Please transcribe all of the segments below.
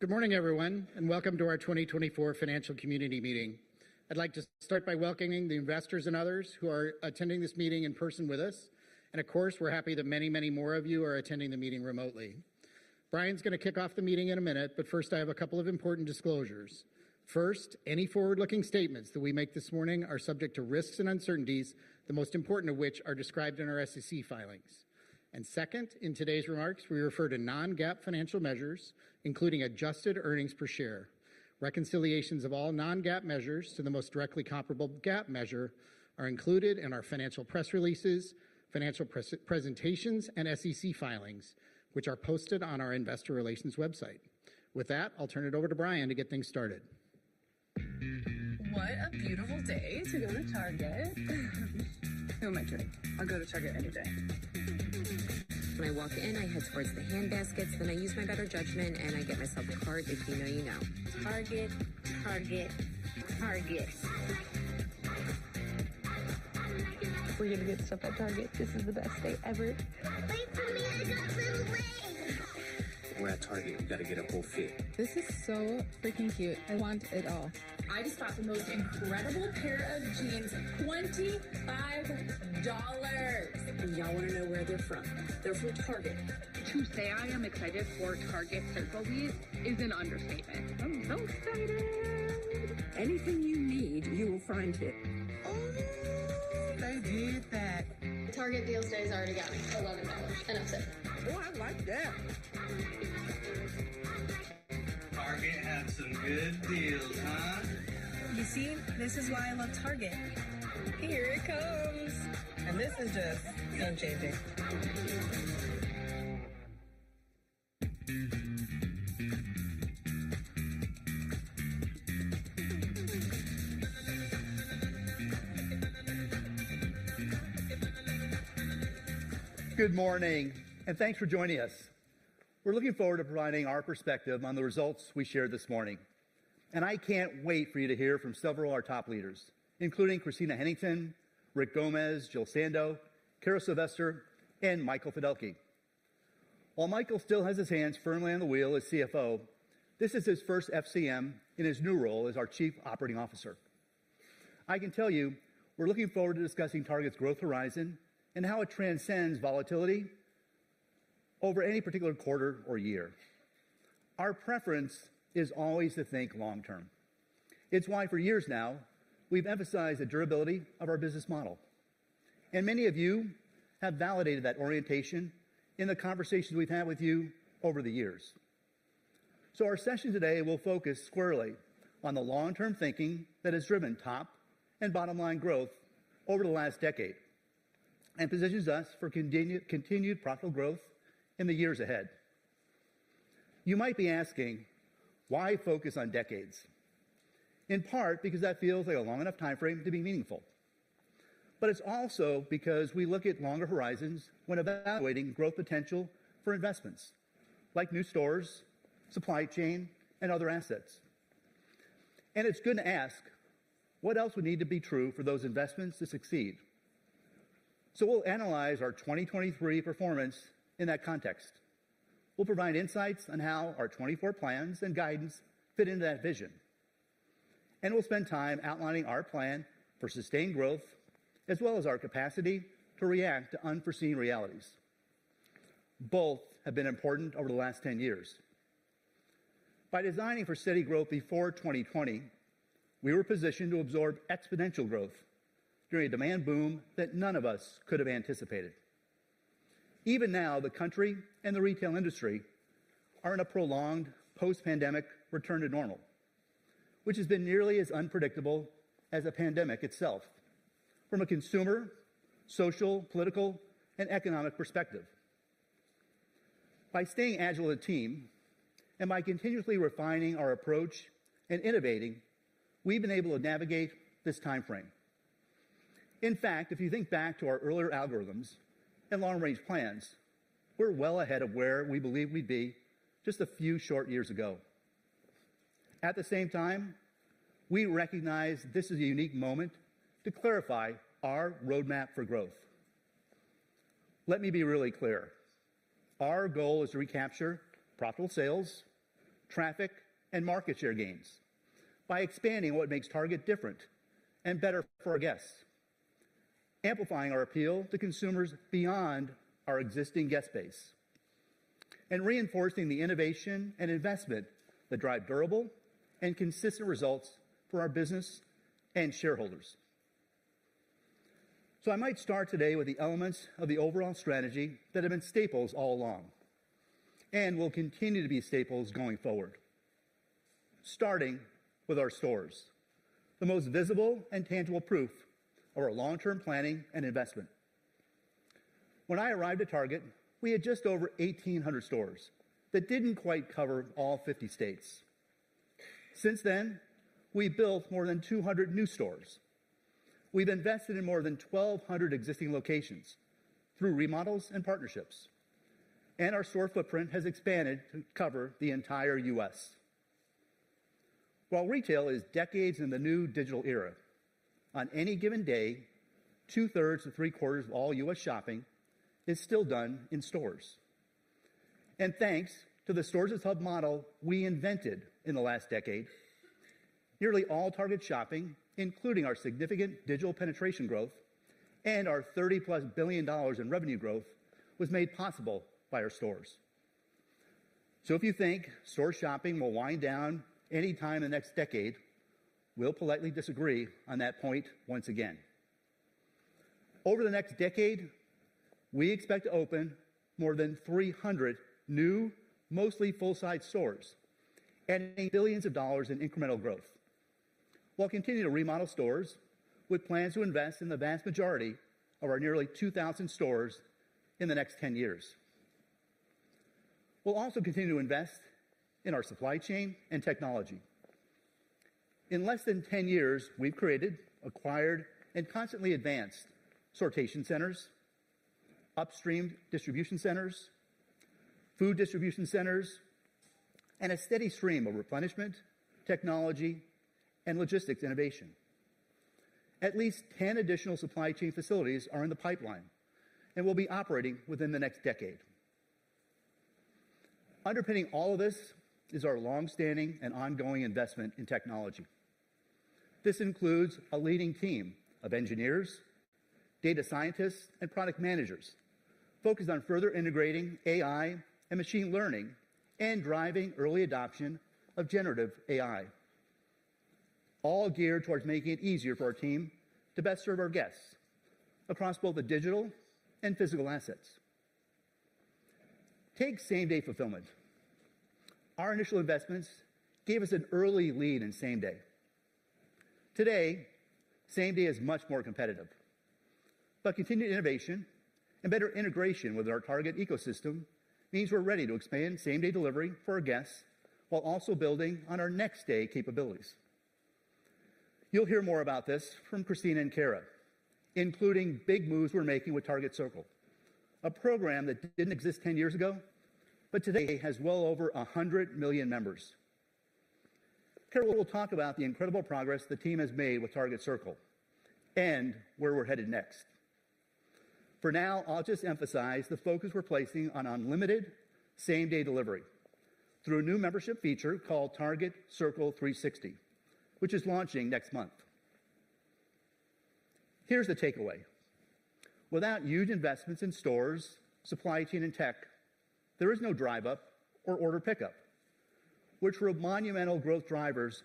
Good morning, everyone, and welcome to our 2024 Financial Community Meeting. I'd like to start by welcoming the investors and others who are attending this meeting in person with us, and of course we're happy that many, many more of you are attending the meeting remotely. Brian's going to kick off the meeting in a minute, but first I have a couple of important disclosures. First, any forward-looking statements that we make this morning are subject to risks and uncertainties, the most important of which are described in our SEC filings. And second, in today's remarks we refer to non-GAAP financial measures, including adjusted earnings per share. Reconciliations of all non-GAAP measures to the most directly comparable GAAP measure are included in our financial press releases, financial presentations, and SEC filings, which are posted on our investor relations website. With that, I'll turn it over to Brian to get things started. Good morning, and thanks for joining us. We're looking forward to providing our perspective on the results we shared this morning, and I can't wait for you to hear from several of our top leaders, including Christina Hennington, Rick Gomez, Jill Sando, Cara Sylvester, and Michael Fiddelke. While Michael still has his hands firmly on the wheel as CFO, this is his first FCM in his new role as our Chief Operating Officer. I can tell you we're looking forward to discussing Target's growth horizon and how it transcends volatility over any particular quarter or year. Our preference is always to think long-term. It's why for years now we've emphasized the durability of our business model, and many of you have validated that orientation in the conversations we've had with you over the years. So our session today will focus squarely on the long-term thinking that has driven top and bottom-line growth over the last decade and positions us for continued profitable growth in the years ahead. You might be asking, why focus on decades? In part because that feels like a long enough time frame to be meaningful, but it's also because we look at longer horizons when evaluating growth potential for investments like new stores, supply chain, and other assets. It's good to ask, what else would need to be true for those investments to succeed? We'll analyze our 2023 performance in that context. We'll provide insights on how our 2024 plans and guidance fit into that vision, and we'll spend time outlining our plan for sustained growth as well as our capacity to react to unforeseen realities. Both have been important over the last 10 years. By designing for steady growth before 2020, we were positioned to absorb exponential growth during a demand boom that none of us could have anticipated. Even now, the country and the retail industry are in a prolonged post-pandemic return to normal, which has been nearly as unpredictable as a pandemic itself from a consumer, social, political, and economic perspective. By staying agile as a team and by continuously refining our approach and innovating, we've been able to navigate this time frame. In fact, if you think back to our earlier algorithms and long-range plans, we're well ahead of where we believed we'd be just a few short years ago. At the same time, we recognize this is a unique moment to clarify our roadmap for growth. Let me be really clear. Our goal is to recapture profitable sales, traffic, and market share gains by expanding what makes Target different and better for our guests, amplifying our appeal to consumers beyond our existing guest base, and reinforcing the innovation and investment that drive durable and consistent results for our business and shareholders. I might start today with the elements of the overall strategy that have been staples all along and will continue to be staples going forward, starting with our stores, the most visible and tangible proof of our long-term planning and investment. When I arrived at Target, we had just over 1,800 stores that didn't quite cover all 50 states. Since then, we've built more than 200 new stores. We've invested in more than 1,200 existing locations through remodels and partnerships, and our store footprint has expanded to cover the entire U.S. While retail is decades in the new digital era, on any given day, two-thirds to three-quarters of all U.S. shopping is still done in stores. Thanks to the stores-as-hub model we invented in the last decade, nearly all Target shopping, including our significant digital penetration growth and our $30+ billion in revenue growth, was made possible by our stores. If you think store shopping will wind down anytime in the next decade, we'll politely disagree on that point once again. Over the next decade, we expect to open more than 300 new, mostly full-size stores and earning billions of dollars in incremental growth. We'll continue to remodel stores with plans to invest in the vast majority of our nearly 2,000 stores in the next 10 years. We'll also continue to invest in our supply chain and technology. In less than 10 years, we've created, acquired, and constantly advanced sortation centers, upstream distribution centers, food distribution centers, and a steady stream of replenishment, technology, and logistics innovation. At least 10 additional supply chain facilities are in the pipeline and will be operating within the next decade. Underpinning all of this is our longstanding and ongoing investment in technology. This includes a leading team of engineers, data scientists, and product managers focused on further integrating AI and machine learning and driving early adoption of generative AI, all geared towards making it easier for our team to best serve our guests across both the digital and physical assets. Take same-day fulfillment. Our initial investments gave us an early lead in same-day. Today, same-day is much more competitive, but continued innovation and better integration with our Target ecosystem means we're ready to expand same-day delivery for our guests while also building on our next-day capabilities. You'll hear more about this from Christina and Cara, including big moves we're making with Target Circle, a program that didn't exist 10 years ago but today has well over 100 million members. Cara will talk about the incredible progress the team has made with Target Circle and where we're headed next. For now, I'll just emphasize the focus we're placing on unlimited same-day delivery through a new membership feature called Target Circle 360, which is launching next month. Here's the takeaway. Without huge investments in stores, supply chain, and tech, there is no Drive Up or Order Pickup, which were monumental growth drivers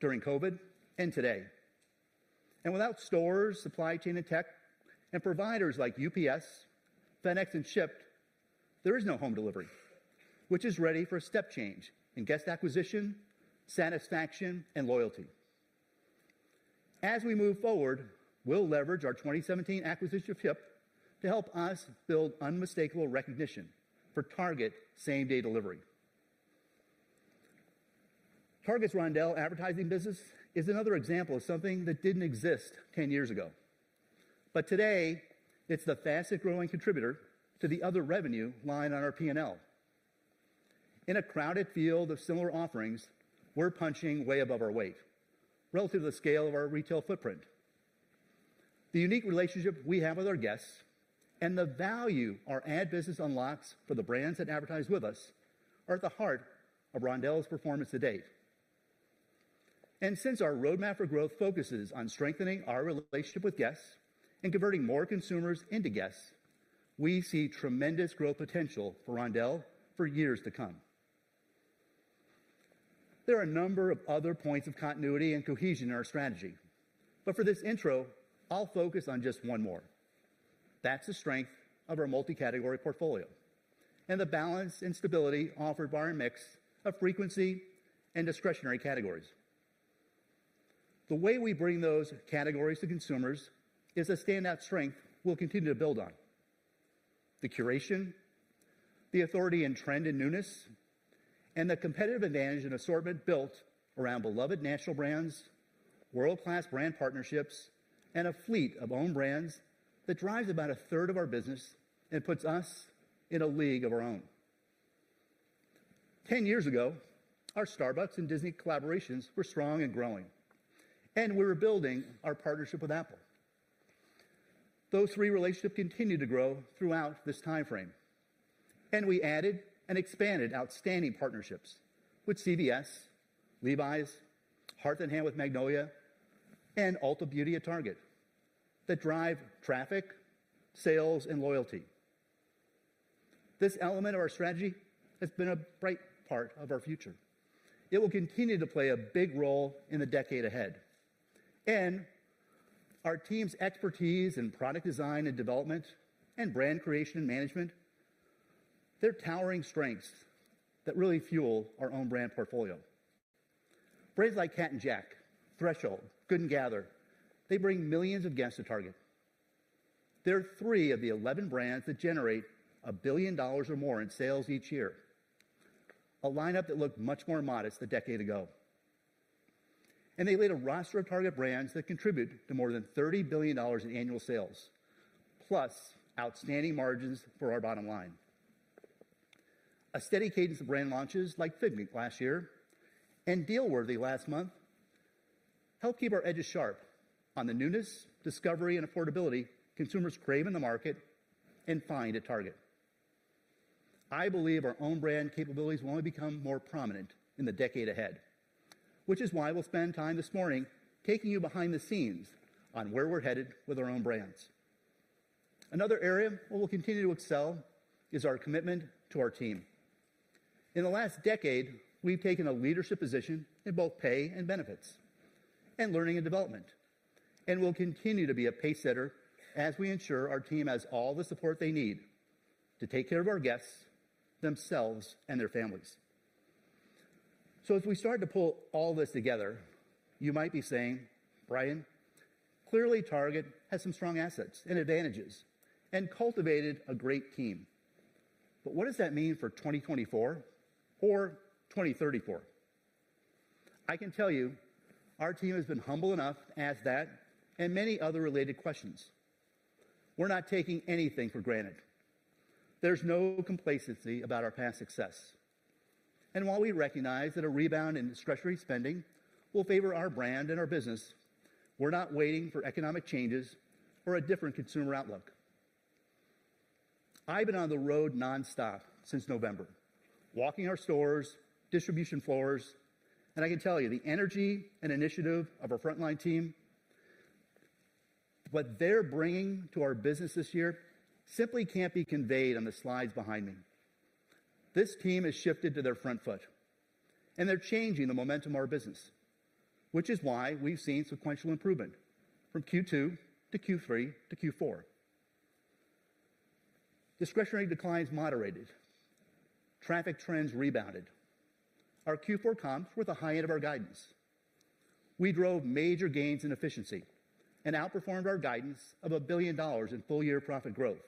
during COVID and today. Without stores, supply chain, and tech, and providers like UPS, FedEx, and Shipt, there is no home delivery, which is ready for a step change in guest acquisition, satisfaction, and loyalty. As we move forward, we'll leverage our 2017 acquisition of Shipt to help us build unmistakable recognition for Target same-day delivery. Target's Roundel advertising business is another example of something that didn't exist 10 years ago, but today it's the fastest-growing contributor to the other revenue line on our P&L. In a crowded field of similar offerings, we're punching way above our weight relative to the scale of our retail footprint. The unique relationship we have with our guests and the value our ad business unlocks for the brands that advertise with us are at the heart of Roundel's performance to date. Since our roadmap for growth focuses on strengthening our relationship with guests and converting more consumers into guests, we see tremendous growth potential for Roundel for years to come. There are a number of other points of continuity and cohesion in our strategy, but for this intro, I'll focus on just one more. That's the strength of our multi-category portfolio and the balance and stability offered by our mix of frequency and discretionary categories. The way we bring those categories to consumers is a standout strength we'll continue to build on: the curation, the authority and trend in newness, and the competitive advantage in assortment built around beloved national brands, world-class brand partnerships, and a fleet of own brands that drives about a third of our business and puts us in a league of our own. 10 years ago, our Starbucks and Disney collaborations were strong and growing, and we were building our partnership with Apple. Those three relationships continued to grow throughout this time frame, and we added and expanded outstanding partnerships with CVS, Levi's, Hearth & Hand with Magnolia, and Ulta Beauty at Target that drive traffic, sales, and loyalty. This element of our strategy has been a bright part of our future. It will continue to play a big role in the decade ahead. And our team's expertise in product design and development and brand creation and management, they're towering strengths that really fuel our own brand portfolio. Brands like Cat & Jack, Threshold, Good & Gather, they bring millions of guests to Target. They're three of the 11 brands that generate $1 billion or more in sales each year, a lineup that looked much more modest a decade ago. They laid a roster of Target brands that contribute to more than $30 billion in annual sales, plus outstanding margins for our bottom line. A steady cadence of brand launches like Figmint last year and dealworthy last month help keep our edges sharp on the newness, discovery, and affordability consumers crave in the market and find at Target. I believe our own brand capabilities will only become more prominent in the decade ahead, which is why we'll spend time this morning taking you behind the scenes on where we're headed with our own brands. Another area where we'll continue to excel is our commitment to our team. In the last decade, we've taken a leadership position in both pay and benefits and learning and development, and we'll continue to be a pacesetter as we ensure our team has all the support they need to take care of our guests themselves and their families. So as we start to pull all this together, you might be saying, "Brian, clearly Target has some strong assets and advantages and cultivated a great team, but what does that mean for 2024 or 2034?" I can tell you our team has been humble enough to ask that and many other related questions. We're not taking anything for granted. There's no complacency about our past success. And while we recognize that a rebound in discretionary spending will favor our brand and our business, we're not waiting for economic changes or a different consumer outlook. I've been on the road nonstop since November, walking our stores, distribution floors, and I can tell you the energy and initiative of our frontline team, what they're bringing to our business this year simply can't be conveyed on the slides behind me. This team has shifted to their front foot, and they're changing the momentum of our business, which is why we've seen sequential improvement from Q2 to Q3 to Q4. Discretionary decline is moderated. Traffic trends rebounded. Our Q4 comes with a high end of our guidance. We drove major gains in efficiency and outperformed our guidance of $1 billion in full-year profit growth.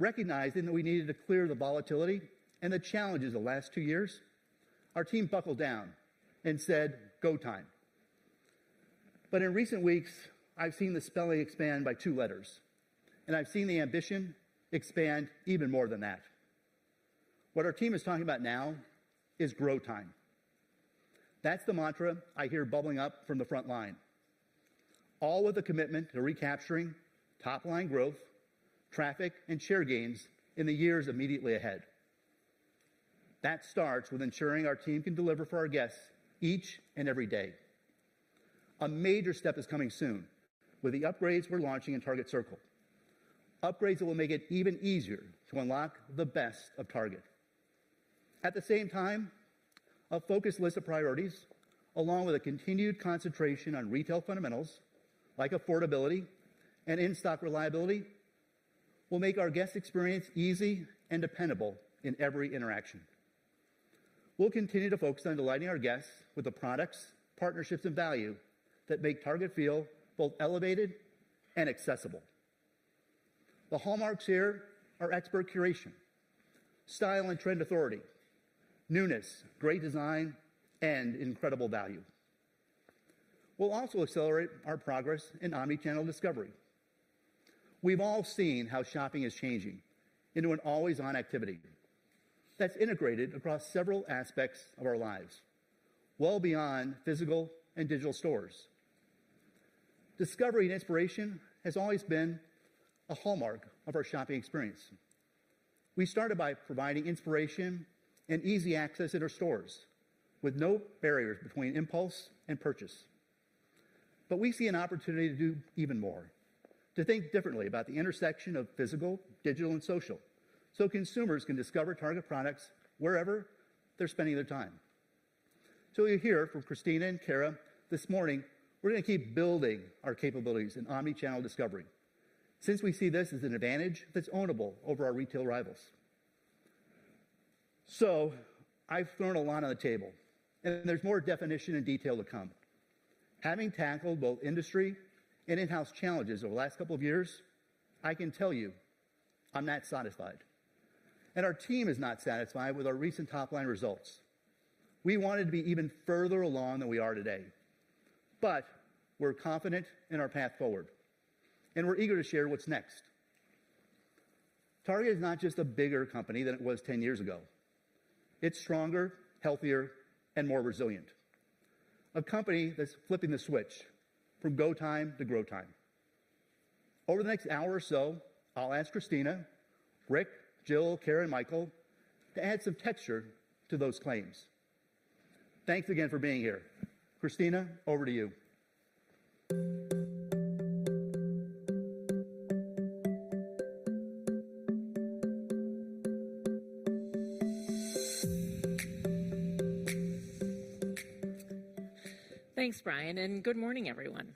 Recognizing that we needed to clear the volatility and the challenges of the last two years, our team buckled down and said, "Go time." But in recent weeks, I've seen the spelling expand by two letters, and I've seen the ambition expand even more than that. What our team is talking about now is grow time. That's the mantra I hear bubbling up from the front line, all with a commitment to recapturing top-line growth, traffic, and share gains in the years immediately ahead. That starts with ensuring our team can deliver for our guests each and every day. A major step is coming soon with the upgrades we're launching in Target Circle, upgrades that will make it even easier to unlock the best of Target. At the same time, a focused list of priorities, along with a continued concentration on retail fundamentals like affordability and in-stock reliability, will make our guest experience easy and dependable in every interaction. We'll continue to focus on delighting our guests with the products, partnerships, and value that make Target feel both elevated and accessible. The hallmarks here are expert curation, style and trend authority, newness, great design, and incredible value. We'll also accelerate our progress in omnichannel discovery. We've all seen how shopping is changing into an always-on activity that's integrated across several aspects of our lives, well beyond physical and digital stores. Discovery and inspiration have always been a hallmark of our shopping experience. We started by providing inspiration and easy access in our stores with no barriers between impulse and purchase. But we see an opportunity to do even more, to think differently about the intersection of physical, digital, and social so consumers can discover Target products wherever they're spending their time. So you'll hear from Christina and Cara this morning, we're going to keep building our capabilities in omnichannel discovery since we see this as an advantage that's ownable over our retail rivals. So I've thrown a lot on the table, and there's more definition and detail to come. Having tackled both industry and in-house challenges over the last couple of years, I can tell you I'm not satisfied. And our team is not satisfied with our recent top-line results. We wanted to be even further along than we are today, but we're confident in our path forward, and we're eager to share what's next. Target is not just a bigger company than it was 10 years ago. It's stronger, healthier, and more resilient, a company that's flipping the switch from go time to grow time. Over the next hour or so, I'll ask Christina, Rick, Jill, Cara, and Michael to add some texture to those claims. Thanks again for being here. Christina, over to you. Thanks, Brian, and good morning, everyone.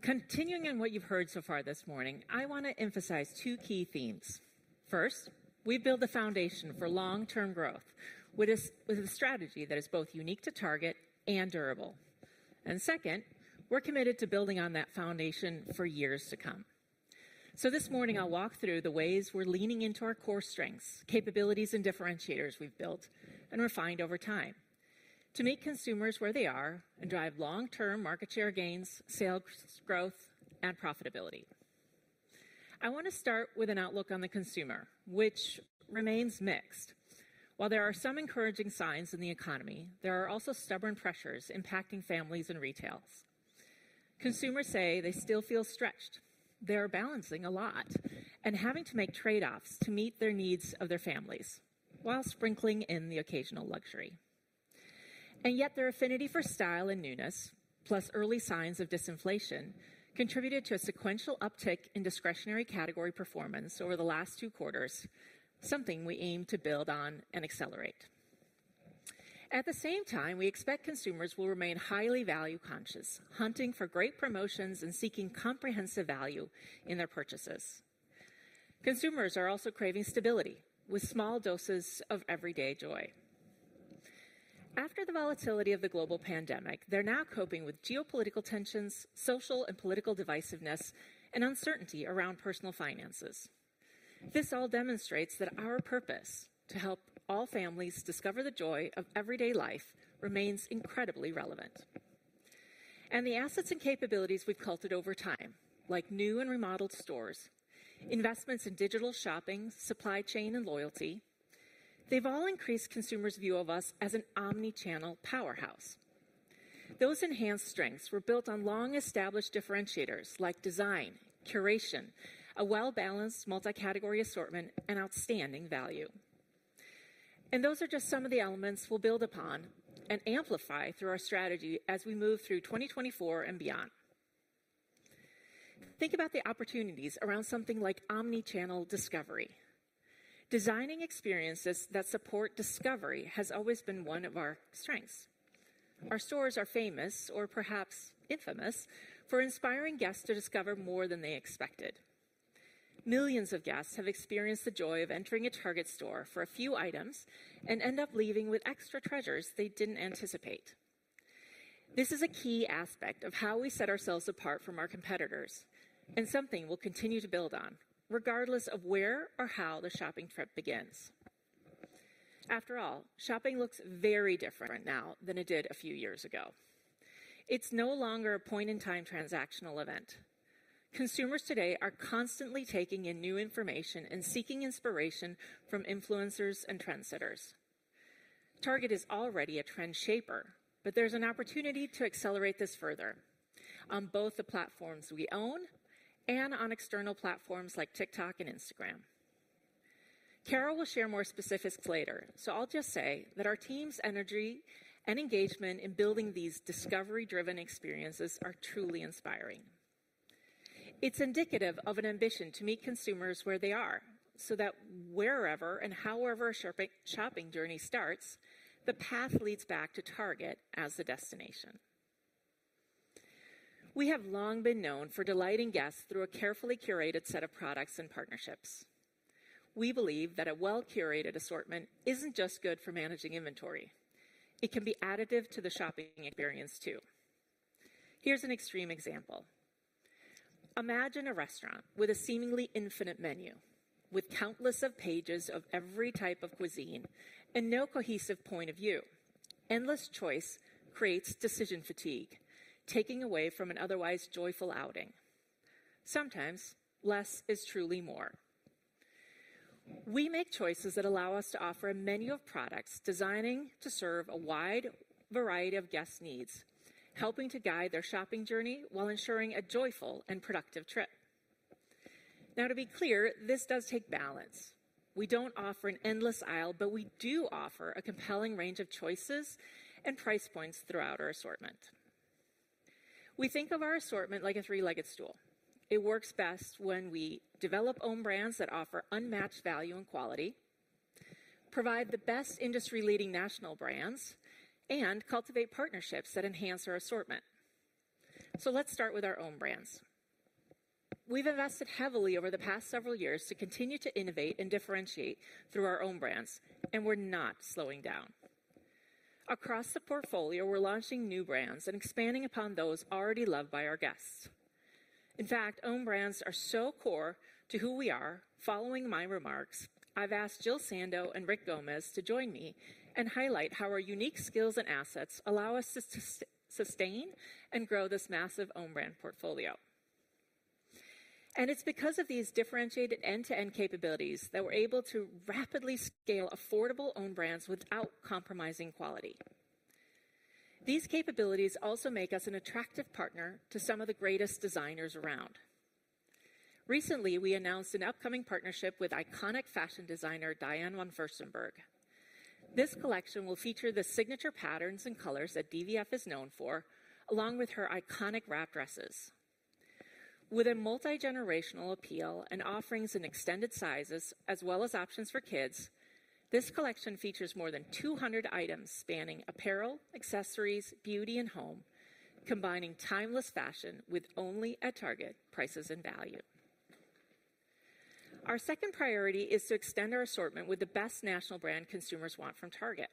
Continuing on what you've heard so far this morning, I want to emphasize two key themes. First, we build a foundation for long-term growth with a strategy that is both unique to Target and durable. Second, we're committed to building on that foundation for years to come. This morning, I'll walk through the ways we're leaning into our core strengths, capabilities, and differentiators we've built and refined over time to meet consumers where they are and drive long-term market share gains, sales growth, and profitability. I want to start with an outlook on the consumer, which remains mixed. While there are some encouraging signs in the economy, there are also stubborn pressures impacting families and retail. Consumers say they still feel stretched. They're balancing a lot and having to make trade-offs to meet their needs of their families while sprinkling in the occasional luxury. And yet, their affinity for style and newness, plus early signs of disinflation, contributed to a sequential uptick in discretionary category performance over the last two quarters, something we aim to build on and accelerate. At the same time, we expect consumers will remain highly value-conscious, hunting for great promotions and seeking comprehensive value in their purchases. Consumers are also craving stability with small doses of everyday joy. After the volatility of the global pandemic, they're now coping with geopolitical tensions, social and political divisiveness, and uncertainty around personal finances. This all demonstrates that our purpose to help all families discover the joy of everyday life remains incredibly relevant. The assets and capabilities we've cultivated over time, like new and remodeled stores, investments in digital shopping, supply chain, and loyalty, they've all increased consumers' view of us as an omnichannel powerhouse. Those enhanced strengths were built on long-established differentiators like design, curation, a well-balanced multi-category assortment, and outstanding value. Those are just some of the elements we'll build upon and amplify through our strategy as we move through 2024 and beyond. Think about the opportunities around something like omnichannel discovery. Designing experiences that support discovery has always been one of our strengths. Our stores are famous, or perhaps infamous, for inspiring guests to discover more than they expected. Millions of guests have experienced the joy of entering a Target store for a few items and end up leaving with extra treasures they didn't anticipate. This is a key aspect of how we set ourselves apart from our competitors and something we'll continue to build on regardless of where or how the shopping trip begins. After all, shopping looks very different now than it did a few years ago. It's no longer a point-in-time transactional event. Consumers today are constantly taking in new information and seeking inspiration from influencers and trendsetters. Target is already a trend shaper, but there's an opportunity to accelerate this further on both the platforms we own and on external platforms like TikTok and Instagram. Cara will share more specifics later, so I'll just say that our team's energy and engagement in building these discovery-driven experiences are truly inspiring. It's indicative of an ambition to meet consumers where they are so that wherever and however a shopping journey starts, the path leads back to Target as the destination. We have long been known for delighting guests through a carefully curated set of products and partnerships. We believe that a well-curated assortment isn't just good for managing inventory. It can be additive to the shopping experience, too. Here's an extreme example. Imagine a restaurant with a seemingly infinite menu, with countless pages of every type of cuisine and no cohesive point of view. Endless choice creates decision fatigue, taking away from an otherwise joyful outing. Sometimes, less is truly more. We make choices that allow us to offer a menu of products designed to serve a wide variety of guests' needs, helping to guide their shopping journey while ensuring a joyful and productive trip. Now, to be clear, this does take balance. We don't offer an endless aisle, but we do offer a compelling range of choices and price points throughout our assortment. We think of our assortment like a three-legged stool. It works best when we develop own brands that offer unmatched value and quality, provide the best industry-leading national brands, and cultivate partnerships that enhance our assortment. So let's start with our own brands. We've invested heavily over the past several years to continue to innovate and differentiate through our own brands, and we're not slowing down. Across the portfolio, we're launching new brands and expanding upon those already loved by our guests. In fact, own brands are so core to who we are. Following my remarks, I've asked Jill Sando and Rick Gomez to join me and highlight how our unique skills and assets allow us to sustain and grow this massive own brand portfolio. And it's because of these differentiated end-to-end capabilities that we're able to rapidly scale affordable own brands without compromising quality. These capabilities also make us an attractive partner to some of the greatest designers around. Recently, we announced an upcoming partnership with iconic fashion designer Diane von Furstenberg. This collection will feature the signature patterns and colors that DVF is known for, along with her iconic wrap dresses. With a multi-generational appeal and offerings in extended sizes as well as options for kids, this collection features more than 200 items spanning apparel, accessories, beauty, and home, combining timeless fashion with only at Target prices and value. Our second priority is to extend our assortment with the best national brand consumers want from Target.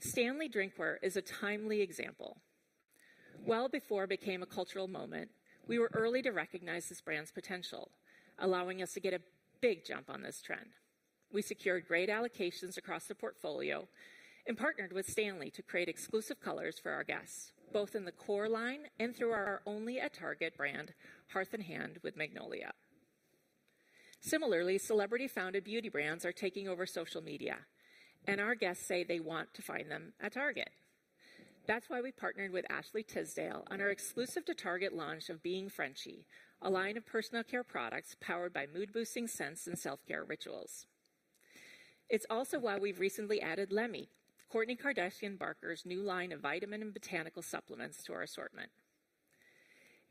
Stanley Drinkware is a timely example. Well before it became a cultural moment, we were early to recognize this brand's potential, allowing us to get a big jump on this trend. We secured great allocations across the portfolio and partnered with Stanley to create exclusive colors for our guests, both in the core line and through our only at Target brand, Hearth & Hand with Magnolia. Similarly, celebrity-founded beauty brands are taking over social media, and our guests say they want to find them at Target. That's why we partnered with Ashley Tisdale on our exclusive-to-Target launch of Being Frenshe, a line of personal care products powered by mood-boosting scents and self-care rituals. It's also why we've recently added Lemme, Kourtney Kardashian Barker's new line of vitamin and botanical supplements to our assortment.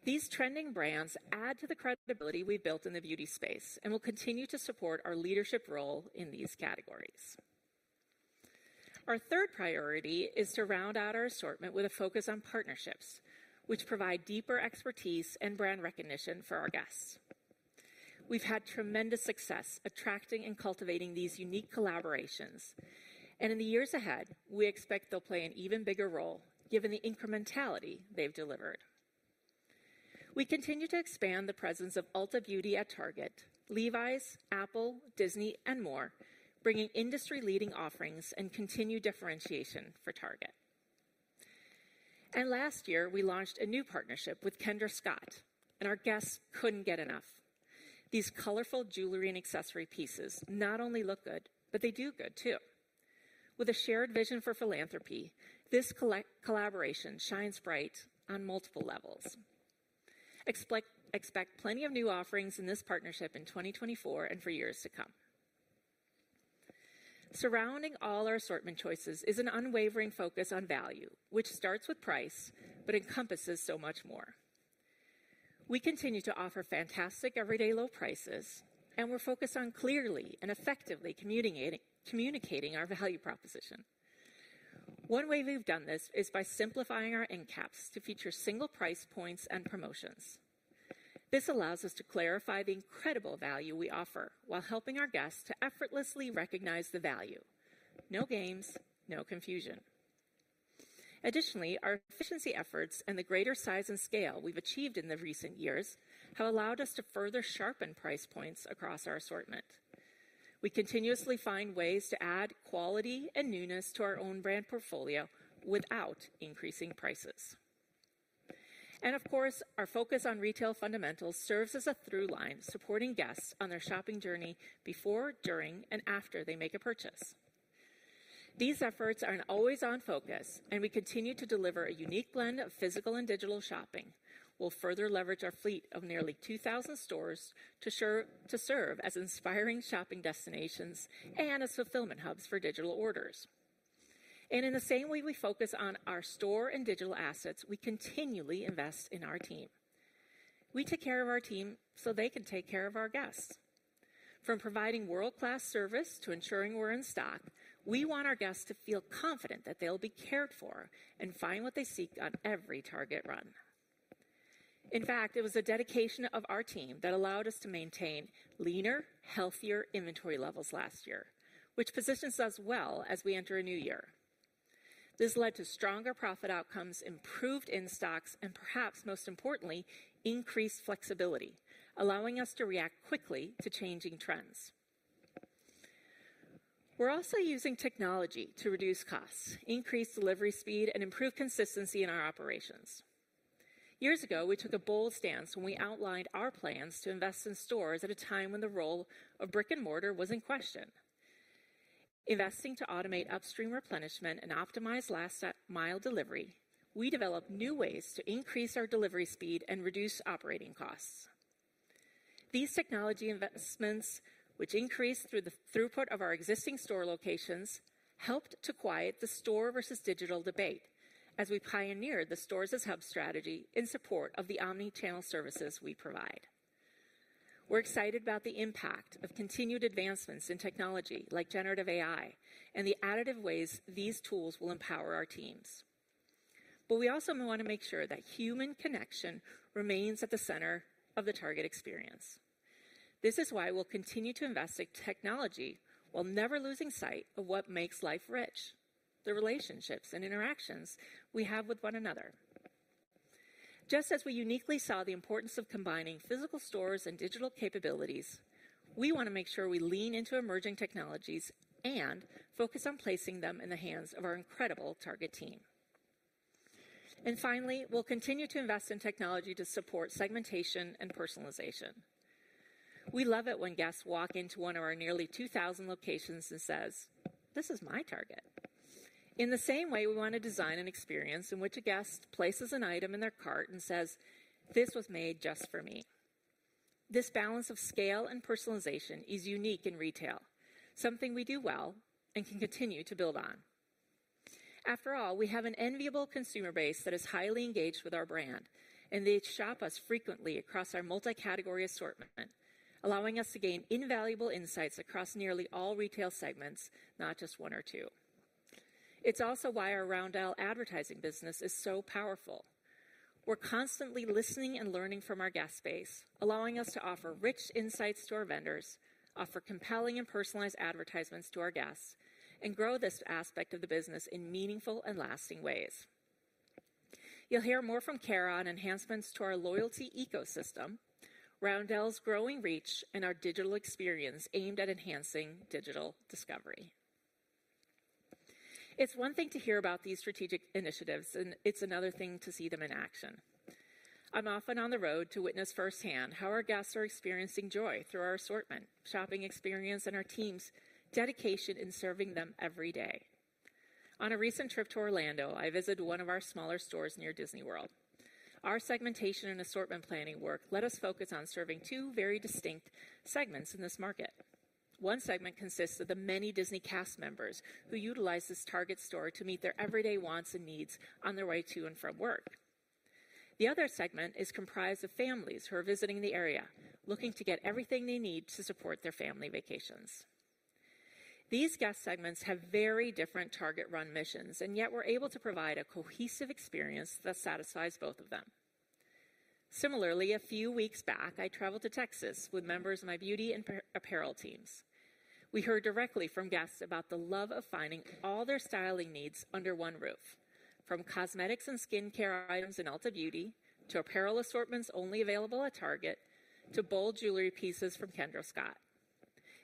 These trending brands add to the credibility we've built in the beauty space and will continue to support our leadership role in these categories. Our third priority is to round out our assortment with a focus on partnerships, which provide deeper expertise and brand recognition for our guests. We've had tremendous success attracting and cultivating these unique collaborations, and in the years ahead, we expect they'll play an even bigger role given the incrementality they've delivered. We continue to expand the presence of Ulta Beauty at Target, Levi's, Apple, Disney, and more, bringing industry-leading offerings and continued differentiation for Target. And last year, we launched a new partnership with Kendra Scott, and our guests couldn't get enough. These colorful jewelry and accessory pieces not only look good, but they do good, too. With a shared vision for philanthropy, this collaboration shines bright on multiple levels. Expect plenty of new offerings in this partnership in 2024 and for years to come. Surrounding all our assortment choices is an unwavering focus on value, which starts with price but encompasses so much more. We continue to offer fantastic everyday low prices, and we're focused on clearly and effectively communicating our value proposition. One way we've done this is by simplifying our end caps to feature single price points and promotions. This allows us to clarify the incredible value we offer while helping our guests to effortlessly recognize the value. No games, no confusion. Additionally, our efficiency efforts and the greater size and scale we've achieved in the recent years have allowed us to further sharpen price points across our assortment. We continuously find ways to add quality and newness to our own brand portfolio without increasing prices. And of course, our focus on retail fundamentals serves as a through line supporting guests on their shopping journey before, during, and after they make a purchase. These efforts are an always-on focus, and we continue to deliver a unique blend of physical and digital shopping. We'll further leverage our fleet of nearly 2,000 stores to serve as inspiring shopping destinations and as fulfillment hubs for digital orders. In the same way we focus on our store and digital assets, we continually invest in our team. We take care of our team so they can take care of our guests. From providing world-class service to ensuring we're in stock, we want our guests to feel confident that they'll be cared for and find what they seek on every Target run. In fact, it was a dedication of our team that allowed us to maintain leaner, healthier inventory levels last year, which positions us well as we enter a new year. This led to stronger profit outcomes, improved in-stocks, and perhaps most importantly, increased flexibility, allowing us to react quickly to changing trends. We're also using technology to reduce costs, increase delivery speed, and improve consistency in our operations. Years ago, we took a bold stance when we outlined our plans to invest in stores at a time when the role of brick and mortar was in question. Investing to automate upstream replenishment and optimize last-mile delivery, we developed new ways to increase our delivery speed and reduce operating costs. These technology investments, which increased through the throughput of our existing store locations, helped to quiet the store versus digital debate as we pioneered the stores-as-hub strategy in support of the omnichannel services we provide. We're excited about the impact of continued advancements in technology like generative AI and the additive ways these tools will empower our teams. But we also want to make sure that human connection remains at the center of the Target experience. This is why we'll continue to invest in technology while never losing sight of what makes life rich, the relationships and interactions we have with one another. Just as we uniquely saw the importance of combining physical stores and digital capabilities, we want to make sure we lean into emerging technologies and focus on placing them in the hands of our incredible Target team. Finally, we'll continue to invest in technology to support segmentation and personalization. We love it when guests walk into one of our nearly 2,000 locations and says, "This is my Target." In the same way, we want to design an experience in which a guest places an item in their cart and says, "This was made just for me." This balance of scale and personalization is unique in retail, something we do well and can continue to build on. After all, we have an enviable consumer base that is highly engaged with our brand, and they shop us frequently across our multi-category assortment, allowing us to gain invaluable insights across nearly all retail segments, not just one or two. It's also why our Roundel advertising business is so powerful. We're constantly listening and learning from our guest base, allowing us to offer rich insights to our vendors, offer compelling and personalized advertisements to our guests, and grow this aspect of the business in meaningful and lasting ways. You'll hear more from Cara on enhancements to our loyalty ecosystem, Roundel's growing reach, and our digital experience aimed at enhancing digital discovery. It's one thing to hear about these strategic initiatives, and it's another thing to see them in action. I'm often on the road to witness firsthand how our guests are experiencing joy through our assortment, shopping experience, and our team's dedication in serving them every day. On a recent trip to Orlando, I visited one of our smaller stores near Disney World. Our segmentation and assortment planning work let us focus on serving two very distinct segments in this market. One segment consists of the many Disney Cast Members who utilize this Target store to meet their everyday wants and needs on their way to and from work. The other segment is comprised of families who are visiting the area, looking to get everything they need to support their family vacations. These guest segments have very different Target-run missions, and yet we're able to provide a cohesive experience that satisfies both of them. Similarly, a few weeks back, I traveled to Texas with members of my beauty and apparel teams. We heard directly from guests about the love of finding all their styling needs under one roof, from cosmetics and skincare items in Ulta Beauty to apparel assortments only available at Target to bold jewelry pieces from Kendra Scott.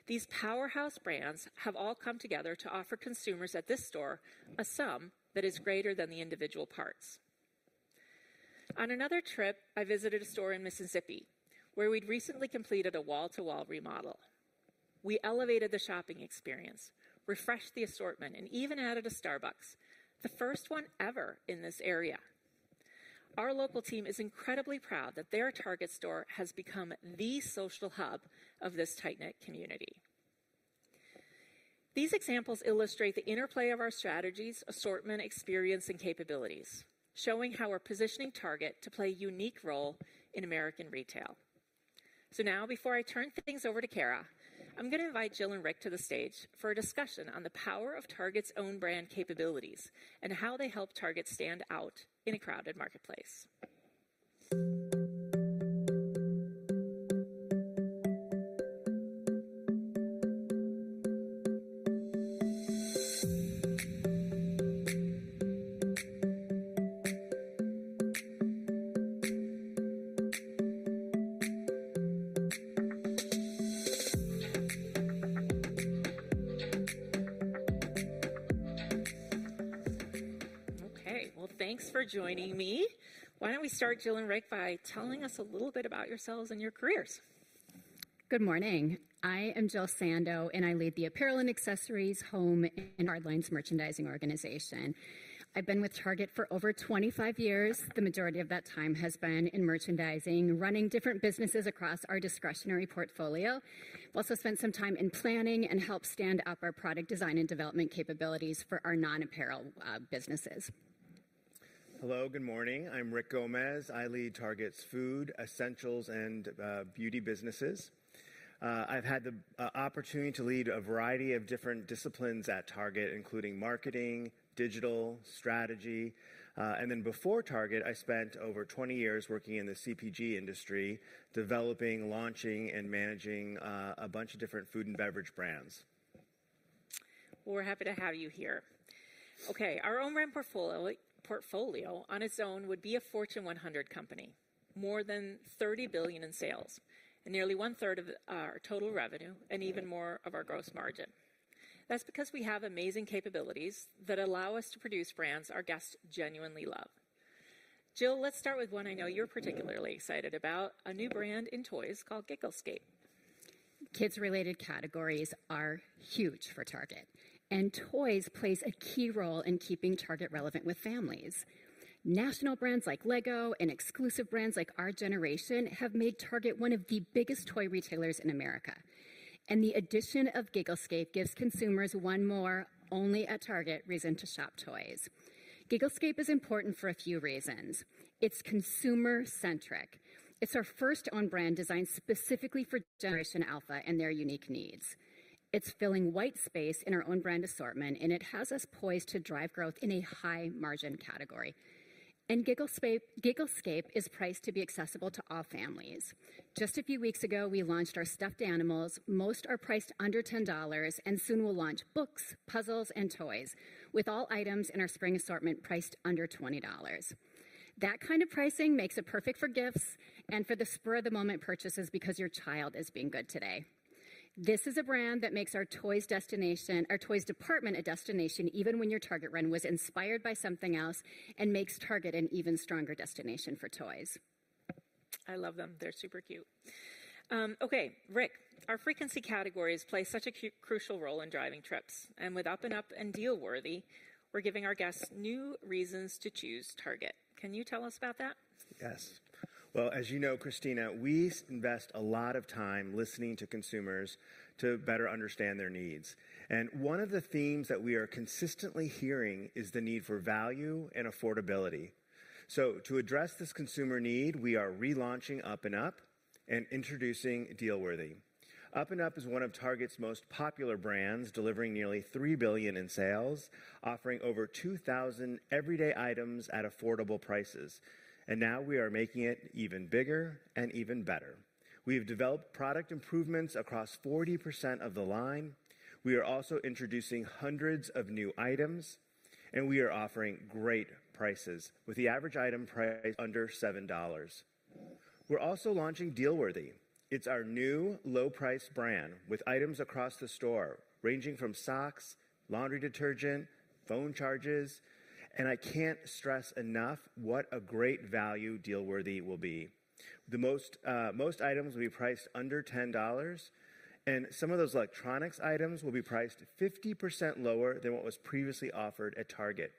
These powerhouse brands have all come together to offer consumers at this store a sum that is greater than the individual parts. On another trip, I visited a store in Mississippi, where we'd recently completed a wall-to-wall remodel. We elevated the shopping experience, refreshed the assortment, and even added a Starbucks, the first one ever in this area. Our local team is incredibly proud that their Target store has become the social hub of this tight-knit community. These examples illustrate the interplay of our strategies, assortment experience, and capabilities, showing how we're positioning Target to play a unique role in American retail. So now, before I turn things over to Cara, I'm going to invite Jill and Rick to the stage for a discussion on the power of Target's own brand capabilities and how they help Target stand out in a crowded marketplace. Okay. Well, thanks for joining me. Why don't we start, Jill and Rick, by telling us a little bit about yourselves and your careers? Good morning. I am Jill Sando, and I lead the Apparel and Accessories Home and Hardlines merchandising organization. I've been with Target for over 25 years. The majority of that time has been in merchandising, running different businesses across our discretionary portfolio. I've also spent some time in planning and helped stand up our product design and development capabilities for our non-apparel businesses. Hello. Good morning. I'm Rick Gomez. I lead Target's food, essentials, and beauty businesses. I've had the opportunity to lead a variety of different disciplines at Target, including marketing, digital, strategy. And then before Target, I spent over 20 years working in the CPG industry, developing, launching, and managing a bunch of different food and beverage brands. Well, we're happy to have you here. Okay. Our own brand portfolio on its own would be a Fortune 100 company, more than $30 billion in sales, and nearly one-third of our total revenue, and even more of our gross margin. That's because we have amazing capabilities that allow us to produce brands our guests genuinely love. Jill, let's start with one I know you're particularly excited about, a new brand in toys called Gigglescape. Kids-related categories are huge for Target, and toys play a key role in keeping Target relevant with families. National brands like LEGO and exclusive brands like Our Generation have made Target one of the biggest toy retailers in America. The addition of Gigglescape gives consumers one more only-at-Target reason to shop toys. Gigglescape is important for a few reasons. It's consumer-centric. It's our first own brand designed specifically for Generation Alpha and their unique needs. It's filling white space in our own brand assortment, and it has us poised to drive growth in a high-margin category. Gigglescape is priced to be accessible to all families. Just a few weeks ago, we launched our stuffed animals. Most are priced under $10, and soon we'll launch books, puzzles, and toys, with all items in our spring assortment priced under $20. That kind of pricing makes it perfect for gifts and for the spur-of-the-moment purchases because your child is being good today. This is a brand that makes our toys department a destination even when your Target run was inspired by something else and makes Target an even stronger destination for toys. I love them. They're super cute. Okay. Rick, our frequency categories play such a crucial role in driving trips. And with up&up and dealworthy, we're giving our guests new reasons to choose Target. Can you tell us about that? Yes. Well, as you know, Christina, we invest a lot of time listening to consumers to better understand their needs. One of the themes that we are consistently hearing is the need for value and affordability. So to address this consumer need, we are relaunching up&up and introducing dealworthy. Up&up is one of Target's most popular brands, delivering nearly $3 billion in sales, offering over 2,000 everyday items at affordable prices. And now we are making it even bigger and even better. We have developed product improvements across 40% of the line. We are also introducing hundreds of new items, and we are offering great prices with the average item price under $7. We're also launching dealworthy. It's our new low-price brand with items across the store ranging from socks, laundry detergent, phone chargers. And I can't stress enough what a great value dealworthy will be. Most items will be priced under $10, and some of those electronics items will be priced 50% lower than what was previously offered at Target.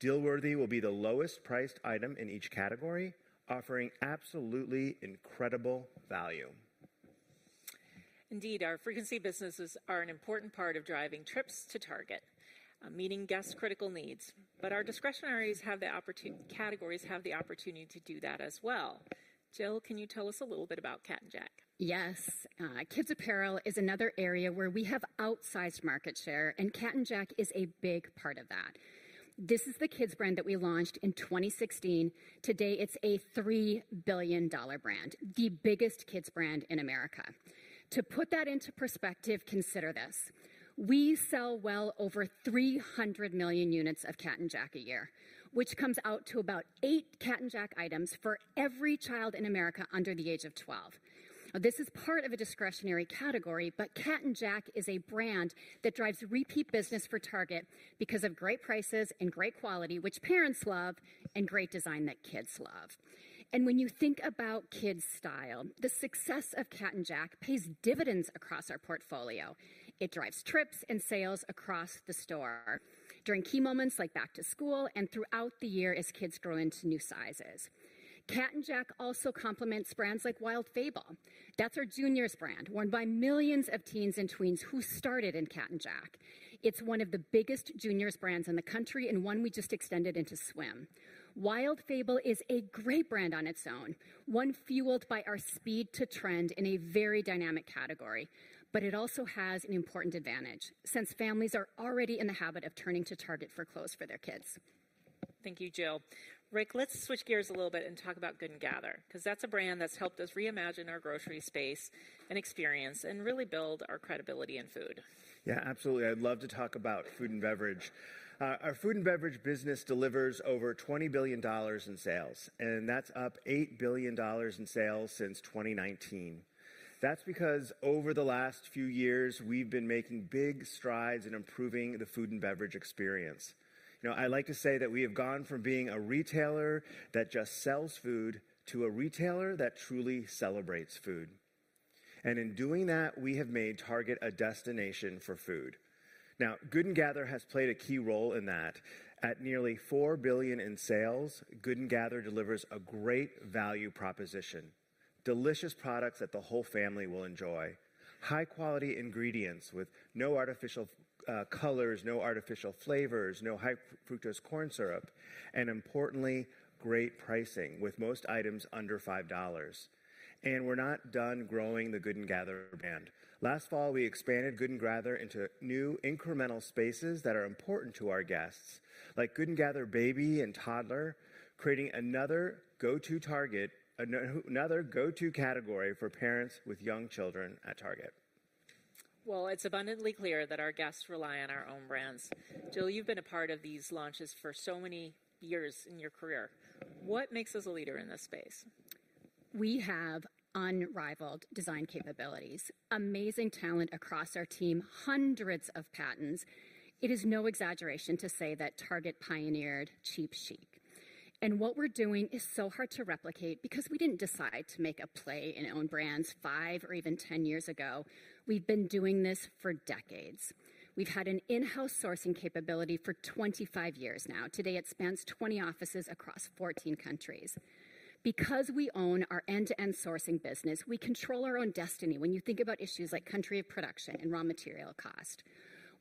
dealworthy will be the lowest-priced item in each category, offering absolutely incredible value. Indeed, our frequency businesses are an important part of driving trips to Target, meeting guests' critical needs. But our categories have the opportunity to do that as well. Jill, can you tell us a little bit about Cat & Jack? Yes. Kids' apparel is another area where we have outsized market share, and Cat & Jack is a big part of that. This is the kids' brand that we launched in 2016. Today, it's a $3 billion brand, the biggest kids' brand in America. To put that into perspective, consider this: we sell well over 300 million units of Cat & Jack a year, which comes out to about 8 Cat & Jack items for every child in America under the age of 12. This is part of a discretionary category, but Cat & Jack is a brand that drives repeat business for Target because of great prices and great quality, which parents love, and great design that kids love. And when you think about kids' style, the success of Cat & Jack pays dividends across our portfolio. It drives trips and sales across the store during key moments like back to school and throughout the year as kids grow into new sizes. Cat & Jack also complements brands like Wild Fable. That's our juniors' brand, worn by millions of teens and tweens who started in Cat & Jack. It's one of the biggest juniors' brands in the country and one we just extended into swim. Wild Fable is a great brand on its own, one fueled by our speed to trend in a very dynamic category. But it also has an important advantage since families are already in the habit of turning to Target for clothes for their kids. Thank you, Jill. Rick, let's switch gears a little bit and talk about Good & Gather because that's a brand that's helped us reimagine our grocery space and experience and really build our credibility in food. Yeah, absolutely. I'd love to talk about food and beverage. Our food and beverage business delivers over $20 billion in sales, and that's up $8 billion in sales since 2019. That's because over the last few years, we've been making big strides in improving the food and beverage experience. I like to say that we have gone from being a retailer that just sells food to a retailer that truly celebrates food. In doing that, we have made Target a destination for food. Now, Good & Gather has played a key role in that. At nearly $4 billion in sales, Good & Gather delivers a great value proposition: delicious products that the whole family will enjoy, high-quality ingredients with no artificial colors, no artificial flavors, no high-fructose corn syrup, and importantly, great pricing with most items under $5. We're not done growing the Good & Gather brand. Last fall, we expanded Good & Gather into new incremental spaces that are important to our guests, like Good & Gather Baby and Toddler, creating another go-to Target, another go-to category for parents with young children at Target. Well, it's abundantly clear that our guests rely on our own brands. Jill, you've been a part of these launches for so many years in your career. What makes us a leader in this space? We have unrivaled design capabilities, amazing talent across our team, hundreds of patents. It is no exaggeration to say that Target pioneered cheap chic. And what we're doing is so hard to replicate because we didn't decide to make a play in own brands 5 or even 10 years ago. We've been doing this for decades. We've had an in-house sourcing capability for 25 years now. Today, it spans 20 offices across 14 countries. Because we own our end-to-end sourcing business, we control our own destiny when you think about issues like country of production and raw material cost.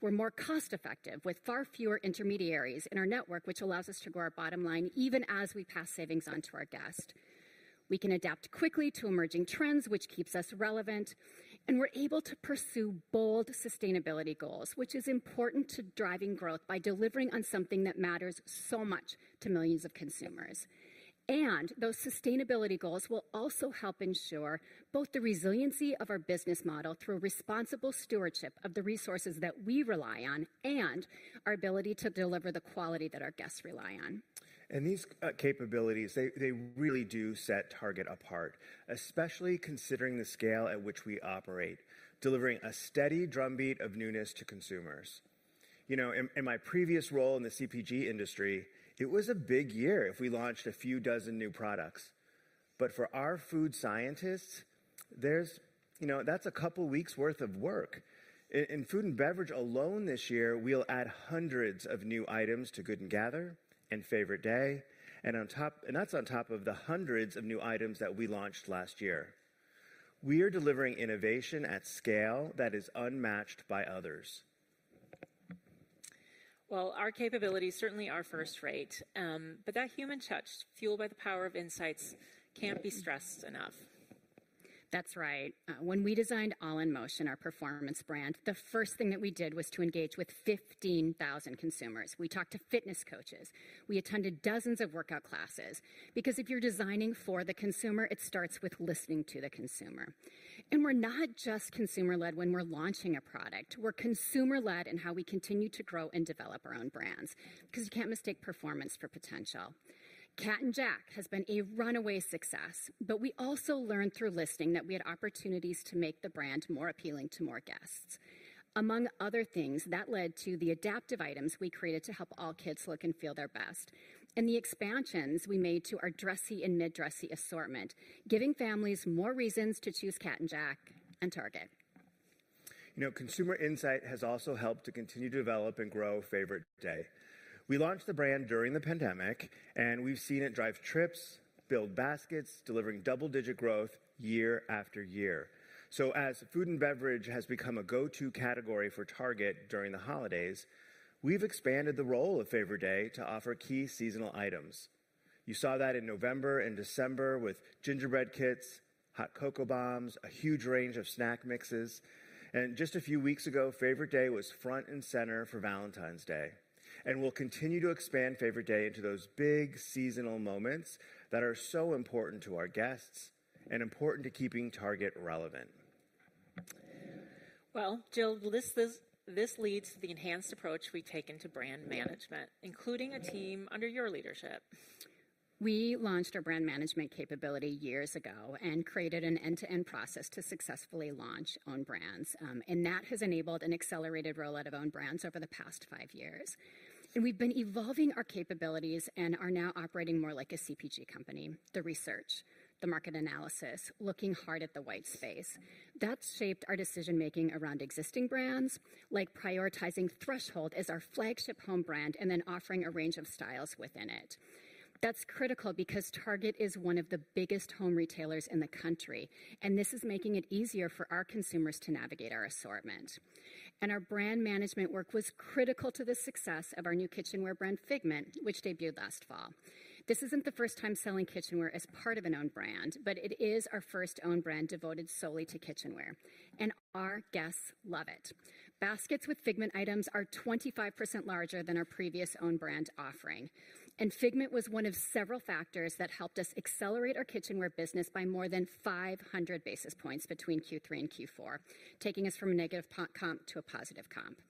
We're more cost-effective with far fewer intermediaries in our network, which allows us to grow our bottom line even as we pass savings onto our guest. We can adapt quickly to emerging trends, which keeps us relevant. We're able to pursue bold sustainability goals, which is important to driving growth by delivering on something that matters so much to millions of consumers. Those sustainability goals will also help ensure both the resiliency of our business model through responsible stewardship of the resources that we rely on and our ability to deliver the quality that our guests rely on. These capabilities, they really do set Target apart, especially considering the scale at which we operate, delivering a steady drumbeat of newness to consumers. In my previous role in the CPG industry, it was a big year if we launched a few dozen new products. But for our food scientists, that's a couple of weeks' worth of work. In food and beverage alone this year, we'll add hundreds of new items to Good & Gather and Favorite Day. And that's on top of the hundreds of new items that we launched last year. We are delivering innovation at scale that is unmatched by others. Well, our capabilities certainly are first rate. But that human touch, fueled by the power of insights, can't be stressed enough. That's right. When we designed All in Motion, our performance brand, the first thing that we did was to engage with 15,000 consumers. We talked to fitness coaches. We attended dozens of workout classes. Because if you're designing for the consumer, it starts with listening to the consumer. And we're not just consumer-led when we're launching a product. We're consumer-led in how we continue to grow and develop our own brands because you can't mistake performance for potential. Cat & Jack has been a runaway success, but we also learned through listening that we had opportunities to make the brand more appealing to more guests. Among other things, that led to the adaptive items we created to help all kids look and feel their best and the expansions we made to our dressy and mid-dressy assortment, giving families more reasons to choose Cat & Jack and Target. Consumer insight has also helped to continue to develop and grow Favorite Day. We launched the brand during the pandemic, and we've seen it drive trips, build baskets, delivering double-digit growth year after year. So as food and beverage has become a go-to category for Target during the holidays, we've expanded the role of Favorite Day to offer key seasonal items. You saw that in November and December with gingerbread kits, hot cocoa bombs, a huge range of snack mixes. Just a few weeks ago, Favorite Day was front and center for Valentine's Day. We'll continue to expand Favorite Day into those big seasonal moments that are so important to our guests and important to keeping Target relevant. Well, Jill, this leads to the enhanced approach we take into brand management, including a team under your leadership. We launched our brand management capability years ago and created an end-to-end process to successfully launch own brands. That has enabled an accelerated rollout of own brands over the past five years. We've been evolving our capabilities and are now operating more like a CPG company, the research, the market analysis, looking hard at the white space. That's shaped our decision-making around existing brands, like prioritizing Threshold as our flagship home brand and then offering a range of styles within it. That's critical because Target is one of the biggest home retailers in the country, and this is making it easier for our consumers to navigate our assortment. Our brand management work was critical to the success of our new kitchenware brand, Figmint, which debuted last fall. This isn't the first time selling kitchenware as part of an own brand, but it is our first own brand devoted solely to kitchenware. Our guests love it. Baskets with Figmint items are 25% larger than our previous own brand offering. Figmint was one of several factors that helped us accelerate our kitchenware business by more than 500 basis points between Q3 and Q4, taking us from a negative comp to a positive comp.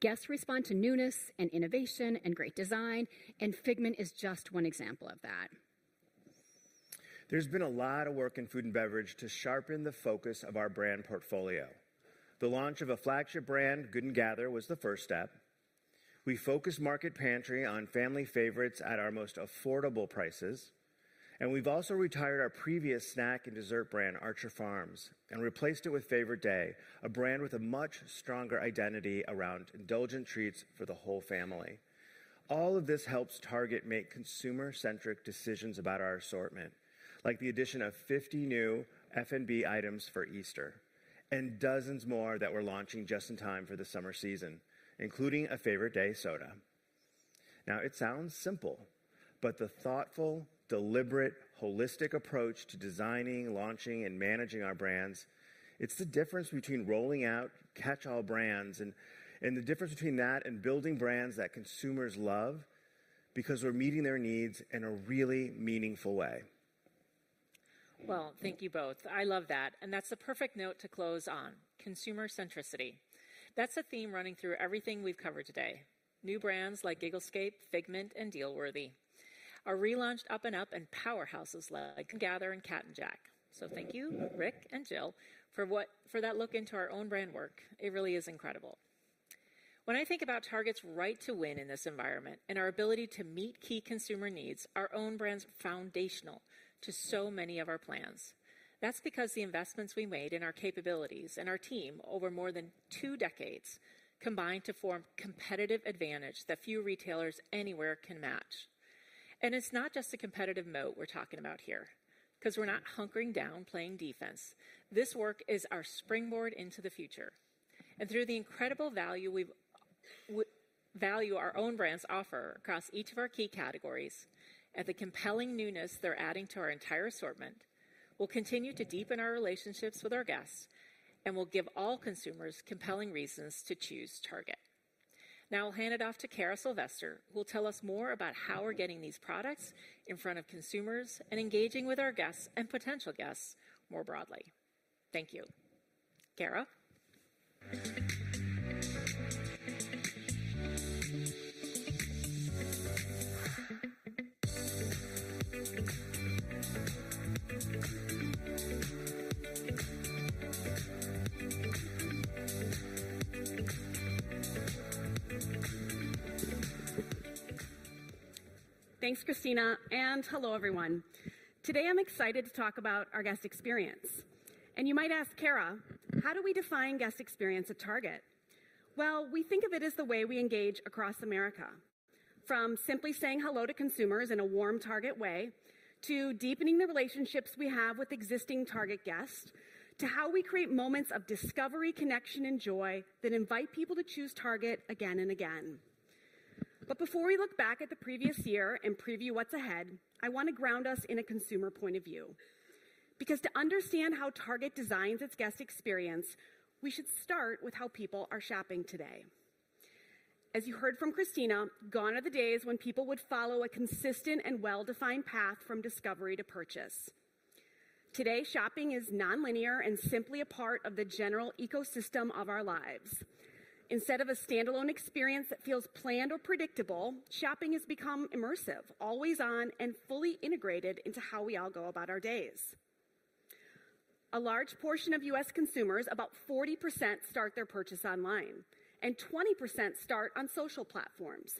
Guests respond to newness and innovation and great design, and Figmint is just one example of that. There's been a lot of work in food and beverage to sharpen the focus of our brand portfolio. The launch of a flagship brand, Good & Gather, was the first step. We focused Market Pantry on family favorites at our most affordable prices. We've also retired our previous snack and dessert brand, Archer Farms, and replaced it with Favorite Day, a brand with a much stronger identity around indulgent treats for the whole family. All of this helps Target make consumer-centric decisions about our assortment, like the addition of 50 new F&B items for Easter and dozens more that we're launching just in time for the summer season, including a Favorite Day soda. Now, it sounds simple, but the thoughtful, deliberate, holistic approach to designing, launching, and managing our brands, it's the difference between rolling out catch-all brands and the difference between that and building brands that consumers love because we're meeting their needs in a really meaningful way. Well, thank you both. I love that. That's the perfect note to close on: consumer centricity. That's a theme running through everything we've covered today, new brands like Gigglescape, Figmint, and dealworthy. Our relaunched up&up and powerhouses like Gather and Cat & Jack. Thank you, Rick and Jill, for that look into our own brand work. It really is incredible. When I think about Target's right to win in this environment and our ability to meet key consumer needs, our own brand's foundational to so many of our plans. That's because the investments we made in our capabilities and our team over more than two decades combine to form competitive advantage that few retailers anywhere can match. And it's not just a competitive moat we're talking about here because we're not hunkering down playing defense. This work is our springboard into the future. And through the incredible value our own brands offer across each of our key categories and the compelling newness they're adding to our entire assortment, we'll continue to deepen our relationships with our guests and we'll give all consumers compelling reasons to choose Target. Now, I'll hand it off to Cara Sylvester, who will tell us more about how we're getting these products in front of consumers and engaging with our guests and potential guests more broadly. Thank you. Cara. Thanks, Christina. And hello, everyone. Today, I'm excited to talk about our guest experience. You might ask, Cara, how do we define guest experience at Target? Well, we think of it as the way we engage across America, from simply saying hello to consumers in a warm Target way to deepening the relationships we have with existing Target guests to how we create moments of discovery, connection, and joy that invite people to choose Target again and again. Before we look back at the previous year and preview what's ahead, I want to ground us in a consumer point of view. Because to understand how Target designs its guest experience, we should start with how people are shopping today. As you heard from Christina, gone are the days when people would follow a consistent and well-defined path from discovery to purchase. Today, shopping is nonlinear and simply a part of the general ecosystem of our lives. Instead of a standalone experience that feels planned or predictable, shopping has become immersive, always on, and fully integrated into how we all go about our days. A large portion of U.S. consumers, about 40%, start their purchase online, and 20% start on social platforms.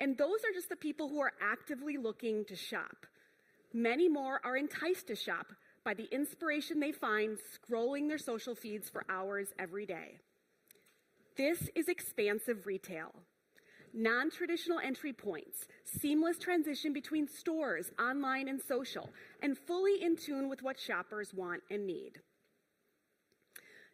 And those are just the people who are actively looking to shop. Many more are enticed to shop by the inspiration they find scrolling their social feeds for hours every day. This is expansive retail, non-traditional entry points, seamless transition between stores, online, and social, and fully in tune with what shoppers want and need.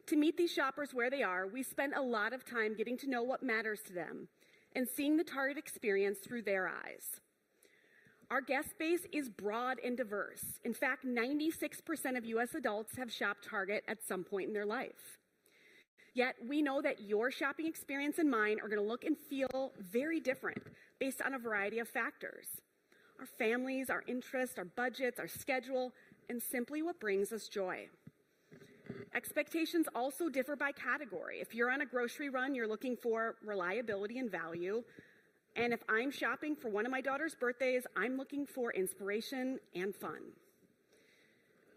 To meet these shoppers where they are, we spend a lot of time getting to know what matters to them and seeing the Target experience through their eyes. Our guest base is broad and diverse. In fact, 96% of U.S. adults have shopped Target at some point in their life. Yet we know that your shopping experience and mine are going to look and feel very different based on a variety of factors: our families, our interests, our budgets, our schedule, and simply what brings us joy. Expectations also differ by category. If you're on a grocery run, you're looking for reliability and value. If I'm shopping for one of my daughter's birthdays, I'm looking for inspiration and fun.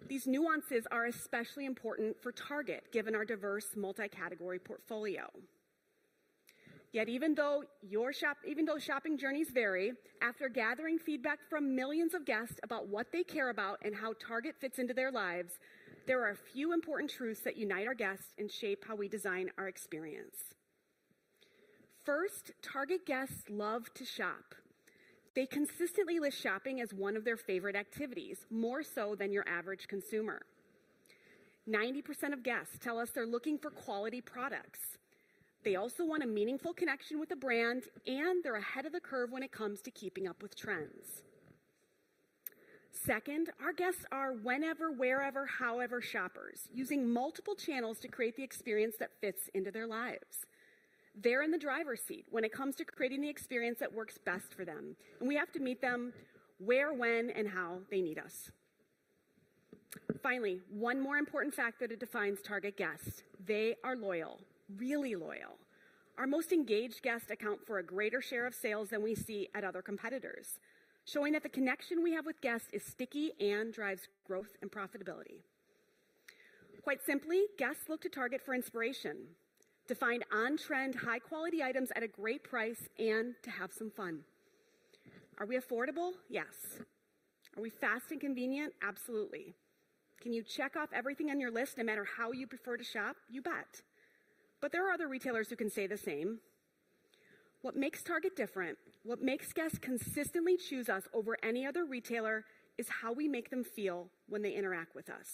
These nuances are especially important for Target given our diverse multi-category portfolio. Yet even though shopping journeys vary, after gathering feedback from millions of guests about what they care about and how Target fits into their lives, there are a few important truths that unite our guests and shape how we design our experience. First, Target guests love to shop. They consistently list shopping as one of their favorite activities, more so than your average consumer. 90% of guests tell us they're looking for quality products. They also want a meaningful connection with the brand, and they're ahead of the curve when it comes to keeping up with trends. Second, our guests are whenever, wherever, however shoppers, using multiple channels to create the experience that fits into their lives. They're in the driver's seat when it comes to creating the experience that works best for them. And we have to meet them where, when, and how they need us. Finally, one more important fact that defines Target guests: they are loyal, really loyal. Our most engaged guests account for a greater share of sales than we see at other competitors, showing that the connection we have with guests is sticky and drives growth and profitability. Quite simply, guests look to Target for inspiration, to find on-trend, high-quality items at a great price, and to have some fun. Are we affordable? Yes. Are we fast and convenient? Absolutely. Can you check off everything on your list no matter how you prefer to shop? You bet. But there are other retailers who can say the same. What makes Target different, what makes guests consistently choose us over any other retailer, is how we make them feel when they interact with us,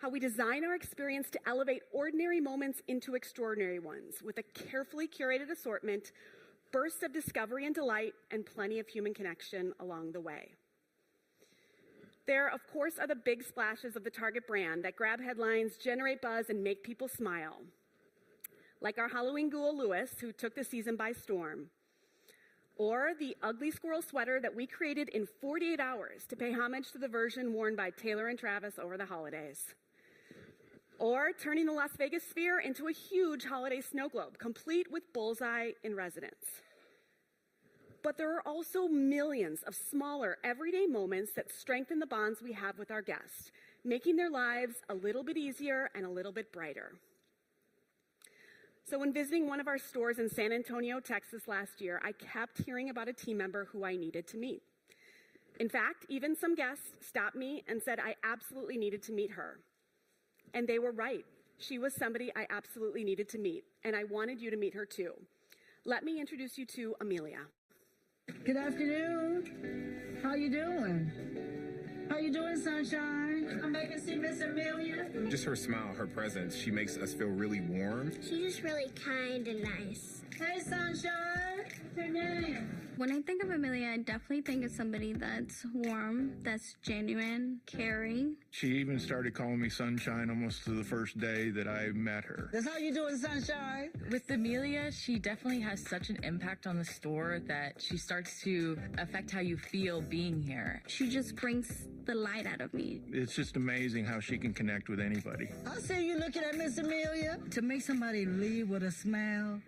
how we design our experience to elevate ordinary moments into extraordinary ones with a carefully curated assortment, bursts of discovery and delight, and plenty of human connection along the way. There, of course, are the big splashes of the Target brand that grab headlines, generate buzz, and make people smile, like our Halloween ghoul Lewis, who took the season by storm, or the ugly squirrel sweater that we created in 48 hours to pay homage to the version worn by Taylor and Travis over the holidays, or turning the Las Vegas Sphere into a huge holiday snow globe complete with Bullseye in residence. But there are also millions of smaller, everyday moments that strengthen the bonds we have with our guests, making their lives a little bit easier and a little bit brighter. So when visiting one of our stores in San Antonio, Texas, last year, I kept hearing about a team member who I needed to meet. In fact, even some guests stopped me and said, "I absolutely needed to meet her." And they were right. She was somebody I absolutely needed to meet, and I wanted you to meet her too. Let me introduce you to Amelia. Good afternoon. How are you doing? How are you doing, Sunshine? Come back and see Miss Amelia. Just her smile, her presence, she makes us feel really warm. She's just really kind and nice. Hey, Sunshine. Good morning. When I think of Amelia, I definitely think of somebody that's warm, that's genuine, caring. She even started calling me Sunshine almost to the first day that I met her. That's how you're doing, Sunshine. With Amelia, she definitely has such an impact on the store that she starts to affect how you feel being here. She just brings the light out of me. It's just amazing how she can connect with anybody. How say you looking at Miss Amelia? To make somebody leave with a smile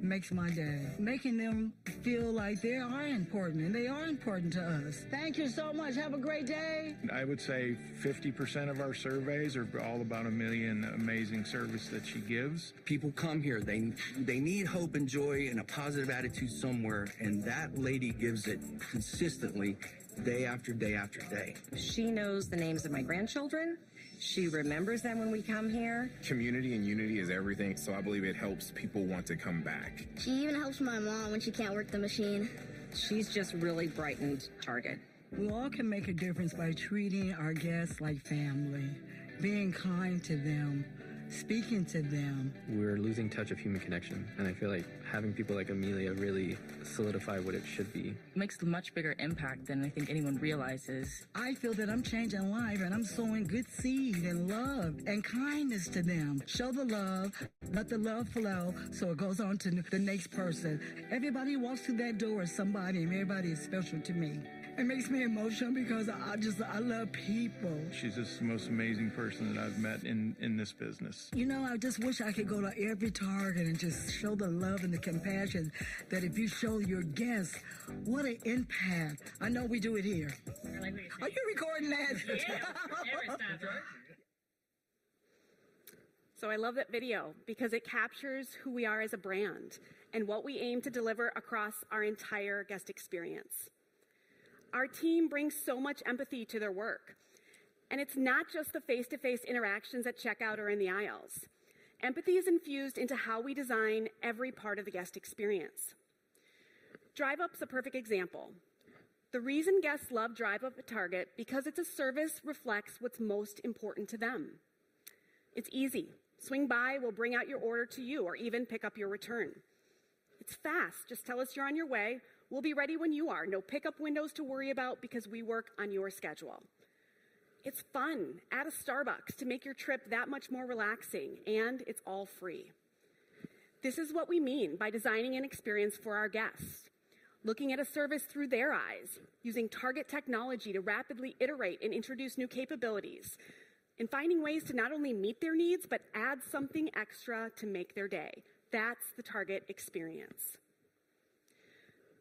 makes my day, making them feel like they are important, and they are important to us. Thank you so much. Have a great day. I would say 50% of our surveys are all about Amelia's amazing services that she gives. People come here. They need hope and joy and a positive attitude somewhere. And that lady gives it consistently, day after day after day. She knows the names of my grandchildren. She remembers them when we come here. Community and unity is everything. So I believe it helps people want to come back. She even helps my mom when she can't work the machine. She's just really brightened Target. We all can make a difference by treating our guests like family, being kind to them, speaking to them. We're losing touch of human connection. I feel like having people like Amelia really solidify what it should be. It makes a much bigger impact than I think anyone realizes. I feel that I'm changing lives, and I'm sowing good seed and love and kindness to them. Show the love. Let the love flow so it goes on to the next person. Everybody walks through that door is somebody, and everybody is special to me. It makes me emotional because I love people. She's just the most amazing person that I've met in this business. You know, I just wish I could go to every Target and just show the love and the compassion that if you show your guests, what an impact. I know we do it here. Are you recording that? Yeah. Every time. I love that video because it captures who we are as a brand and what we aim to deliver across our entire guest experience. Our team brings so much empathy to their work. It's not just the face-to-face interactions at checkout or in the aisles. Empathy is infused into how we design every part of the guest experience. Drive Up's a perfect example. The reason guests love Drive Up at Target is because its service reflects what's most important to them. It's easy. Swing by. We'll bring out your order to you or even pick up your return. It's fast. Just tell us you're on your way. We'll be ready when you are. No pickup windows to worry about because we work on your schedule. It's fun at a Starbucks to make your trip that much more relaxing, and it's all free. This is what we mean by designing an experience for our guests, looking at a service through their eyes, using Target technology to rapidly iterate and introduce new capabilities, and finding ways to not only meet their needs but add something extra to make their day. That's the Target experience.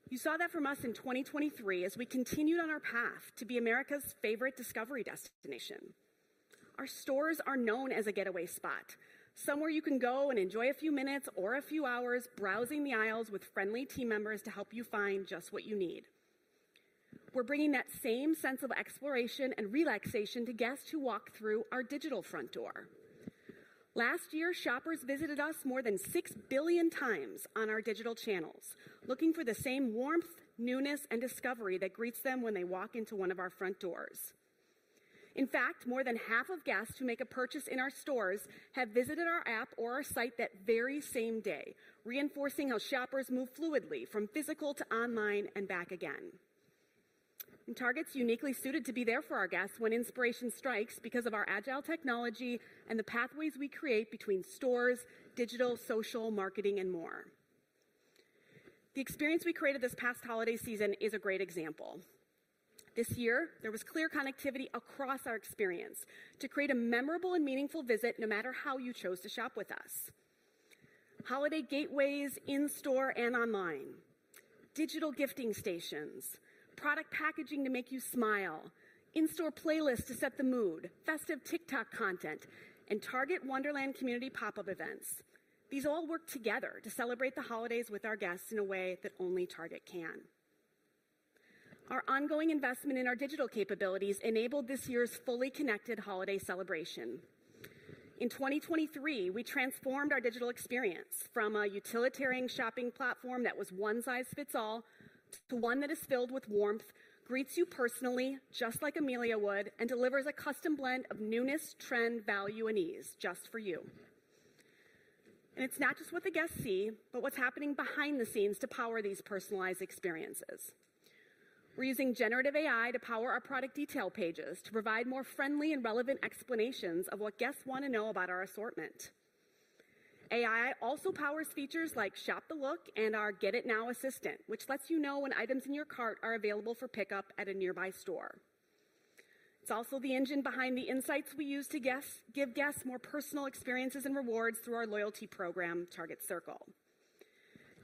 You saw that from us in 2023 as we continued on our path to be America's favorite discovery destination. Our stores are known as a getaway spot, somewhere you can go and enjoy a few minutes or a few hours browsing the aisles with friendly team members to help you find just what you need. We're bringing that same sense of exploration and relaxation to guests who walk through our digital front door. Last year, shoppers visited us more than 6 billion times on our digital channels, looking for the same warmth, newness, and discovery that greets them when they walk into one of our front doors. In fact, more than half of guests who make a purchase in our stores have visited our app or our site that very same day, reinforcing how shoppers move fluidly from physical to online and back again. Target's uniquely suited to be there for our guests when inspiration strikes because of our agile technology and the pathways we create between stores, digital, social, marketing, and more. The experience we created this past holiday season is a great example. This year, there was clear connectivity across our experience to create a memorable and meaningful visit no matter how you chose to shop with us: holiday gateways in-store and online, digital gifting stations, product packaging to make you smile, in-store playlists to set the mood, festive TikTok content, and Target Wonderland community pop-up events. These all work together to celebrate the holidays with our guests in a way that only Target can. Our ongoing investment in our digital capabilities enabled this year's fully connected holiday celebration. In 2023, we transformed our digital experience from a utilitarian shopping platform that was one-size-fits-all to one that is filled with warmth, greets you personally just like Amelia would, and delivers a custom blend of newness, trend, value, and ease just for you. It's not just what the guests see, but what's happening behind the scenes to power these personalized experiences. We're using generative AI to power our product detail pages to provide more friendly and relevant explanations of what guests want to know about our assortment. AI also powers features like Shop the Look and our Get It Now Assistant, which lets you know when items in your cart are available for pickup at a nearby store. It's also the engine behind the insights we use to give guests more personal experiences and rewards through our loyalty program, Target Circle.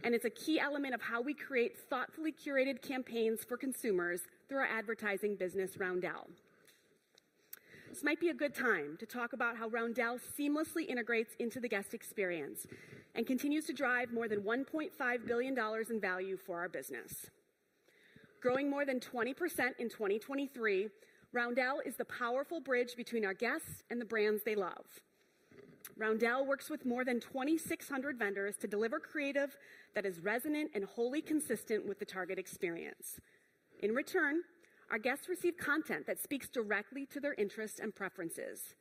And it's a key element of how we create thoughtfully curated campaigns for consumers through our advertising business, Roundel. This might be a good time to talk about how Roundel seamlessly integrates into the guest experience and continues to drive more than $1.5 billion in value for our business. Growing more than 20% in 2023, Roundel is the powerful bridge between our guests and the brands they love. Roundel works with more than 2,600 vendors to deliver creative that is resonant and wholly consistent with the Target experience. In return, our guests receive content that speaks directly to their interests and preferences.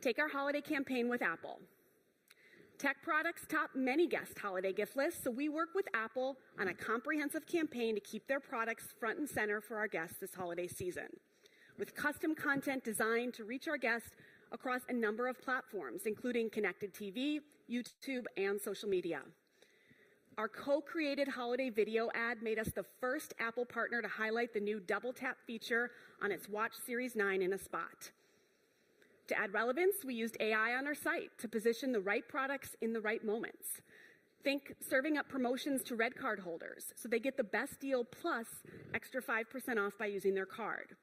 Take our holiday campaign with Apple. Tech products top many guest holiday gift lists, so we work with Apple on a comprehensive campaign to keep their products front and center for our guests this holiday season, with custom content designed to reach our guests across a number of platforms, including connected TV, YouTube, and social media. Our co-created holiday video ad made us the first Apple partner to highlight the new double-tap feature on its Watch Series 9 in a spot. To add relevance, we used AI on our site to position the right products in the right moments. Think serving up promotions to RedCard holders so they get the best deal plus extra 5% off by using their card,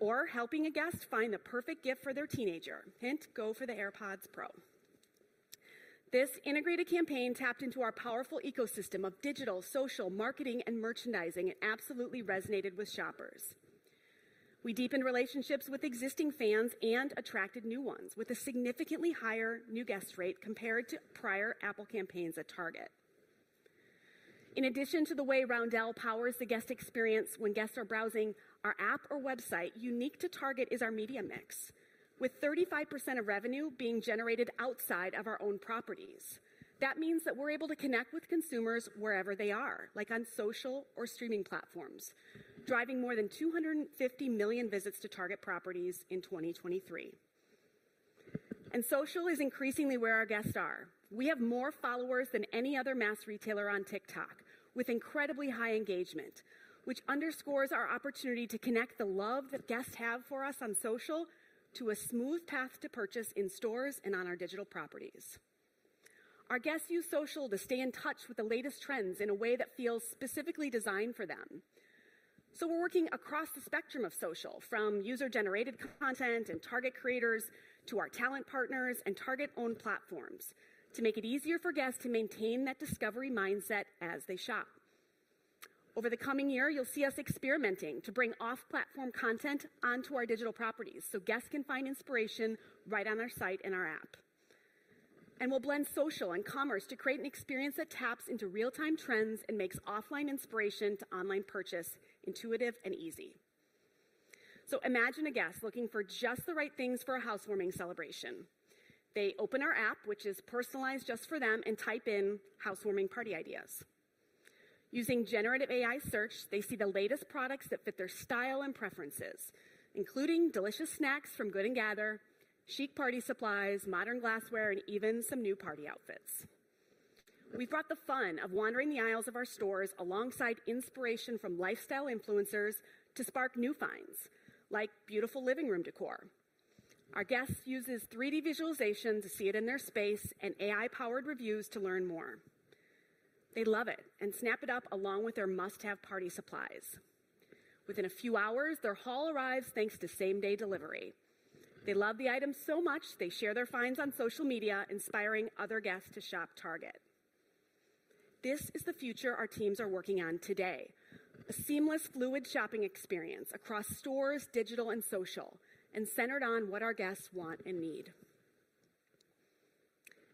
or helping a guest find the perfect gift for their teenager. Hint: go for the AirPods Pro. This integrated campaign tapped into our powerful ecosystem of digital, social, marketing, and merchandising and absolutely resonated with shoppers. We deepened relationships with existing fans and attracted new ones with a significantly higher new guest rate compared to prior Apple campaigns at Target. In addition to the way Roundel powers the guest experience when guests are browsing our app or website, unique to Target is our media mix, with 35% of revenue being generated outside of our own properties. That means that we're able to connect with consumers wherever they are, like on social or streaming platforms, driving more than 250 million visits to Target properties in 2023. Social is increasingly where our guests are. We have more followers than any other mass retailer on TikTok with incredibly high engagement, which underscores our opportunity to connect the love that guests have for us on social to a smooth path to purchase in stores and on our digital properties. Our guests use social to stay in touch with the latest trends in a way that feels specifically designed for them. So we're working across the spectrum of social, from user-generated content and Target creators to our talent partners and Target-owned platforms, to make it easier for guests to maintain that discovery mindset as they shop. Over the coming year, you'll see us experimenting to bring off-platform content onto our digital properties so guests can find inspiration right on our site and our app. We'll blend social and commerce to create an experience that taps into real-time trends and makes offline inspiration to online purchase intuitive and easy. So imagine a guest looking for just the right things for a housewarming celebration. They open our app, which is personalized just for them, and type in housewarming party ideas. Using generative AI search, they see the latest products that fit their style and preferences, including delicious snacks from Good & Gather, chic party supplies, modern glassware, and even some new party outfits. We've brought the fun of wandering the aisles of our stores alongside inspiration from lifestyle influencers to spark new finds like beautiful living room decor. Our guests use 3D visualization to see it in their space and AI-powered reviews to learn more. They love it and snap it up along with their must-have party supplies. Within a few hours, their haul arrives thanks to same-day delivery. They love the item so much they share their finds on social media, inspiring other guests to shop Target. This is the future our teams are working on today: a seamless, fluid shopping experience across stores, digital, and social, and centered on what our guests want and need.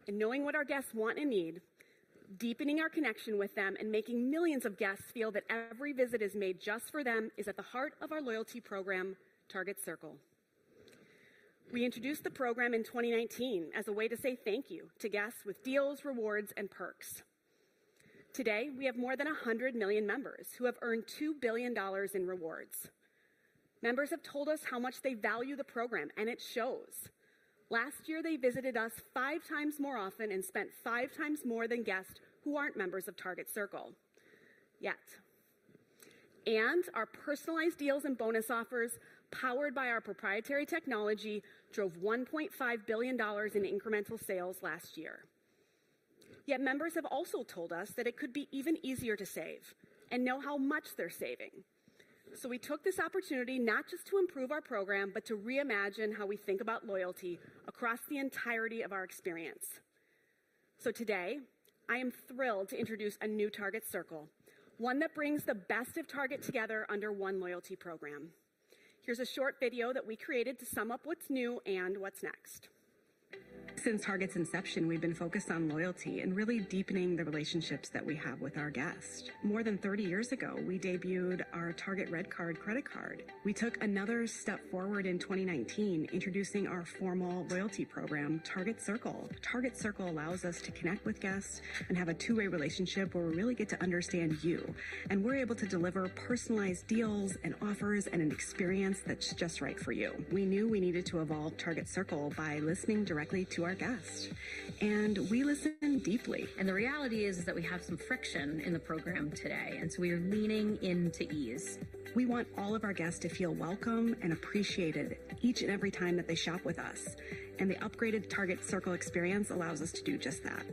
And knowing what our guests want and need, deepening our connection with them, and making millions of guests feel that every visit is made just for them is at the heart of our loyalty program, Target Circle. We introduced the program in 2019 as a way to say thank you to guests with deals, rewards, and perks. Today, we have more than 100 million members who have earned $2 billion in rewards. Members have told us how much they value the program, and it shows. Last year, they visited us 5x more often and spent 5x more than guests who aren't members of Target Circle yet. Our personalized deals and bonus offers powered by our proprietary technology drove $1.5 billion in incremental sales last year. Yet members have also told us that it could be even easier to save and know how much they're saving. We took this opportunity not just to improve our program but to reimagine how we think about loyalty across the entirety of our experience. Today, I am thrilled to introduce a new Target Circle, one that brings the best of Target together under one loyalty program. Here's a short video that we created to sum up what's new and what's next. Since Target's inception, we've been focused on loyalty and really deepening the relationships that we have with our guests. More than 30 years ago, we debuted our Target RedCard credit card. We took another step forward in 2019, introducing our formal loyalty program, Target Circle. Target Circle allows us to connect with guests and have a two-way relationship where we really get to understand you, and we're able to deliver personalized deals and offers and an experience that's just right for you. We knew we needed to evolve Target Circle by listening directly to our guests, and we listen deeply. And the reality is that we have some friction in the program today, and so we are leaning into ease. We want all of our guests to feel welcome and appreciated each and every time that they shop with us, and the upgraded Target Circle experience allows us to do just that.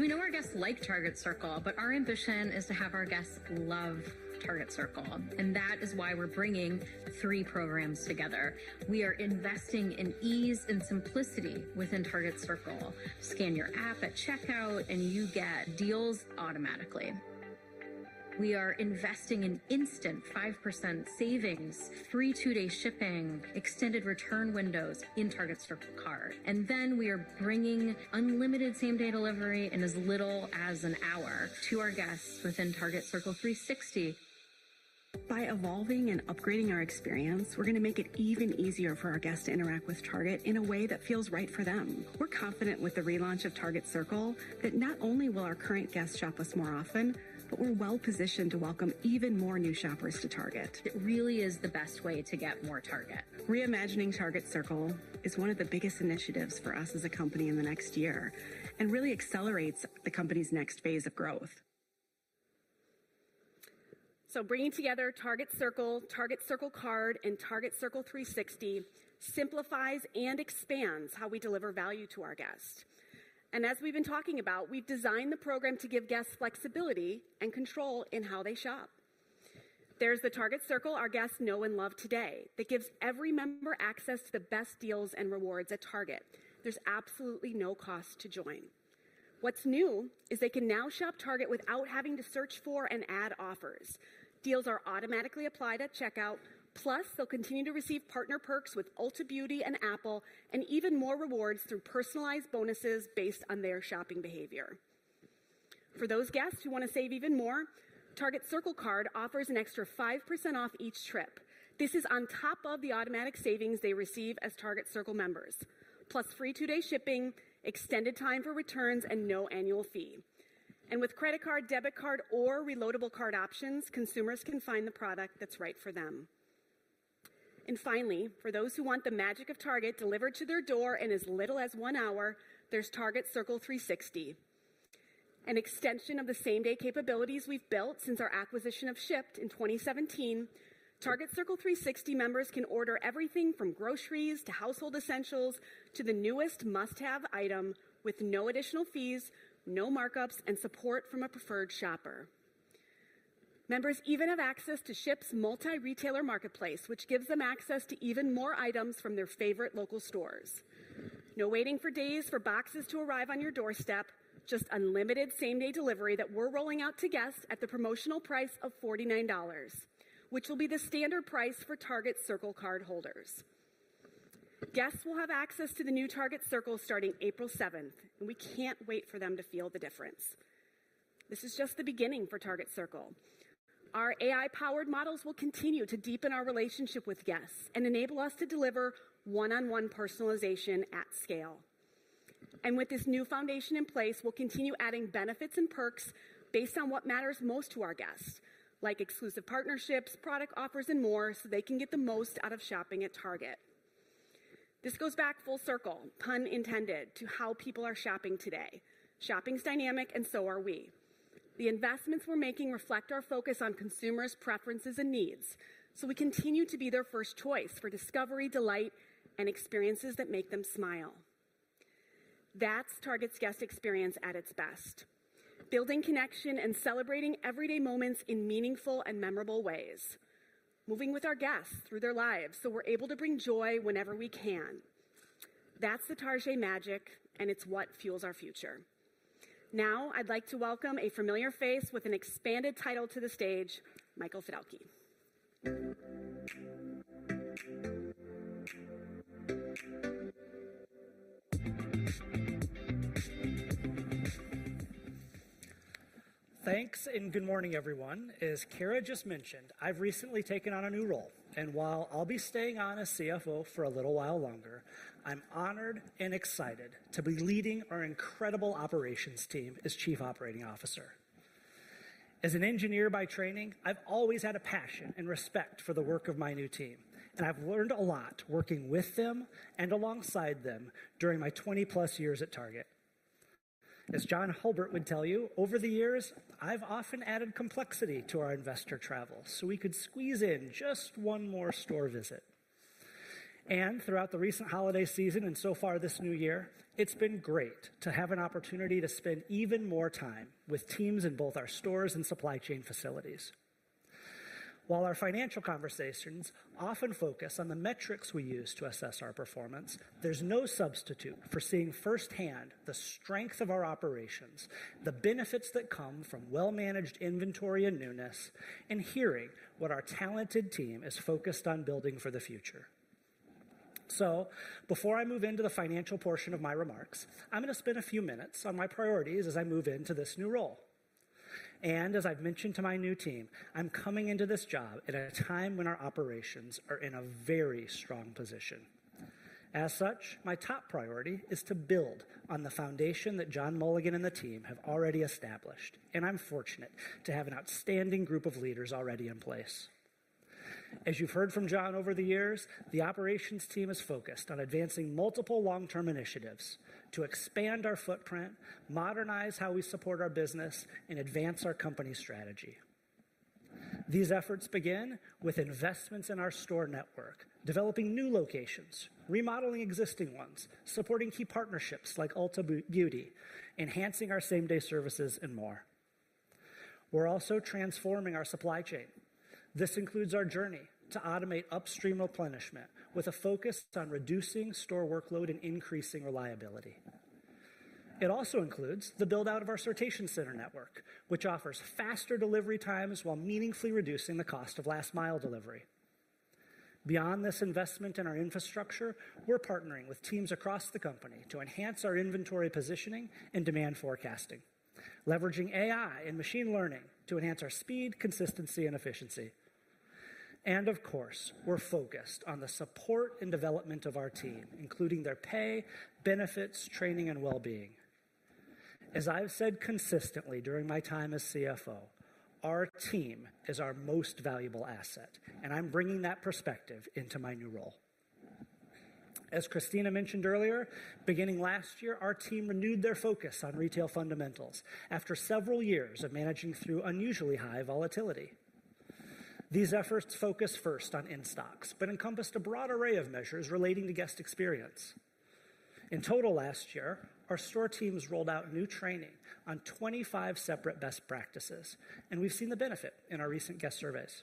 We know our guests like Target Circle, but our ambition is to have our guests love Target Circle, and that is why we're bringing three programs together. We are investing in ease and simplicity within Target Circle. Scan your app at checkout, and you get deals automatically. We are investing in instant 5% savings, free two-day shipping, extended return windows in Target Circle Card. Then we are bringing unlimited same-day delivery in as little as an hour to our guests within Target Circle 360. By evolving and upgrading our experience, we're going to make it even easier for our guests to interact with Target in a way that feels right for them. We're confident with the relaunch of Target Circle that not only will our current guests shop with us more often, but we're well-positioned to welcome even more new shoppers to Target. It really is the best way to get more Target. Reimagining Target Circle is one of the biggest initiatives for us as a company in the next year and really accelerates the company's next phase of growth. So bringing together Target Circle, Target Circle Card, and Target Circle 360 simplifies and expands how we deliver value to our guests. And as we've been talking about, we've designed the program to give guests flexibility and control in how they shop. There's the Target Circle, our guests know and love today, that gives every member access to the best deals and rewards at Target. There's absolutely no cost to join. What's new is they can now shop Target without having to search for and add offers. Deals are automatically applied at checkout, plus they'll continue to receive partner perks with Ulta Beauty and Apple and even more rewards through personalized bonuses based on their shopping behavior. For those guests who want to save even more, Target Circle Card offers an extra 5% off each trip. This is on top of the automatic savings they receive as Target Circle members, plus free two-day shipping, extended time for returns, and no annual fee. And with credit card, debit card, or reloadable card options, consumers can find the product that's right for them. And finally, for those who want the magic of Target delivered to their door in as little as one hour, there's Target Circle 360, an extension of the same-day capabilities we've built since our acquisition of Shipt in 2017. Target Circle 360 members can order everything from groceries to household essentials to the newest must-have item with no additional fees, no markups, and support from a preferred shopper. Members even have access to Shipt's multi-retailer marketplace, which gives them access to even more items from their favorite local stores. No waiting for days for boxes to arrive on your doorstep, just unlimited same-day delivery that we're rolling out to guests at the promotional price of $49, which will be the standard price for Target Circle Card holders. Guests will have access to the new Target Circle starting April 7th, and we can't wait for them to feel the difference. This is just the beginning for Target Circle. Our AI-powered models will continue to deepen our relationship with guests and enable us to deliver one-on-one personalization at scale. With this new foundation in place, we'll continue adding benefits and perks based on what matters most to our guests, like exclusive partnerships, product offers, and more, so they can get the most out of shopping at Target. This goes back full circle, pun intended, to how people are shopping today. Shopping's dynamic, and so are we. The investments we're making reflect our focus on consumers' preferences and needs, so we continue to be their first choice for discovery, delight, and experiences that make them smile. That's Target's guest experience at its best: building connection and celebrating everyday moments in meaningful and memorable ways, moving with our guests through their lives so we're able to bring joy whenever we can. That's the Target magic, and it's what fuels our future. Now, I'd like to welcome a familiar face with an expanded title to the stage, Michael Fiddelke. Thanks and good morning, everyone. As Cara just mentioned, I've recently taken on a new role. While I'll be staying on as CFO for a little while longer, I'm honored and excited to be leading our incredible operations team as Chief Operating Officer. As an engineer by training, I've always had a passion and respect for the work of my new team, and I've learned a lot working with them and alongside them during my 20-plus years at Target. As John Hulbert would tell you, over the years, I've often added complexity to our investor travel so we could squeeze in just one more store visit. Throughout the recent holiday season and so far this new year, it's been great to have an opportunity to spend even more time with teams in both our stores and supply chain facilities. While our financial conversations often focus on the metrics we use to assess our performance, there's no substitute for seeing firsthand the strength of our operations, the benefits that come from well-managed inventory and newness, and hearing what our talented team is focused on building for the future. Before I move into the financial portion of my remarks, I'm going to spend a few minutes on my priorities as I move into this new role. As I've mentioned to my new team, I'm coming into this job at a time when our operations are in a very strong position. As such, my top priority is to build on the foundation that John Mulligan and the team have already established, and I'm fortunate to have an outstanding group of leaders already in place. As you've heard from John over the years, the operations team is focused on advancing multiple long-term initiatives to expand our footprint, modernize how we support our business, and advance our company strategy. These efforts begin with investments in our store network, developing new locations, remodeling existing ones, supporting key partnerships like Ulta Beauty, enhancing our same-day services, and more. We're also transforming our supply chain. This includes our journey to automate upstream replenishment with a focus on reducing store workload and increasing reliability. It also includes the build-out of our sortation center network, which offers faster delivery times while meaningfully reducing the cost of last-mile delivery. Beyond this investment in our infrastructure, we're partnering with teams across the company to enhance our inventory positioning and demand forecasting, leveraging AI and machine learning to enhance our speed, consistency, and efficiency. Of course, we're focused on the support and development of our team, including their pay, benefits, training, and well-being. As I've said consistently during my time as CFO, our team is our most valuable asset, and I'm bringing that perspective into my new role. As Christina mentioned earlier, beginning last year, our team renewed their focus on retail fundamentals after several years of managing through unusually high volatility. These efforts focused first on in-stocks but encompassed a broad array of measures relating to guest experience. In total last year, our store teams rolled out new training on 25 separate best practices, and we've seen the benefit in our recent guest surveys.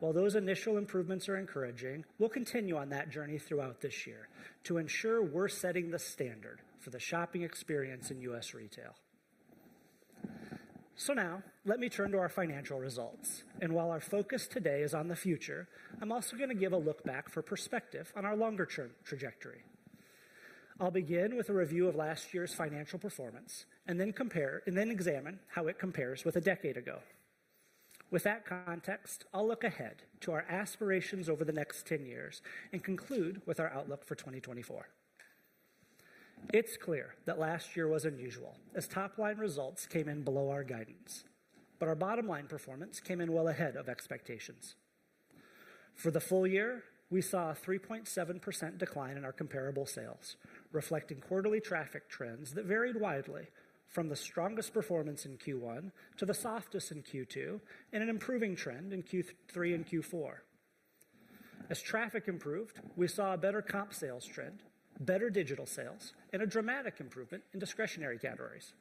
While those initial improvements are encouraging, we'll continue on that journey throughout this year to ensure we're setting the standard for the shopping experience in U.S. retail. Now, let me turn to our financial results. While our focus today is on the future, I'm also going to give a look back for perspective on our longer-term trajectory. I'll begin with a review of last year's financial performance and then examine how it compares with a decade ago. With that context, I'll look ahead to our aspirations over the next 10 years and conclude with our outlook for 2024. It's clear that last year was unusual as top-line results came in below our guidance, but our bottom-line performance came in well ahead of expectations. For the full year, we saw a 3.7% decline in our comparable sales, reflecting quarterly traffic trends that varied widely from the strongest performance in Q1 to the softest in Q2 and an improving trend in Q3 and Q4. As traffic improved, we saw a better comp sales trend, better digital sales, and a dramatic improvement in discretionary categories.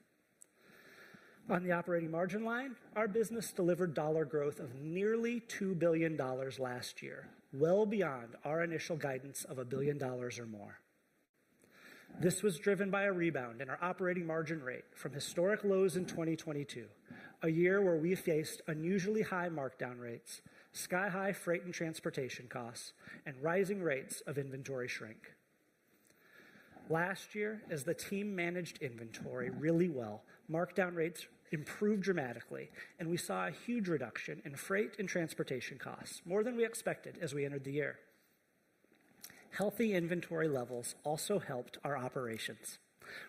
On the operating margin line, our business delivered dollar growth of nearly $2 billion last year, well beyond our initial guidance of $1 billion or more. This was driven by a rebound in our operating margin rate from historic lows in 2022, a year where we faced unusually high markdown rates, sky-high freight and transportation costs, and rising rates of inventory shrink. Last year, as the team managed inventory really well, markdown rates improved dramatically, and we saw a huge reduction in freight and transportation costs, more than we expected as we entered the year. Healthy inventory levels also helped our operations.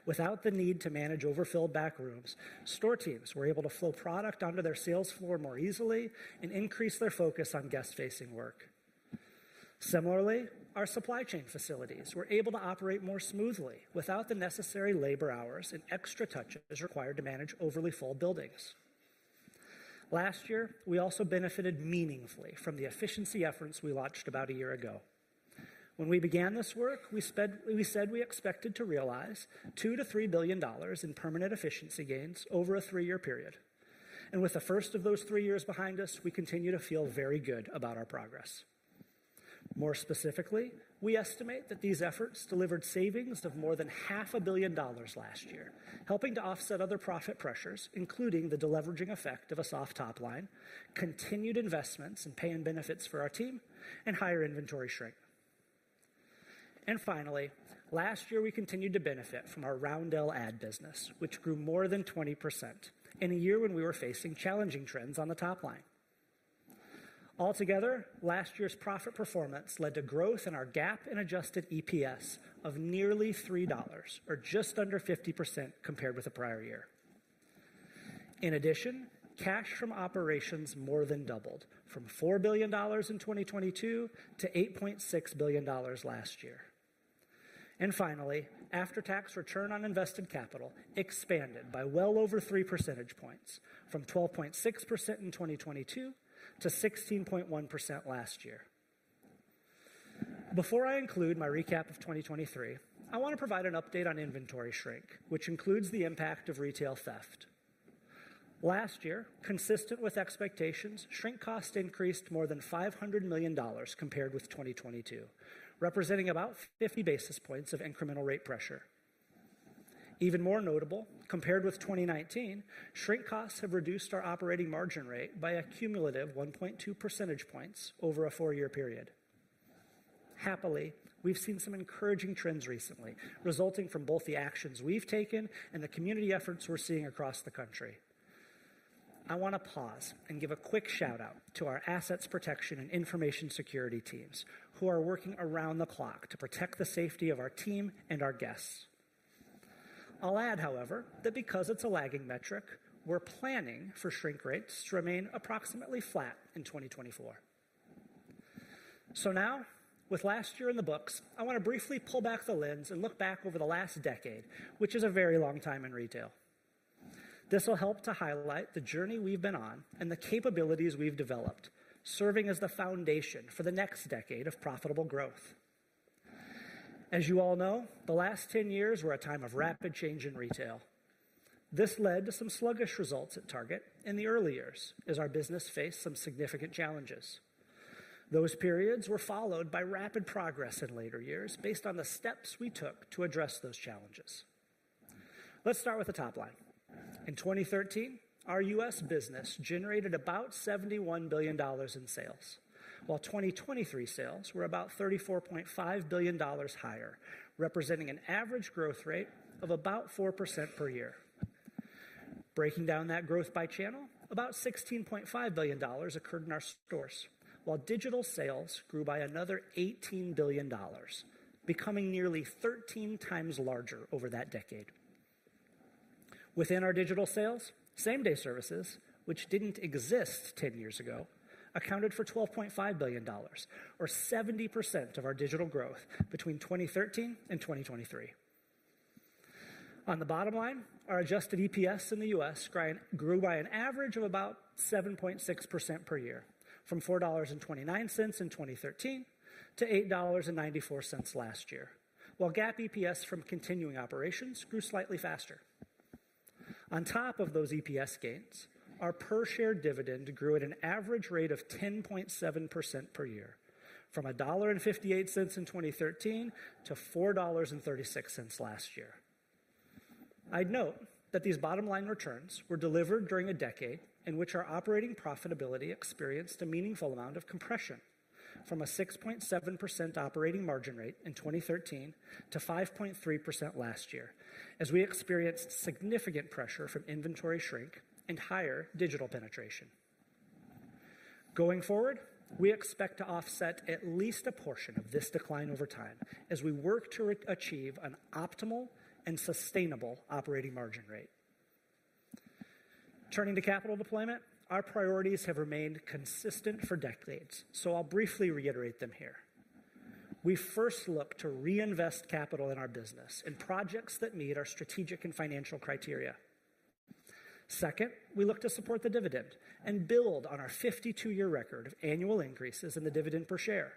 Without the need to manage overfilled backrooms, store teams were able to flow product onto their sales floor more easily and increase their focus on guest-facing work. Similarly, our supply chain facilities were able to operate more smoothly without the necessary labor hours and extra touches required to manage overly full buildings. Last year, we also benefited meaningfully from the efficiency efforts we launched about a year ago. When we began this work, we said we expected to realize $2 billion-$3 billion in permanent efficiency gains over a three-year period. With the first of those three years behind us, we continue to feel very good about our progress. More specifically, we estimate that these efforts delivered savings of more than $500 million last year, helping to offset other profit pressures, including the deleveraging effect of a soft top line, continued investments in pay and benefits for our team, and higher inventory shrink. And finally, last year, we continued to benefit from our Roundel ad business, which grew more than 20% in a year when we were facing challenging trends on the top line. Altogether, last year's profit performance led to growth in our GAAP and adjusted EPS of nearly $3, or just under 50% compared with the prior year. In addition, cash from operations more than doubled from $4 billion in 2022 to $8.6 billion last year. And finally, after-tax return on invested capital expanded by well over 3 percentage points from 12.6% in 2022 to 16.1% last year. Before I include my recap of 2023, I want to provide an update on inventory shrink, which includes the impact of retail theft. Last year, consistent with expectations, shrink costs increased more than $500 million compared with 2022, representing about 50 basis points of incremental rate pressure. Even more notable, compared with 2019, shrink costs have reduced our operating margin rate by a cumulative 1.2 percentage points over a four-year period. Happily, we've seen some encouraging trends recently, resulting from both the actions we've taken and the community efforts we're seeing across the country. I want to pause and give a quick shout-out to our asset protection and information security teams who are working around the clock to protect the safety of our team and our guests. I'll add, however, that because it's a lagging metric, we're planning for shrink rates to remain approximately flat in 2024. So now, with last year in the books, I want to briefly pull back the lens and look back over the last decade, which is a very long time in retail. This will help to highlight the journey we've been on and the capabilities we've developed, serving as the foundation for the next decade of profitable growth. As you all know, the last 10 years were a time of rapid change in retail. This led to some sluggish results at Target in the early years as our business faced some significant challenges. Those periods were followed by rapid progress in later years based on the steps we took to address those challenges. Let's start with the top line. In 2013, our U.S. business generated about $71 billion in sales, while 2023 sales were about $34.5 billion higher, representing an average growth rate of about 4% per year. Breaking down that growth by channel, about $16.5 billion occurred in our stores, while digital sales grew by another $18 billion, becoming nearly 13x larger over that decade. Within our digital sales, same-day services, which didn't exist 10 years ago, accounted for $12.5 billion, or 70% of our digital growth between 2013 and 2023. On the bottom line, our adjusted EPS in the U.S. grew by an average of about 7.6% per year, from $4.29 in 2013 to $8.94 last year, while GAAP EPS from continuing operations grew slightly faster. On top of those EPS gains, our per-share dividend grew at an average rate of 10.7% per year, from $1.58 in 2013 to $4.36 last year. I'd note that these bottom-line returns were delivered during a decade in which our operating profitability experienced a meaningful amount of compression, from a 6.7% operating margin rate in 2013 to 5.3% last year, as we experienced significant pressure from inventory shrink and higher digital penetration. Going forward, we expect to offset at least a portion of this decline over time as we work to achieve an optimal and sustainable operating margin rate. Turning to capital deployment, our priorities have remained consistent for decades, so I'll briefly reiterate them here. We first looked to reinvest capital in our business in projects that meet our strategic and financial criteria. Second, we look to support the dividend and build on our 52-year record of annual increases in the dividend per share.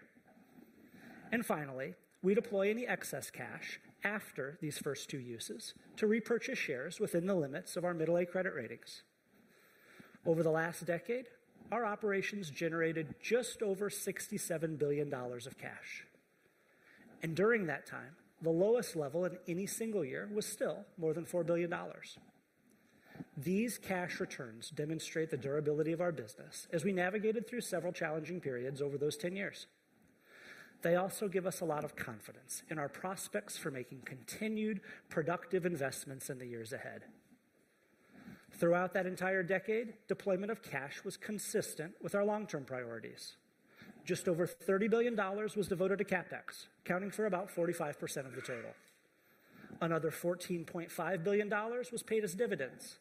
And finally, we deploy any excess cash after these first two uses to repurchase shares within the limits of our Middle-A credit ratings. Over the last decade, our operations generated just over $67 billion of cash. During that time, the lowest level in any single year was still more than $4 billion. These cash returns demonstrate the durability of our business as we navigated through several challenging periods over those 10 years. They also give us a lot of confidence in our prospects for making continued productive investments in the years ahead. Throughout that entire decade, deployment of cash was consistent with our long-term priorities. Just over $30 billion was devoted to CapEx, accounting for about 45% of the total. Another $14.5 billion was paid as dividends,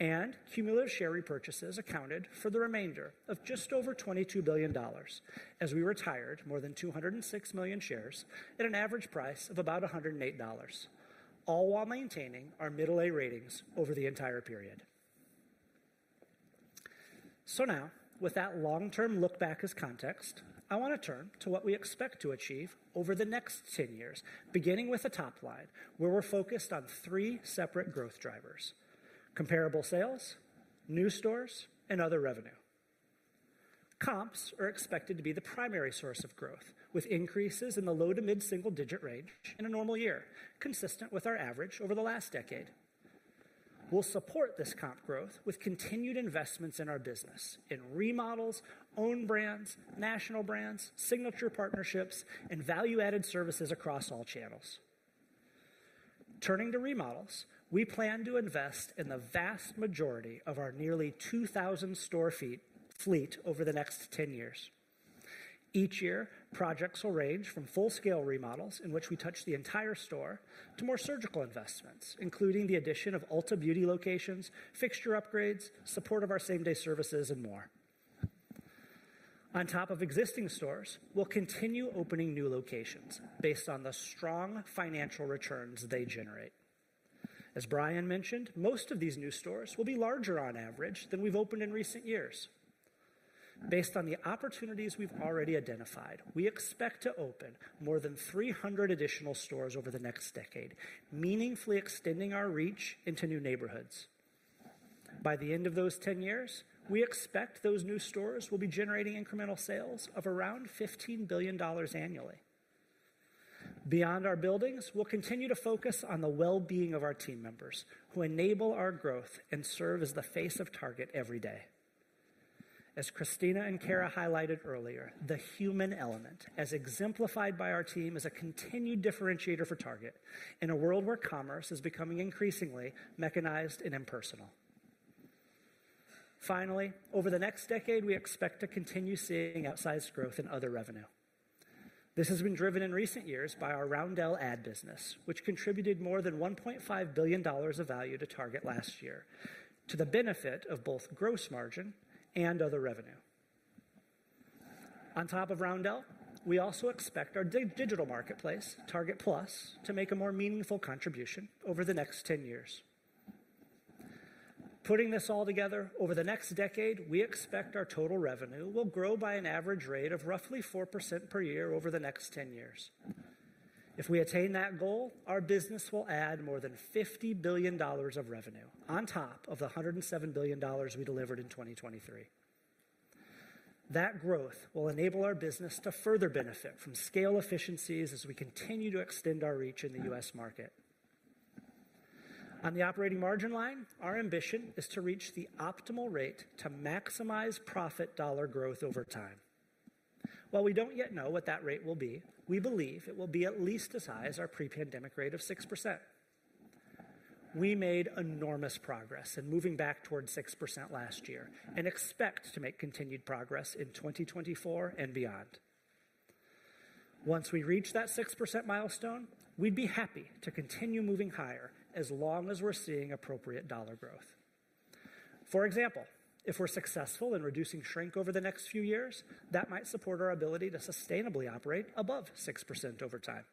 and cumulative share repurchases accounted for the remainder of just over $22 billion as we retired more than 206 million shares at an average price of about $108, all while maintaining our investment-grade ratings over the entire period. So now, with that long-term look back as context, I want to turn to what we expect to achieve over the next 10 years, beginning with the top line where we're focused on three separate growth drivers: comparable sales, new stores, and other revenue. Comps are expected to be the primary source of growth, with increases in the low- to mid-single-digit range in a normal year, consistent with our average over the last decade. We'll support this comp growth with continued investments in our business in remodels, own brands, national brands, signature partnerships, and value-added services across all channels. Turning to remodels, we plan to invest in the vast majority of our nearly 2,000-store fleet over the next 10 years. Each year, projects will range from full-scale remodels in which we touch the entire store to more surgical investments, including the addition of Ulta Beauty locations, fixture upgrades, support of our same-day services, and more. On top of existing stores, we'll continue opening new locations based on the strong financial returns they generate. As Brian mentioned, most of these new stores will be larger on average than we've opened in recent years. Based on the opportunities we've already identified, we expect to open more than 300 additional stores over the next decade, meaningfully extending our reach into new neighborhoods. By the end of those 10 years, we expect those new stores will be generating incremental sales of around $15 billion annually. Beyond our buildings, we'll continue to focus on the well-being of our team members who enable our growth and serve as the face of Target every day. As Christina and Cara highlighted earlier, the human element, as exemplified by our team, is a continued differentiator for Target in a world where commerce is becoming increasingly mechanized and impersonal. Finally, over the next decade, we expect to continue seeing outsized growth in other revenue. This has been driven in recent years by our Roundel ad business, which contributed more than $1.5 billion of value to Target last year to the benefit of both gross margin and other revenue. On top of Roundel, we also expect our digital marketplace, Target Plus, to make a more meaningful contribution over the next 10 years. Putting this all together, over the next decade, we expect our total revenue will grow by an average rate of roughly 4% per year over the next 10 years. If we attain that goal, our business will add more than $50 billion of revenue on top of the $107 billion we delivered in 2023. That growth will enable our business to further benefit from scale efficiencies as we continue to extend our reach in the U.S. market. On the operating margin line, our ambition is to reach the optimal rate to maximize profit dollar growth over time. While we don't yet know what that rate will be, we believe it will be at least as high as our pre-pandemic rate of 6%. We made enormous progress in moving back towards 6% last year and expect to make continued progress in 2024 and beyond. Once we reach that 6% milestone, we'd be happy to continue moving higher as long as we're seeing appropriate dollar growth. For example, if we're successful in reducing shrink over the next few years, that might support our ability to sustainably operate above 6% over time.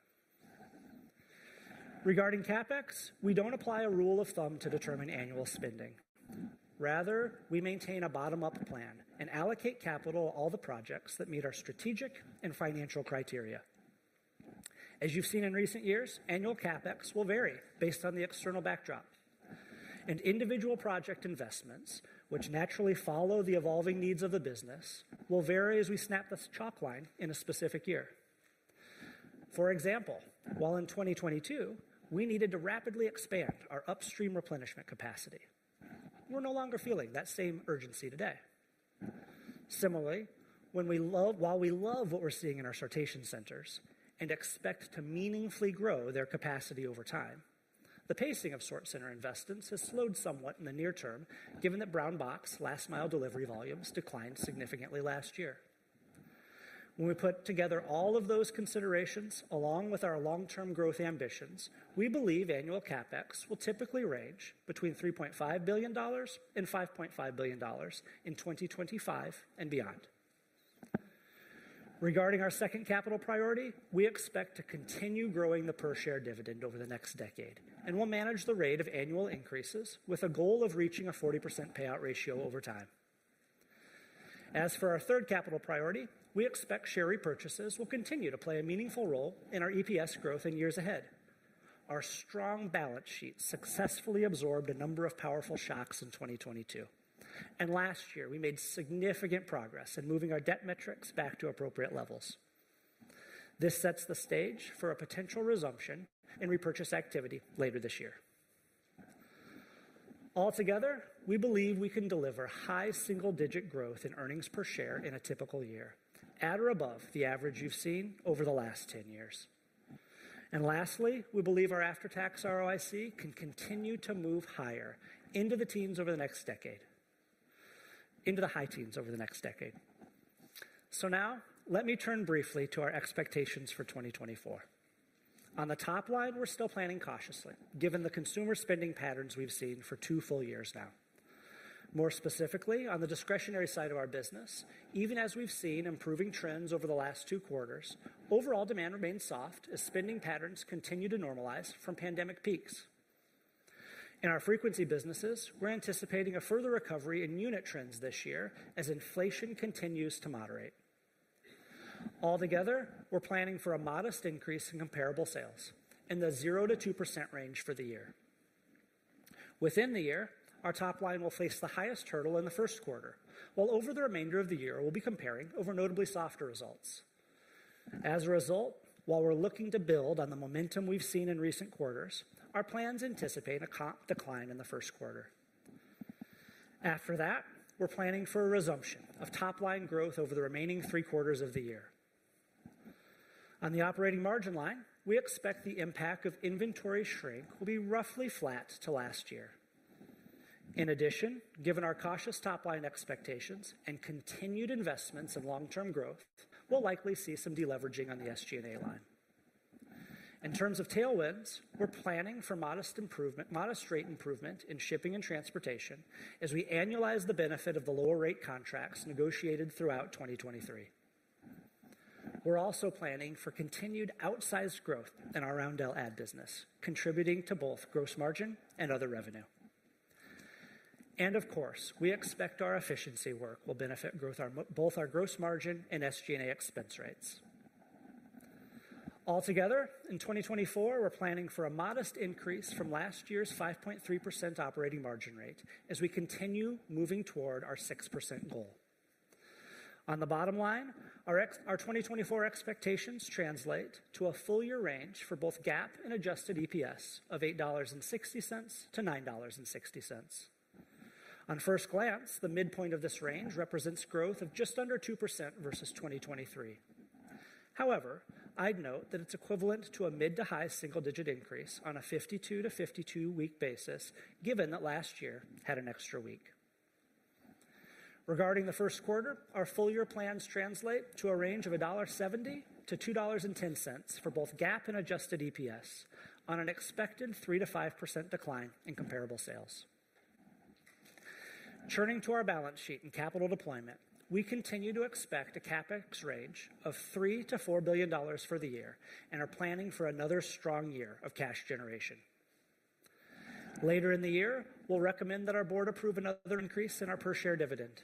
Regarding CapEx, we don't apply a rule of thumb to determine annual spending. Rather, we maintain a bottom-up plan and allocate capital to all the projects that meet our strategic and financial criteria. As you've seen in recent years, annual CapEx will vary based on the external backdrop, and individual project investments, which naturally follow the evolving needs of the business, will vary as we snap the chalk line in a specific year. For example, while in 2022, we needed to rapidly expand our upstream replenishment capacity, we're no longer feeling that same urgency today. Similarly, while we love what we're seeing in our sortation centers and expect to meaningfully grow their capacity over time, the pacing of sortation center investments has slowed somewhat in the near term, given that brown box last-mile delivery volumes declined significantly last year. When we put together all of those considerations along with our long-term growth ambitions, we believe annual CapEx will typically range between $3.5 billion-$5.5 billion in 2025 and beyond. Regarding our second capital priority, we expect to continue growing the per-share dividend over the next decade, and we'll manage the rate of annual increases with a goal of reaching a 40% payout ratio over time. As for our third capital priority, we expect share repurchases will continue to play a meaningful role in our EPS growth in years ahead. Our strong balance sheet successfully absorbed a number of powerful shocks in 2022, and last year, we made significant progress in moving our debt metrics back to appropriate levels. This sets the stage for a potential resumption in repurchase activity later this year. Altogether, we believe we can deliver high single-digit growth in earnings per share in a typical year at or above the average you've seen over the last 10 years. And lastly, we believe our after-tax ROIC can continue to move higher into the teens over the next decade, into the high teens over the next decade. So now, let me turn briefly to our expectations for 2024. On the top line, we're still planning cautiously, given the consumer spending patterns we've seen for two full years now. More specifically, on the discretionary side of our business, even as we've seen improving trends over the last two quarters, overall demand remains soft as spending patterns continue to normalize from pandemic peaks. In our frequency businesses, we're anticipating a further recovery in unit trends this year as inflation continues to moderate. Altogether, we're planning for a modest increase in comparable sales in the 0%-2% range for the year. Within the year, our top line will face the highest hurdle in the Q1, while over the remainder of the year, we'll be comparing over notably softer results. As a result, while we're looking to build on the momentum we've seen in recent quarters, our plans anticipate a decline in the Q1. After that, we're planning for a resumption of top-line growth over the remaining three quarters of the year. On the operating margin line, we expect the impact of inventory shrink will be roughly flat to last year. In addition, given our cautious top-line expectations and continued investments in long-term growth, we'll likely see some deleveraging on the SG&A line. In terms of tailwinds, we're planning for modest rate improvement in shipping and transportation as we annualize the benefit of the lower-rate contracts negotiated throughout 2023. We're also planning for continued outsized growth in our Roundel ad business, contributing to both gross margin and other revenue. And of course, we expect our efficiency work will benefit both our gross margin and SG&A expense rates. Altogether, in 2024, we're planning for a modest increase from last year's 5.3% operating margin rate as we continue moving toward our 6% goal. On the bottom line, our 2024 expectations translate to a full-year range for both GAAP and adjusted EPS of $8.60-$9.60. On first glance, the midpoint of this range represents growth of just under 2% versus 2023. However, I'd note that it's equivalent to a mid to high single-digit increase on a 52-to-52-week basis, given that last year had an extra week. Regarding the Q1, our full-year plans translate to a range of $1.70-$2.10 for both GAAP and adjusted EPS on an expected 3%-5% decline in comparable sales. Turning to our balance sheet and capital deployment, we continue to expect a CapEx range of $3 billion-$4 billion for the year and are planning for another strong year of cash generation. Later in the year, we'll recommend that our board approve another increase in our per-share dividend.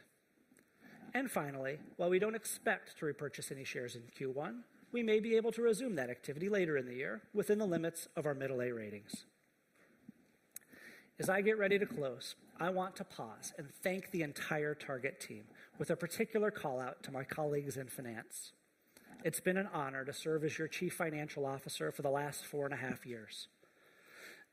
Finally, while we don't expect to repurchase any shares in Q1, we may be able to resume that activity later in the year within the limits of our investment-grade ratings. As I get ready to close, I want to pause and thank the entire Target team with a particular callout to my colleagues in finance. It's been an honor to serve as your Chief Financial Officer for the last four and a half years.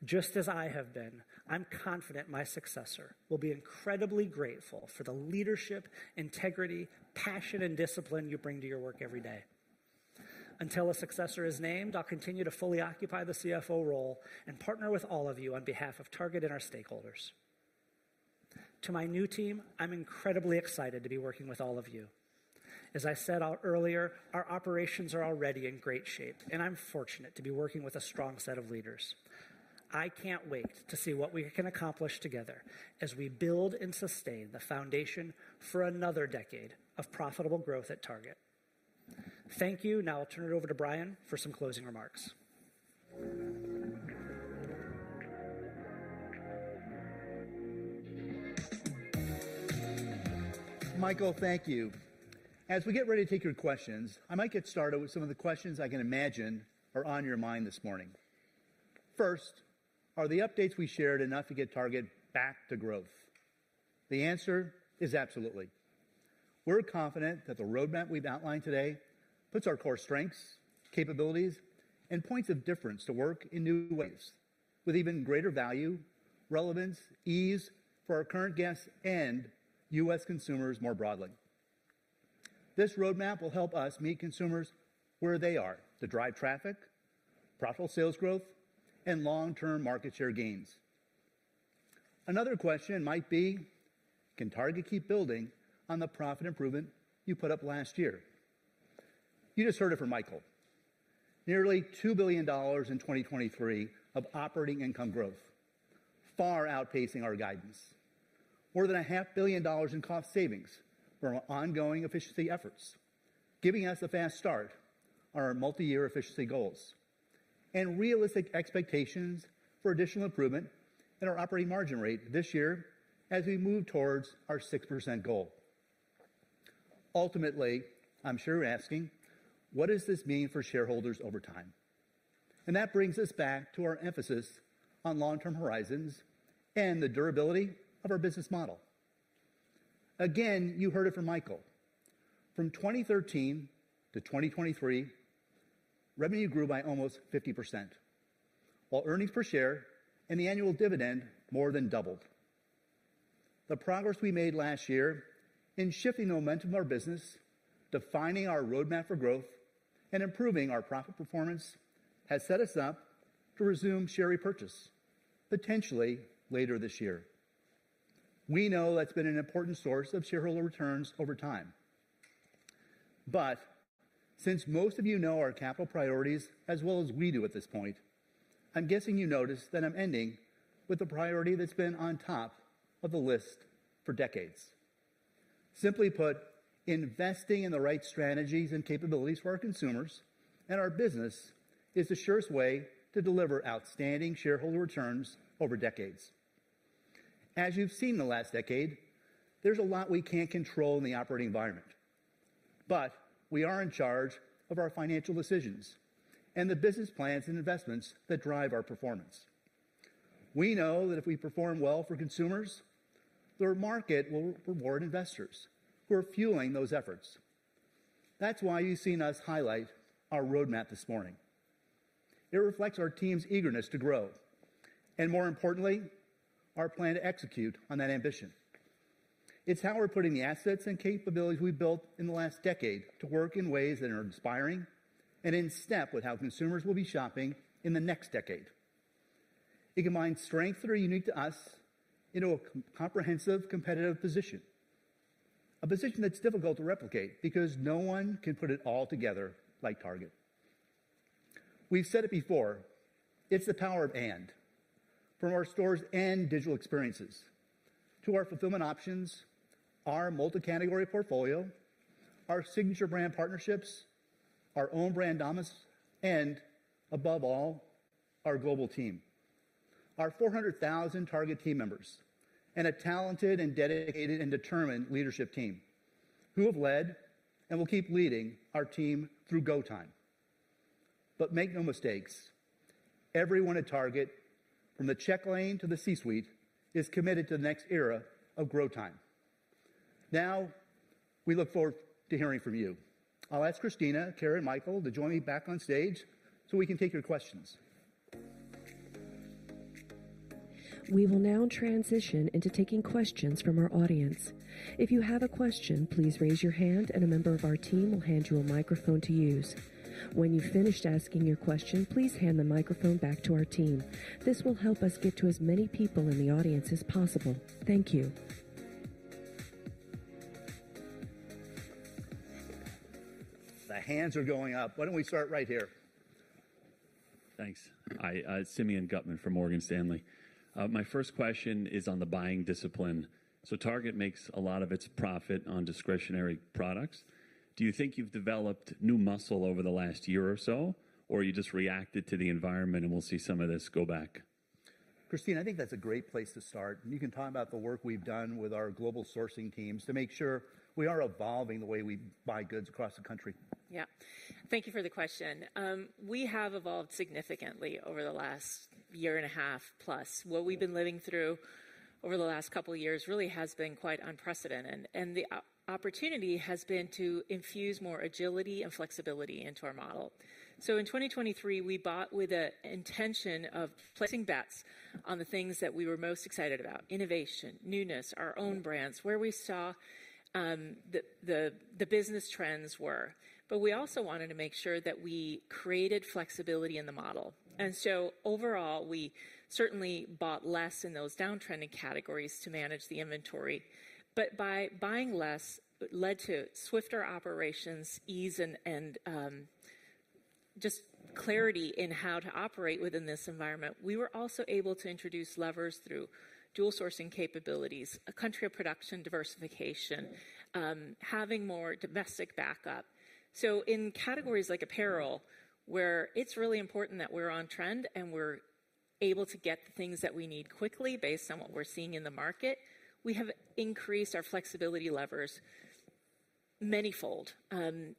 Just as I have been, I'm confident my successor will be incredibly grateful for the leadership, integrity, passion, and discipline you bring to your work every day. Until a successor is named, I'll continue to fully occupy the CFO role and partner with all of you on behalf of Target and our stakeholders. To my new team, I'm incredibly excited to be working with all of you. As I said earlier, our operations are already in great shape, and I'm fortunate to be working with a strong set of leaders. I can't wait to see what we can accomplish together as we build and sustain the foundation for another decade of profitable growth at Target. Thank you. Now I'll turn it over to Brian for some closing remarks. Michael, thank you. As we get ready to take your questions, I might get started with some of the questions I can imagine are on your mind this morning. First, are the updates we shared enough to get Target back to growth? The answer is absolutely. We're confident that the roadmap we've outlined today puts our core strengths, capabilities, and points of difference to work in new ways with even greater value, relevance, ease for our current guests and U.S. consumers more broadly. This roadmap will help us meet consumers where they are to drive traffic, profitable sales growth, and long-term market share gains. Another question might be, can Target keep building on the profit improvement you put up last year? You just heard it from Michael. Nearly $2 billion in 2023 of operating income growth, far outpacing our guidance. More than $500 million in cost savings from ongoing efficiency efforts, giving us a fast start on our multi-year efficiency goals and realistic expectations for additional improvement in our operating margin rate this year as we move towards our 6% goal. Ultimately, I'm sure you're asking, what does this mean for shareholders over time? That brings us back to our emphasis on long-term horizons and the durability of our business model. Again, you heard it from Michael. From 2013 to 2023, revenue grew by almost 50%, while earnings per share and the annual dividend more than doubled. The progress we made last year in shifting the momentum of our business, defining our roadmap for growth, and improving our profit performance has set us up to resume share repurchase potentially later this year. We know that's been an important source of shareholder returns over time. But since most of you know our capital priorities as well as we do at this point, I'm guessing you noticed that I'm ending with the priority that's been on top of the list for decades. Simply put, investing in the right strategies and capabilities for our consumers and our business is the surest way to deliver outstanding shareholder returns over decades. As you've seen in the last decade, there's a lot we can't control in the operating environment, but we are in charge of our financial decisions and the business plans and investments that drive our performance. We know that if we perform well for consumers, the market will reward investors who are fueling those efforts. That's why you've seen us highlight our roadmap this morning. It reflects our team's eagerness to grow and, more importantly, our plan to execute on that ambition. It's how we're putting the assets and capabilities we've built in the last decade to work in ways that are inspiring and in step with how consumers will be shopping in the next decade. It combines strengths that are unique to us into a comprehensive, competitive position, a position that's difficult to replicate because no one can put it all together like Target. We've said it before. It's the power of AND, from our stores and digital experiences to our fulfillment options, our multi-category portfolio, our signature brand partnerships, our own brand differentiation, and above all, our global team, our 400,000 Target team members and a talented and dedicated and determined leadership team who have led and will keep leading our team through growth time. But make no mistakes, everyone at Target, from the check lane to the C-suite, is committed to the next era of growth time. Now we look forward to hearing from you. I'll ask Christina, Cara, and Michael to join me back on stage so we can take your questions. We will now transition into taking questions from our audience. If you have a question, please raise your hand and a member of our team will hand you a microphone to use. When you've finished asking your question, please hand the microphone back to our team. This will help us get to as many people in the audience as possible. Thank you. The hands are going up. Why don't we start right here? Thanks. I'm Simeon Gutman from Morgan Stanley. My first question is on the buying discipline. So Target makes a lot of its profit on discretionary products. Do you think you've developed new muscle over the last year or so, or you just reacted to the environment and we'll see some of this go back? Christina, I think that's a great place to start. And you can talk about the work we've done with our global sourcing teams to make sure we are evolving the way we buy goods across the country. Yeah. Thank you for the question. We have evolved significantly over the last year and a half plus. What we've been living through over the last couple of years really has been quite unprecedented. The opportunity has been to infuse more agility and flexibility into our model. So in 2023, we bought with the intention of placing bets on the things that we were most excited about: innovation, newness, our own brands, where we saw the business trends were. But we also wanted to make sure that we created flexibility in the model. Overall, we certainly bought less in those downtrending categories to manage the inventory. By buying less, it led to swifter operations, ease, and just clarity in how to operate within this environment. We were also able to introduce levers through dual sourcing capabilities, a country of production diversification, having more domestic backup. So in categories like apparel, where it's really important that we're on trend and we're able to get the things that we need quickly based on what we're seeing in the market, we have increased our flexibility levers manyfold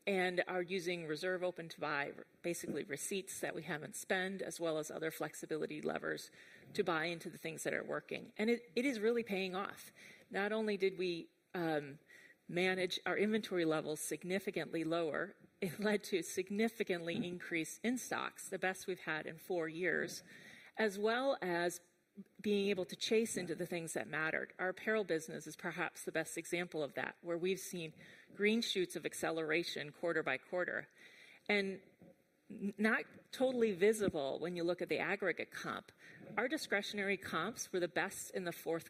and are using reserve open-to-buy, basically receipts that we haven't spent, as well as other flexibility levers to buy into the things that are working. And it is really paying off. Not only did we manage our inventory levels significantly lower, it led to significantly increased in-stocks, the best we've had in four years, as well as being able to chase into the things that mattered. Our apparel business is perhaps the best example of that, where we've seen green shoots of acceleration quarter by quarter. And, not totally visible when you look at the aggregate comp, our discretionary comps were the best in the Q4.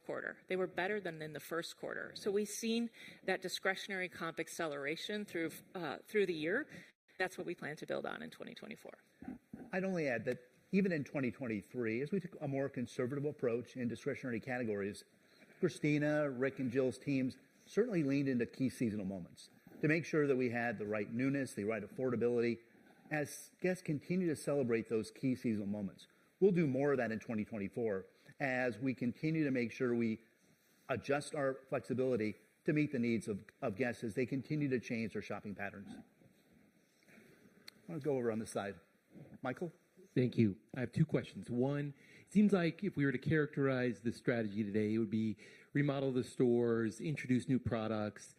They were better than in the Q1. So we've seen that discretionary comp acceleration through the year. That's what we plan to build on in 2024. I'd only add that even in 2023, as we took a more conservative approach in discretionary categories, Christina, Rick, and Jill's teams certainly leaned into key seasonal moments to make sure that we had the right newness, the right affordability. As guests continue to celebrate those key seasonal moments, we'll do more of that in 2024 as we continue to make sure we adjust our flexibility to meet the needs of guests as they continue to change their shopping patterns. I want to go over on this side. Michael? Thank you. I have two questions. One, it seems like if we were to characterize the strategy today, it would be remodel the stores, introduce new products,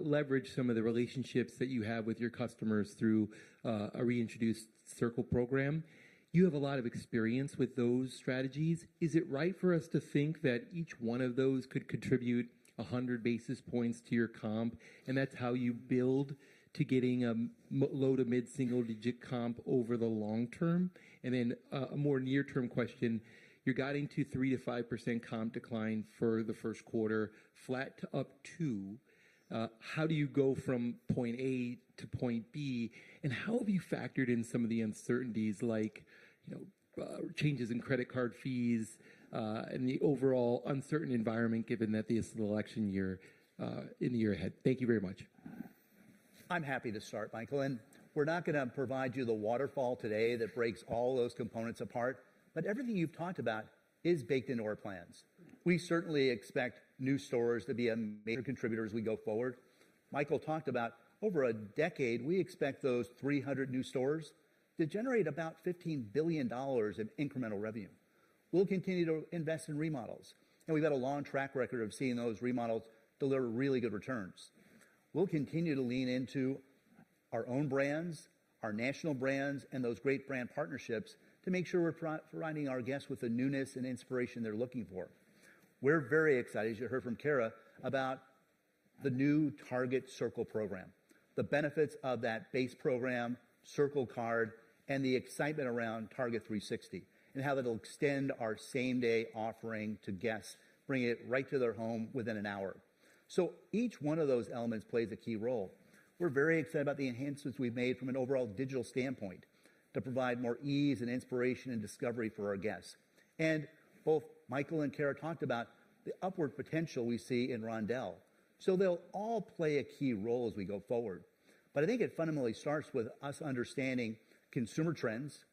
leverage some of the relationships that you have with your customers through a reintroduced Circle program. You have a lot of experience with those strategies. Is it right for us to think that each one of those could contribute 100 basis points to your comp, and that's how you build to getting a low to mid single-digit comp over the long term? And then a more near-term question, you're guiding to 3%-5% comp decline for the Q1, flat to up 2%. How do you go from point A to point B? How have you factored in some of the uncertainties like changes in credit card fees and the overall uncertain environment given that this is an election year in the year ahead? Thank you very much. I'm happy to start, Michael. We're not going to provide you the waterfall today that breaks all those components apart, but everything you've talked about is baked into our plans. We certainly expect new stores to be a major contributor as we go forward. Michael talked about over a decade. We expect those 300 new stores to generate about $15 billion in incremental revenue. We'll continue to invest in remodels. We've had a long track record of seeing those remodels deliver really good returns. We'll continue to lean into our own brands, our national brands, and those great brand partnerships to make sure we're providing our guests with the newness and inspiration they're looking for. We're very excited, as you heard from Cara, about the new Target Circle program, the benefits of that base program, Circle Card, and the excitement around Target 360 and how that'll extend our same-day offering to guests, bringing it right to their home within an hour. So each one of those elements plays a key role. We're very excited about the enhancements we've made from an overall digital standpoint to provide more ease and inspiration and discovery for our guests. And both Michael and Cara talked about the upward potential we see in Roundel. So they'll all play a key role as we go forward. I think it fundamentally starts with us understanding consumer trends,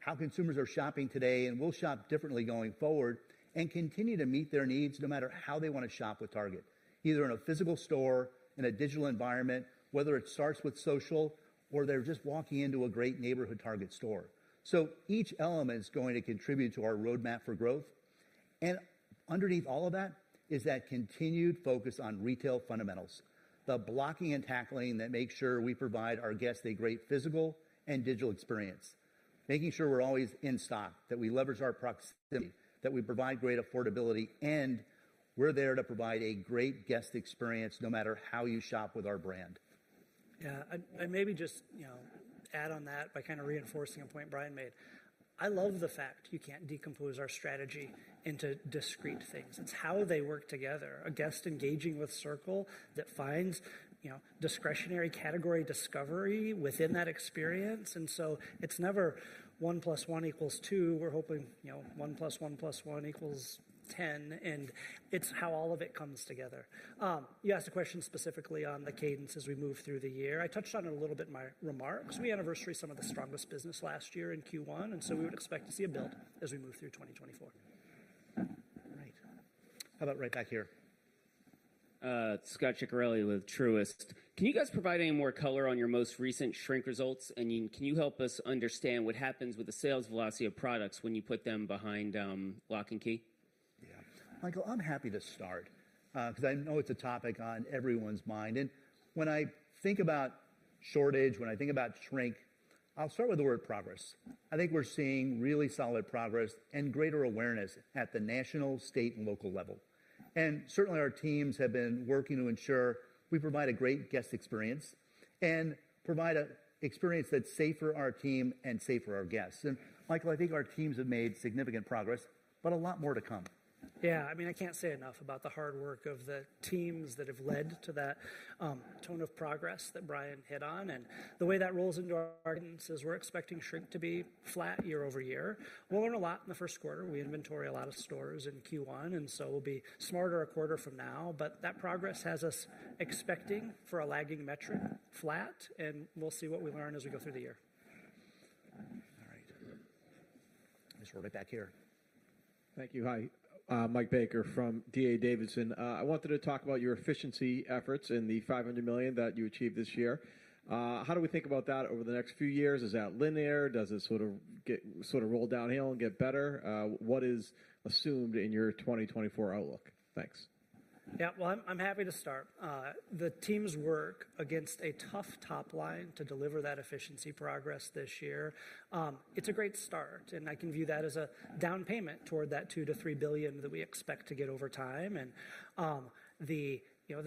how consumers are shopping today, and we'll shop differently going forward and continue to meet their needs no matter how they want to shop with Target, either in a physical store, in a digital environment, whether it starts with social, or they're just walking into a great neighborhood Target store. Each element is going to contribute to our roadmap for growth. Underneath all of that is that continued focus on retail fundamentals, the blocking and tackling that makes sure we provide our guests a great physical and digital experience, making sure we're always in stock, that we leverage our proximity, that we provide great affordability, and we're there to provide a great guest experience no matter how you shop with our brand. Yeah. And maybe just add on that by kind of reinforcing a point Brian made. I love the fact you can't decompose our strategy into discrete things. It's how they work together, a guest engaging with Circle that finds discretionary category discovery within that experience. And so it's never one plus one equals two. We're hoping one plus one plus one equals 10. And it's how all of it comes together. You asked a question specifically on the cadence as we move through the year. I touched on it a little bit in my remarks. We anniversary some of the strongest business last year in Q1. And so we would expect to see a build as we move through 2024. Right. How about right back here? Scot Ciccarelli with Truist. Can you guys provide any more color on your most recent shrink results? And can you help us understand what happens with the sales velocity of products when you put them behind lock and key? Yeah. Michael, I'm happy to start because I know it's a topic on everyone's mind. When I think about shortage, when I think about shrink, I'll start with the word progress. I think we're seeing really solid progress and greater awareness at the national, state, and local level. Certainly, our teams have been working to ensure we provide a great guest experience and provide an experience that's safe for our team and safe for our guests. Michael, I think our teams have made significant progress, but a lot more to come. Yeah. I mean, I can't say enough about the hard work of the teams that have led to that tone of progress that Brian hit on. And the way that rolls into our cadence is we're expecting shrink to be flat year-over-year. We'll learn a lot in the Q1. We inventory a lot of stores in Q1. And so we'll be smarter a quarter from now. But that progress has us expecting for a lagging metric flat. And we'll see what we learn as we go through the year. All right. Let's roll right back here. Thank you. Hi. Mike Baker from D.A. Davidson. I wanted to talk about your efficiency efforts in the $500 million that you achieved this year. How do we think about that over the next few years? Is that linear? Does it sort of roll downhill and get better? What is assumed in your 2024 outlook? Thanks. Yeah. Well, I'm happy to start. The team's work against a tough top line to deliver that efficiency progress this year. It's a great start. And I can view that as a down payment toward that $2 billion-$3 billion that we expect to get over time. And the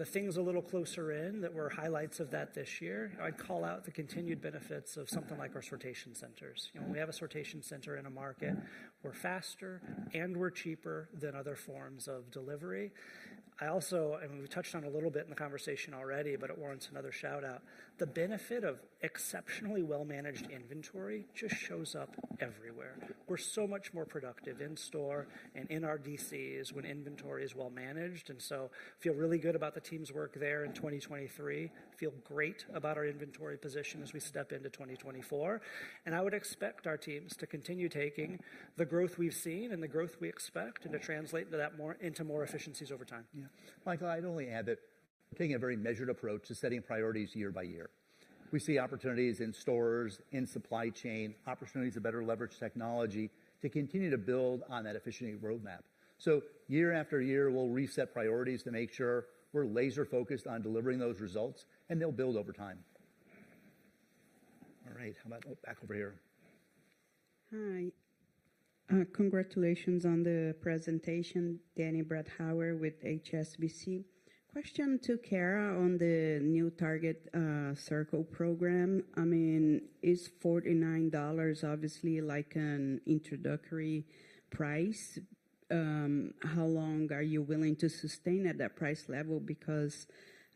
things a little closer in that were highlights of that this year, I'd call out the continued benefits of something like our sortation centers. When we have a sortation center in a market, we're faster and we're cheaper than other forms of delivery. I also and we've touched on a little bit in the conversation already, but it warrants another shout-out. The benefit of exceptionally well-managed inventory just shows up everywhere. We're so much more productive in store and in our DCs when inventory is well-managed. And so feel really good about the team's work there in 2023. Feel great about our inventory position as we step into 2024. I would expect our teams to continue taking the growth we've seen and the growth we expect and to translate into more efficiencies over time. Yeah. Michael, I'd only add that we're taking a very measured approach to setting priorities year by year. We see opportunities in stores, in supply chain, opportunities to better leverage technology to continue to build on that efficiency roadmap. So year after year, we'll reset priorities to make sure we're laser-focused on delivering those results. And they'll build over time. All right. How about back over here? Hi. Congratulations on the presentation, Daniela Bretthauer with HSBC. Question to Cara on the new Target Circle program. I mean, is $49 obviously like an introductory price? How long are you willing to sustain at that price level? Because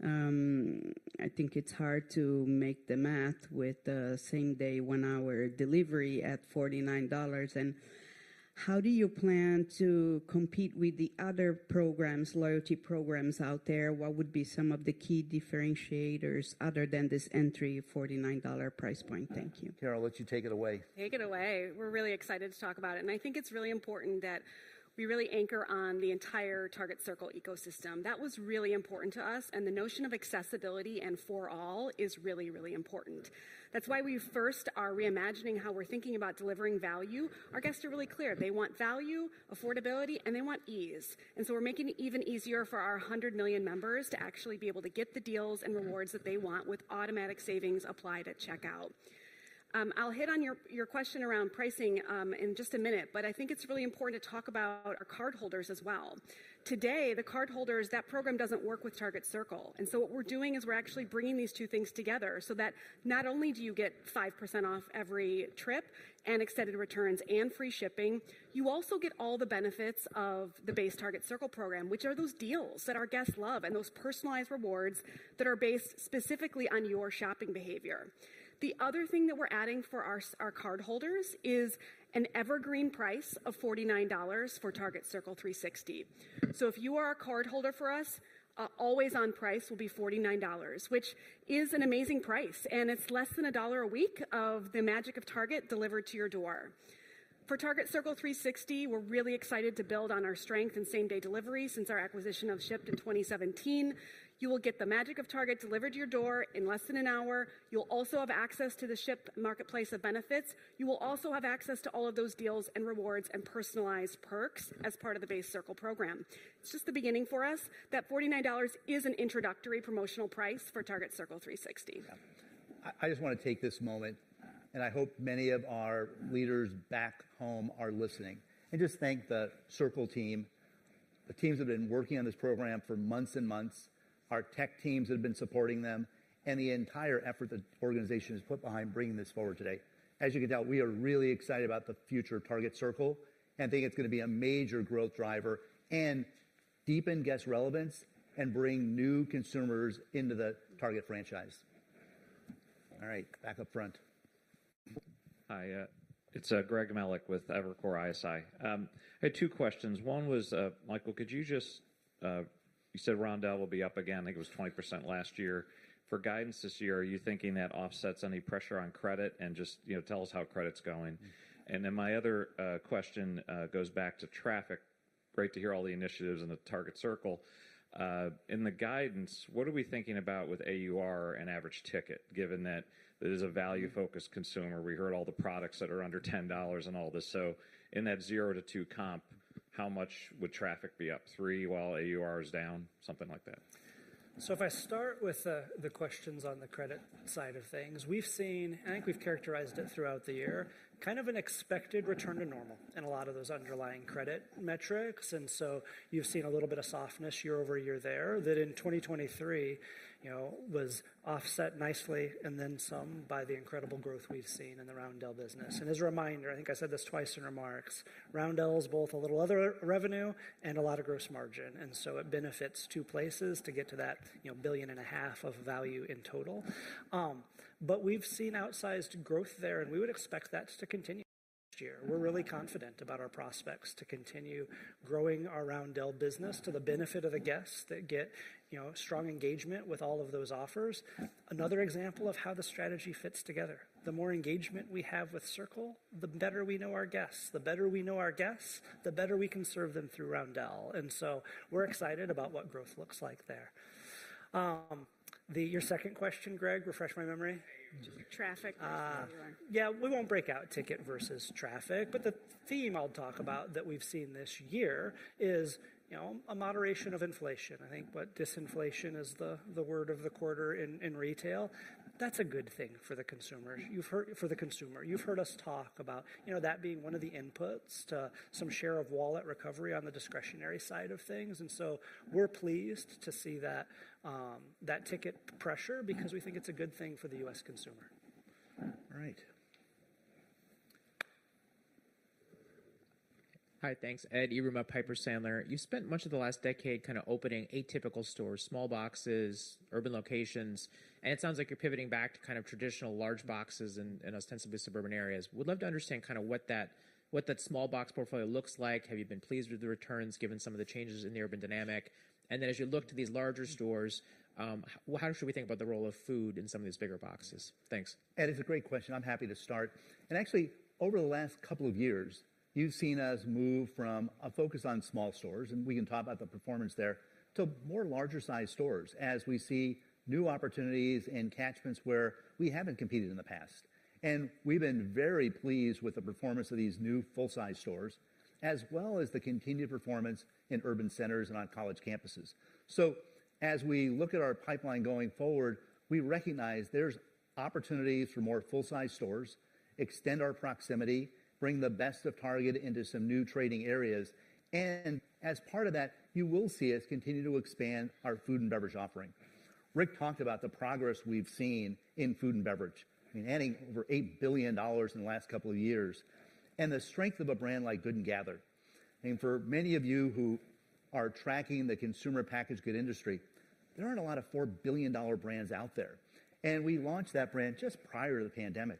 I think it's hard to make the math with the same-day, one-hour delivery at $49. And how do you plan to compete with the other programs, loyalty programs out there? What would be some of the key differentiators other than this entry $49 price point? Thank you. Cara, I'll let you take it away. Take it away. We're really excited to talk about it. I think it's really important that we really anchor on the entire Target Circle ecosystem. That was really important to us. The notion of accessibility and for all is really, really important. That's why we first are reimagining how we're thinking about delivering value. Our guests are really clear. They want value, affordability, and they want ease. We're making it even easier for our 100 million members to actually be able to get the deals and rewards that they want with automatic savings applied at checkout. I'll hit on your question around pricing in just a minute. But I think it's really important to talk about our cardholders as well. Today, the cardholders, that program doesn't work with Target Circle. So what we're doing is we're actually bringing these two things together so that not only do you get 5% off every trip and extended returns and free shipping, you also get all the benefits of the base Target Circle program, which are those deals that our guests love and those personalized rewards that are based specifically on your shopping behavior. The other thing that we're adding for our cardholders is an evergreen price of $49 for Target Circle 360. So if you are a cardholder for us, always-on price will be $49, which is an amazing price. And it's less than a dollar a week of the magic of Target delivered to your door. For Target Circle 360, we're really excited to build on our strength in same-day delivery since our acquisition of Shipt in 2017. You will get the magic of Target delivered to your door in less than an hour. You'll also have access to the Shipt marketplace of benefits. You will also have access to all of those deals and rewards and personalized perks as part of the base Circle program. It's just the beginning for us. That $49 is an introductory promotional price for Target Circle 360. Yeah. I just want to take this moment. I hope many of our leaders back home are listening. And just thank the Circle team, the teams that have been working on this program for months and months, our tech teams that have been supporting them, and the entire effort the organization has put behind bringing this forward today. As you can tell, we are really excited about the future of Target Circle and think it's going to be a major growth driver and deepen guest relevance and bring new consumers into the Target franchise. All right. Back up front. Hi. It's Greg Melich with Evercore ISI. I had two questions. One was, Michael, could you just—you said Roundel will be up again. I think it was 20% last year. For guidance this year, are you thinking that offsets any pressure on credit and just tell us how credit's going? And then my other question goes back to traffic. Great to hear all the initiatives in the Target Circle. In the guidance, what are we thinking about with AUR and average ticket, given that it is a value-focused consumer? We heard all the products that are under $10 and all this. So in that 0 to 2 comp, how much would traffic be up 3% while AUR is down? Something like that. So if I start with the questions on the credit side of things, we've seen, I think, we've characterized it throughout the year kind of an expected return to normal in a lot of those underlying credit metrics. And so you've seen a little bit of softness year-over-year there that in 2023 was offset nicely and then some by the incredible growth we've seen in the Roundel business. And as a reminder, I think I said this twice in remarks, Roundel is both a little other revenue and a lot of gross margin. And so it benefits two places to get to that $1.5 billion of value in total. But we've seen outsized growth there. And we would expect that to continue next year. We're really confident about our prospects to continue growing our Roundel business to the benefit of the guests that get strong engagement with all of those offers. Another example of how the strategy fits together, the more engagement we have with Circle, the better we know our guests. The better we know our guests, the better we can serve them through Roundel. And so we're excited about what growth looks like there. Your second question, Greg, refresh my memory. Traffic. Yeah. We won't break out ticket versus traffic. But the theme I'll talk about that we've seen this year is a moderation of inflation. I think what disinflation is the word of the quarter in retail, that's a good thing for the consumer. For the consumer, you've heard us talk about that being one of the inputs to some share of wallet recovery on the discretionary side of things. So we're pleased to see that ticket pressure because we think it's a good thing for the U.S. consumer. All right. Hi. Thanks, Edward Yruma, Piper Sandler. You've spent much of the last decade kind of opening atypical stores, small boxes, urban locations. And it sounds like you're pivoting back to kind of traditional large boxes in ostensibly suburban areas. Would love to understand kind of what that small box portfolio looks like. Have you been pleased with the returns given some of the changes in the urban dynamic? And then as you look to these larger stores, how should we think about the role of food in some of these bigger boxes? Thanks. Ed, it's a great question. I'm happy to start. Actually, over the last couple of years, you've seen us move from a focus on small stores (and we can talk about the performance there) to more larger-sized stores as we see new opportunities and catchments where we haven't competed in the past. We've been very pleased with the performance of these new full-size stores as well as the continued performance in urban centers and on college campuses. As we look at our pipeline going forward, we recognize there's opportunities for more full-size stores, extend our proximity, bring the best of Target into some new trading areas. As part of that, you will see us continue to expand our food and beverage offering. Rick talked about the progress we've seen in food and beverage, I mean, adding over $8 billion in the last couple of years, and the strength of a brand like Good & Gather. I mean, for many of you who are tracking the consumer packaged goods industry, there aren't a lot of $4 billion brands out there. And we launched that brand just prior to the pandemic.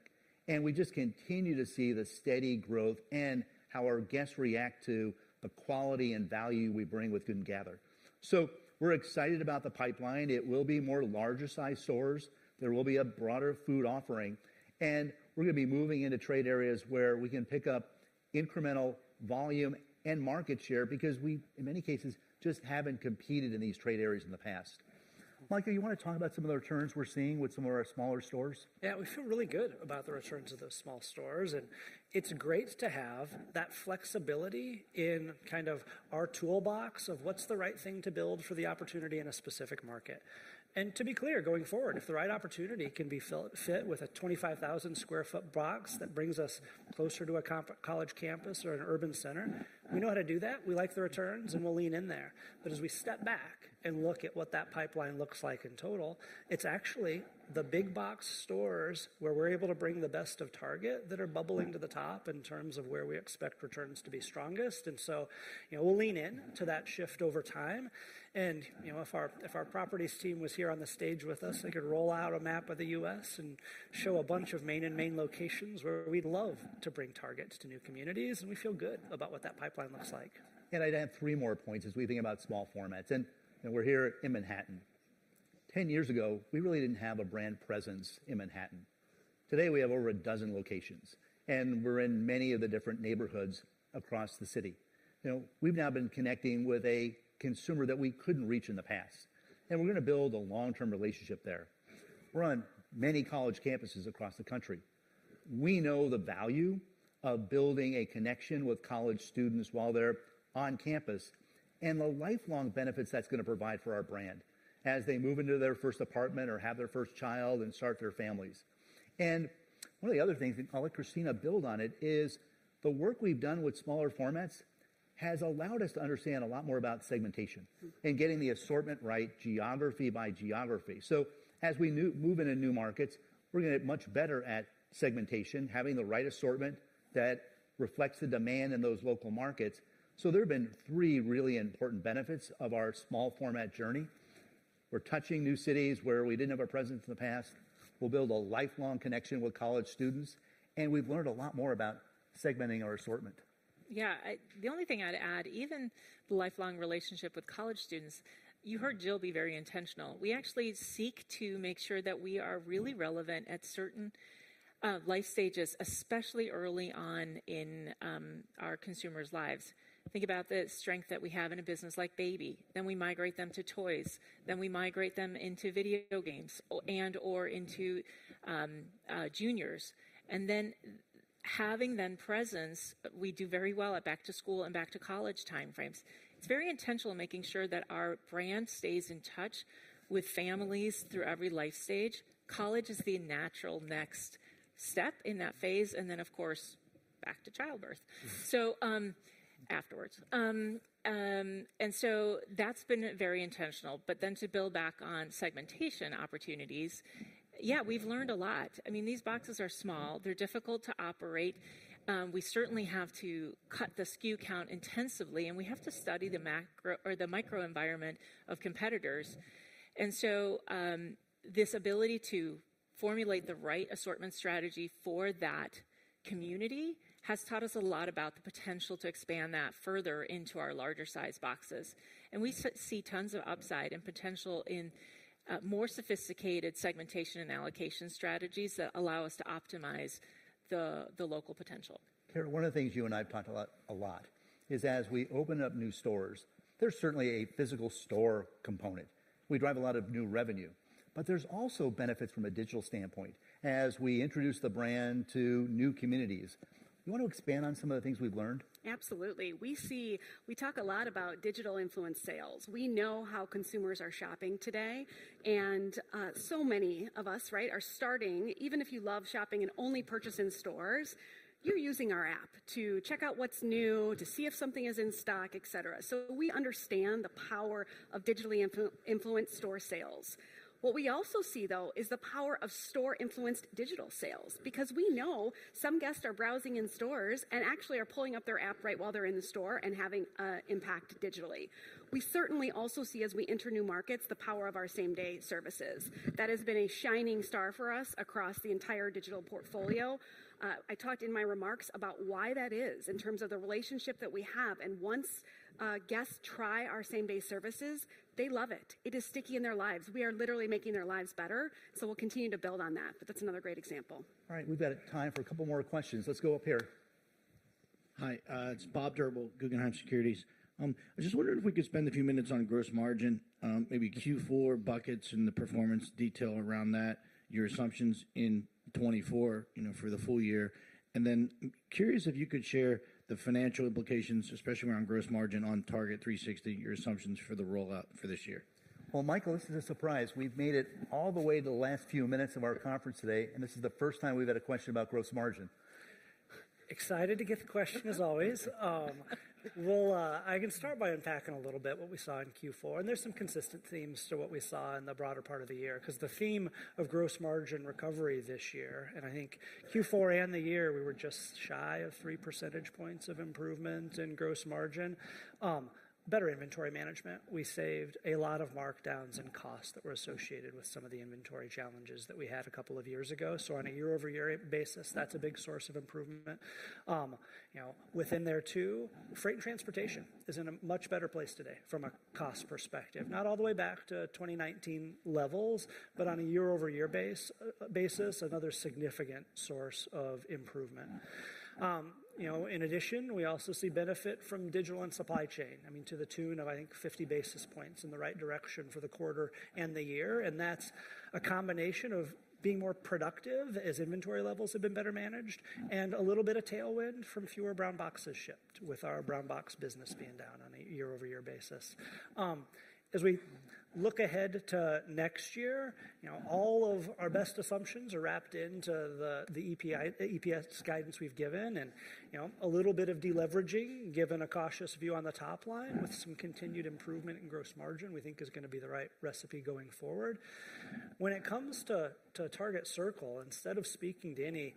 And we just continue to see the steady growth and how our guests react to the quality and value we bring with Good & Gather. So we're excited about the pipeline. It will be more larger-sized stores. There will be a broader food offering. And we're going to be moving into trade areas where we can pick up incremental volume and market share because we, in many cases, just haven't competed in these trade areas in the past. Michael, you want to talk about some of the returns we're seeing with some of our smaller stores? Yeah. We feel really good about the returns of those small stores. It's great to have that flexibility in kind of our toolbox of what's the right thing to build for the opportunity in a specific market. To be clear, going forward, if the right opportunity can be fit with a 25,000-sq-ft box that brings us closer to a college campus or an urban center, we know how to do that. We like the returns. We'll lean in there. But as we step back and look at what that pipeline looks like in total, it's actually the big-box stores where we're able to bring the best of Target that are bubbling to the top in terms of where we expect returns to be strongest. So we'll lean in to that shift over time. If our properties team was here on the stage with us, they could roll out a map of the U.S. and show a bunch of Manhattan locations where we'd love to bring Target to new communities. We feel good about what that pipeline looks like. Ed, I'd add three more points as we think about small formats. We're here in Manhattan. 10 years ago, we really didn't have a brand presence in Manhattan. Today, we have over a dozen locations. We're in many of the different neighborhoods across the city. We've now been connecting with a consumer that we couldn't reach in the past. We're going to build a long-term relationship there. We're on many college campuses across the country. We know the value of building a connection with college students while they're on campus and the lifelong benefits that's going to provide for our brand as they move into their first apartment or have their first child and start their families. One of the other things that I'll let Christina build on it is the work we've done with smaller formats has allowed us to understand a lot more about segmentation and getting the assortment right, geography by geography. As we move into new markets, we're going to get much better at segmentation, having the right assortment that reflects the demand in those local markets. There have been three really important benefits of our small format journey. We're touching new cities where we didn't have a presence in the past. We'll build a lifelong connection with college students. And we've learned a lot more about segmenting our assortment. Yeah. The only thing I'd add, even the lifelong relationship with college students, you heard Jill be very intentional. We actually seek to make sure that we are really relevant at certain life stages, especially early on in our consumers' lives. Think about the strength that we have in a business like Baby. Then we migrate them to toys. Then we migrate them into video games and/or into juniors. And then having them present, we do very well at back-to-school and back-to-college timeframes. It's very intentional making sure that our brand stays in touch with families through every life stage. College is the natural next step in that phase. And then, of course, back to childbirth. So afterwards. And so that's been very intentional. But then to build back on segmentation opportunities, yeah, we've learned a lot. I mean, these boxes are small. They're difficult to operate. We certainly have to cut the SKU count intensively. We have to study the microenvironment of competitors. This ability to formulate the right assortment strategy for that community has taught us a lot about the potential to expand that further into our larger-sized boxes. We see tons of upside and potential in more sophisticated segmentation and allocation strategies that allow us to optimize the local potential. Cara, one of the things you and I have talked about a lot is as we open up new stores, there's certainly a physical store component. We drive a lot of new revenue. But there's also benefits from a digital standpoint as we introduce the brand to new communities. You want to expand on some of the things we've learned? Absolutely. We talk a lot about digital influence sales. We know how consumers are shopping today. And so many of us, right, are starting, even if you love shopping and only purchase in stores, you're using our app to check out what's new, to see if something is in stock, etc. So we understand the power of digitally influenced store sales. What we also see, though, is the power of store-influenced digital sales because we know some guests are browsing in stores and actually are pulling up their app right while they're in the store and having an impact digitally. We certainly also see, as we enter new markets, the power of our same-day services. That has been a shining star for us across the entire digital portfolio. I talked in my remarks about why that is in terms of the relationship that we have. Once guests try our same-day services, they love it. It is sticky in their lives. We are literally making their lives better. So we'll continue to build on that. But that's another great example. All right. We've got time for a couple more questions. Let's go up here. Hi. It's Bob Drbul, Guggenheim Securities. I just wondered if we could spend a few minutes on gross margin, maybe Q4 buckets and the performance detail around that, your assumptions in 2024 for the full year. And then curious if you could share the financial implications, especially around gross margin on Target Circle 360, your assumptions for the rollout for this year. Well, Michael, this is a surprise. We've made it all the way to the last few minutes of our conference today. This is the first time we've had a question about gross margin. Excited to get the question as always. I can start by unpacking a little bit what we saw in Q4. There's some consistent themes to what we saw in the broader part of the year because the theme of gross margin recovery this year and I think Q4 and the year, we were just shy of 3 percentage points of improvement in gross margin. Better inventory management. We saved a lot of markdowns and costs that were associated with some of the inventory challenges that we had a couple of years ago. So on a year-over-year basis, that's a big source of improvement. Within there too, freight and transportation is in a much better place today from a cost perspective, not all the way back to 2019 levels. But on a year-over-year basis, another significant source of improvement. In addition, we also see benefit from digital and supply chain, I mean, to the tune of, I think, 50 basis points in the right direction for the quarter and the year. That's a combination of being more productive as inventory levels have been better managed and a little bit of tailwind from fewer brown boxes shipped with our brown box business being down on a year-over-year basis. As we look ahead to next year, all of our best assumptions are wrapped into the EPS guidance we've given. A little bit of deleveraging, given a cautious view on the top line with some continued improvement in gross margin, we think is going to be the right recipe going forward. When it comes to Target Circle, instead of speaking to any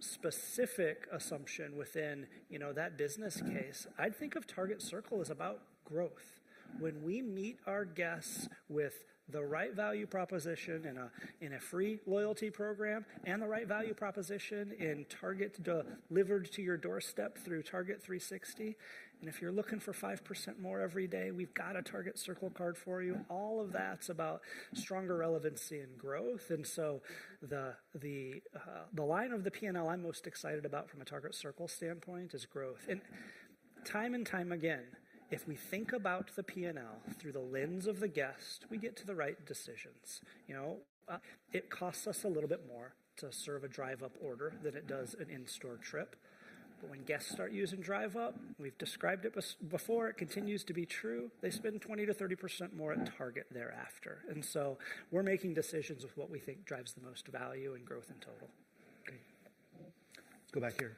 specific assumption within that business case, I'd think of Target Circle as about growth. When we meet our guests with the right value proposition in a free loyalty program and the right value proposition in Target delivered to your doorstep through Target Circle 360, and if you're looking for 5% more every day, we've got a Target Circle Card for you. All of that's about stronger relevancy and growth. And so the line of the P&L I'm most excited about from a Target Circle standpoint is growth. And time and time again, if we think about the P&L through the lens of the guest, we get to the right decisions. It costs us a little bit more to serve a Drive Up order than it does an in-store trip. But when guests start using Drive Up, we've described it before. It continues to be true. They spend 20%-30% more at Target thereafter. We're making decisions with what we think drives the most value and growth in total. Great. Let's go back here.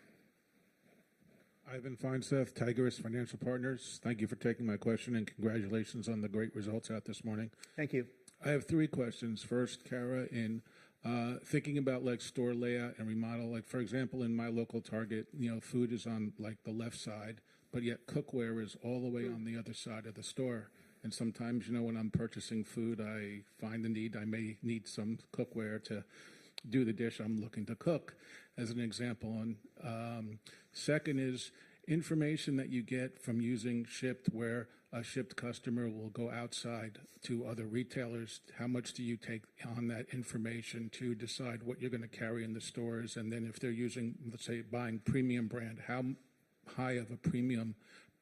Ivan Feinseth, Tigress Financial Partners. Thank you for taking my question. Congratulations on the great results out this morning. Thank you. I have three questions. First, Cara, in thinking about store layout and remodel, for example, in my local Target, food is on the left side. But yet, cookware is all the way on the other side of the store. And sometimes when I'm purchasing food, I find the need. I may need some cookware to do the dish I'm looking to cook, as an example. Second is information that you get from using Shipt where a Shipt customer will go outside to other retailers. How much do you take on that information to decide what you're going to carry in the stores? And then if they're using, let's say, buying premium brand, how high of a premium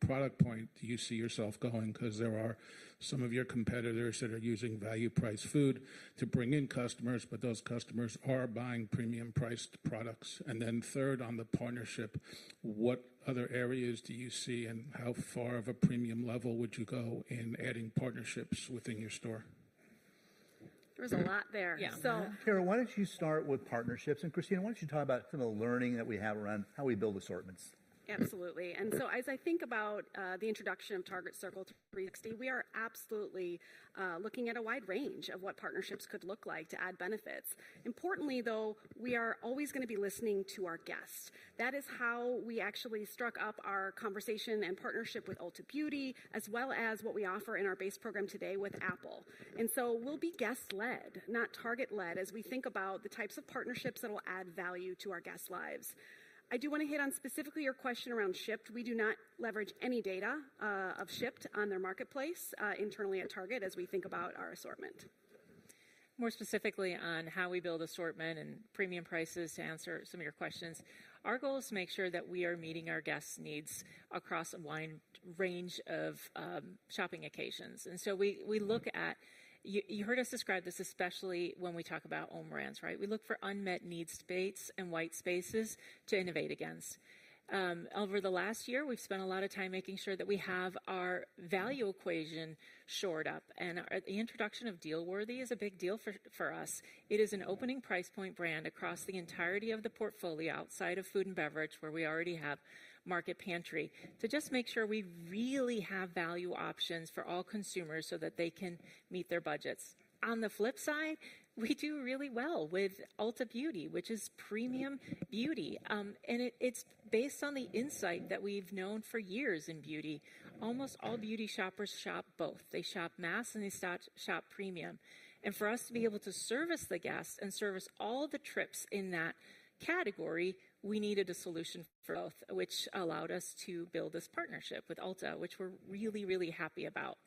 product point do you see yourself going? Because there are some of your competitors that are using value-priced food to bring in customers. But those customers are buying premium-priced products. Then third, on the partnership, what other areas do you see? And how far of a premium level would you go in adding partnerships within your store? There was a lot there. So. Cara, why don't you start with partnerships? Christina, why don't you talk about some of the learning that we have around how we build assortments? Absolutely. And so as I think about the introduction of Target Circle 360, we are absolutely looking at a wide range of what partnerships could look like to add benefits. Importantly, though, we are always going to be listening to our guests. That is how we actually struck up our conversation and partnership with Ulta Beauty as well as what we offer in our base program today with Apple. And so we'll be guest-led, not Target-led, as we think about the types of partnerships that will add value to our guests' lives. I do want to hit on specifically your question around Shipt. We do not leverage any data of Shipt on their marketplace internally at Target as we think about our assortment. More specifically on how we build assortment and premium prices to answer some of your questions, our goal is to make sure that we are meeting our guests' needs across a wide range of shopping occasions. And so we look at, you heard us describe this, especially when we talk about All in Motion, right? We look for unmet needs. Gaps and white spaces to innovate against. Over the last year, we've spent a lot of time making sure that we have our value equation shored up. And the introduction of dealworthy is a big deal for us. It is an opening price point brand across the entirety of the portfolio outside of food and beverage where we already have Market Pantry to just make sure we really have value options for all consumers so that they can meet their budgets. On the flip side, we do really well with Ulta Beauty, which is premium beauty. And it's based on the insight that we've known for years in beauty. Almost all beauty shoppers shop both. They shop mass, and they shop premium. And for us to be able to service the guests and service all the trips in that category, we needed a solution for both, which allowed us to build this partnership with Ulta, which we're really, really happy about.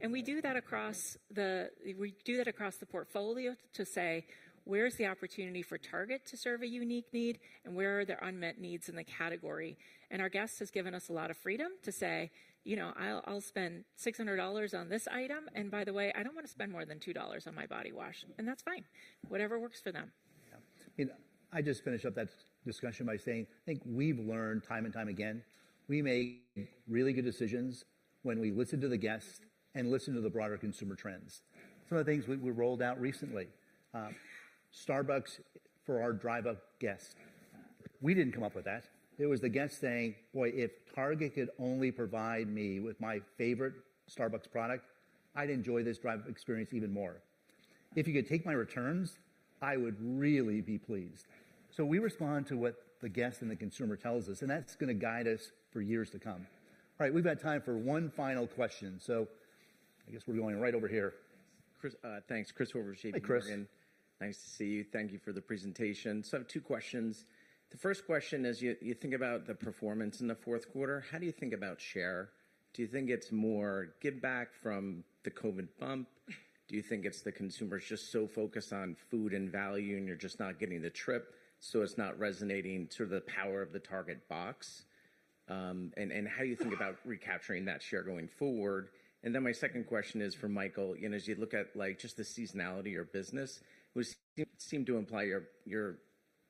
And we do that across the portfolio to say, "Where's the opportunity for Target to serve a unique need? And where are their unmet needs in the category?" And our guest has given us a lot of freedom to say, "I'll spend $600 on this item. And by the way, I don't want to spend more than $2 on my body wash." And that's fine. Whatever works for them. Yeah. I mean, I just finished up that discussion by saying, I think we've learned time and time again, we make really good decisions when we listen to the guests and listen to the broader consumer trends. Some of the things we rolled out recently, Starbucks for our Drive Up guests, we didn't come up with that. It was the guests saying, "Boy, if Target could only provide me with my favorite Starbucks product, I'd enjoy this Drive Up experience even more. If you could take my returns, I would really be pleased." So we respond to what the guest and the consumer tells us. And that's going to guide us for years to come. All right. We've got time for one final question. So I guess we're going right over here. Thanks, Chris Horvers. Hey, Chris. Thank you. See you. Thank you for the presentation. So I have two questions. The first question is, as you think about the performance in the Q4, how do you think about share? Do you think it's more give back from the COVID bump? Do you think it's the consumers just so focused on food and value, and you're just not getting the trip, so it's not resonating to the power of the Target box? And how do you think about recapturing that share going forward? And then my second question is for Michael. As you look at just the seasonality of your business, it seemed to imply you're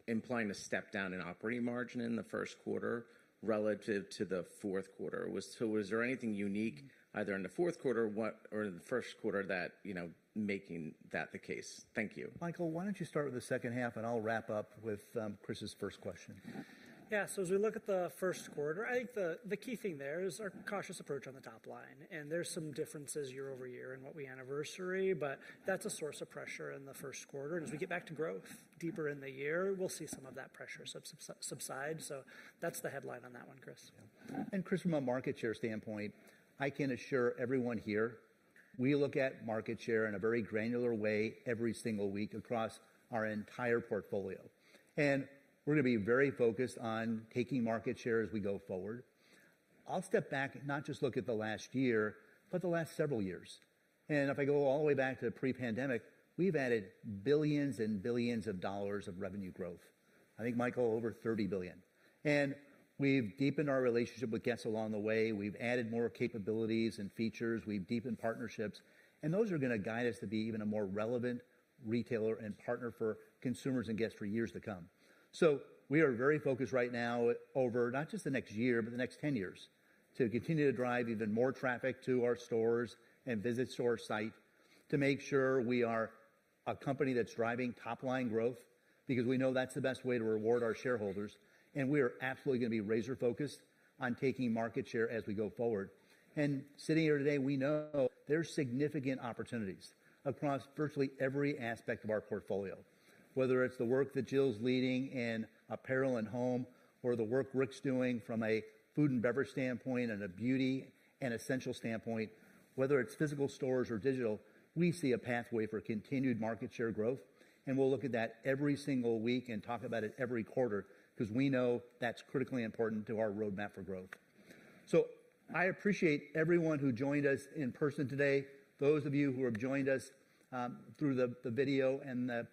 implying a step down in operating margin in the Q1 relative to the Q4. So was there anything unique either in the Q4 or in the Q1 that making that the case? Thank you. Michael, why don't you start with the second half? I'll wrap up with Chris's first question. Yeah. So as we look at the Q1, I think the key thing there is our cautious approach on the top line. And there's some differences year-over-year in what we anniversary. But that's a source of pressure in the Q1. And as we get back to growth deeper in the year, we'll see some of that pressure subside. So that's the headline on that one, Chris. Chris, from a market share standpoint, I can assure everyone here, we look at market share in a very granular way every single week across our entire portfolio. We're going to be very focused on taking market share as we go forward. I'll step back, not just look at the last year, but the last several years. If I go all the way back to pre-pandemic, we've added billions and billions of dollars of revenue growth. I think, Michael, over $30 billion. We've deepened our relationship with guests along the way. We've added more capabilities and features. We've deepened partnerships. Those are going to guide us to be even a more relevant retailer and partner for consumers and guests for years to come. So we are very focused right now over not just the next year, but the next 10 years to continue to drive even more traffic to our stores and our store sites to make sure we are a company that's driving top-line growth because we know that's the best way to reward our shareholders. And we are absolutely going to be razor-focused on taking market share as we go forward. And sitting here today, we know there's significant opportunities across virtually every aspect of our portfolio, whether it's the work that Jill's leading in apparel and home or the work Rick's doing from a food and beverage standpoint and a beauty and essentials standpoint, whether it's physical stores or digital, we see a pathway for continued market share growth. We'll look at that every single week and talk about it every quarter because we know that's critically important to our roadmap for growth. I appreciate everyone who joined us in person today, those of you who have joined us through the video and the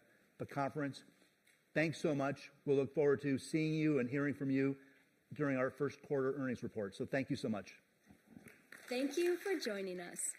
conference. Thanks so much. We'll look forward to seeing you and hearing from you during our Q1 earnings report. Thank you so much. Thank you for joining us.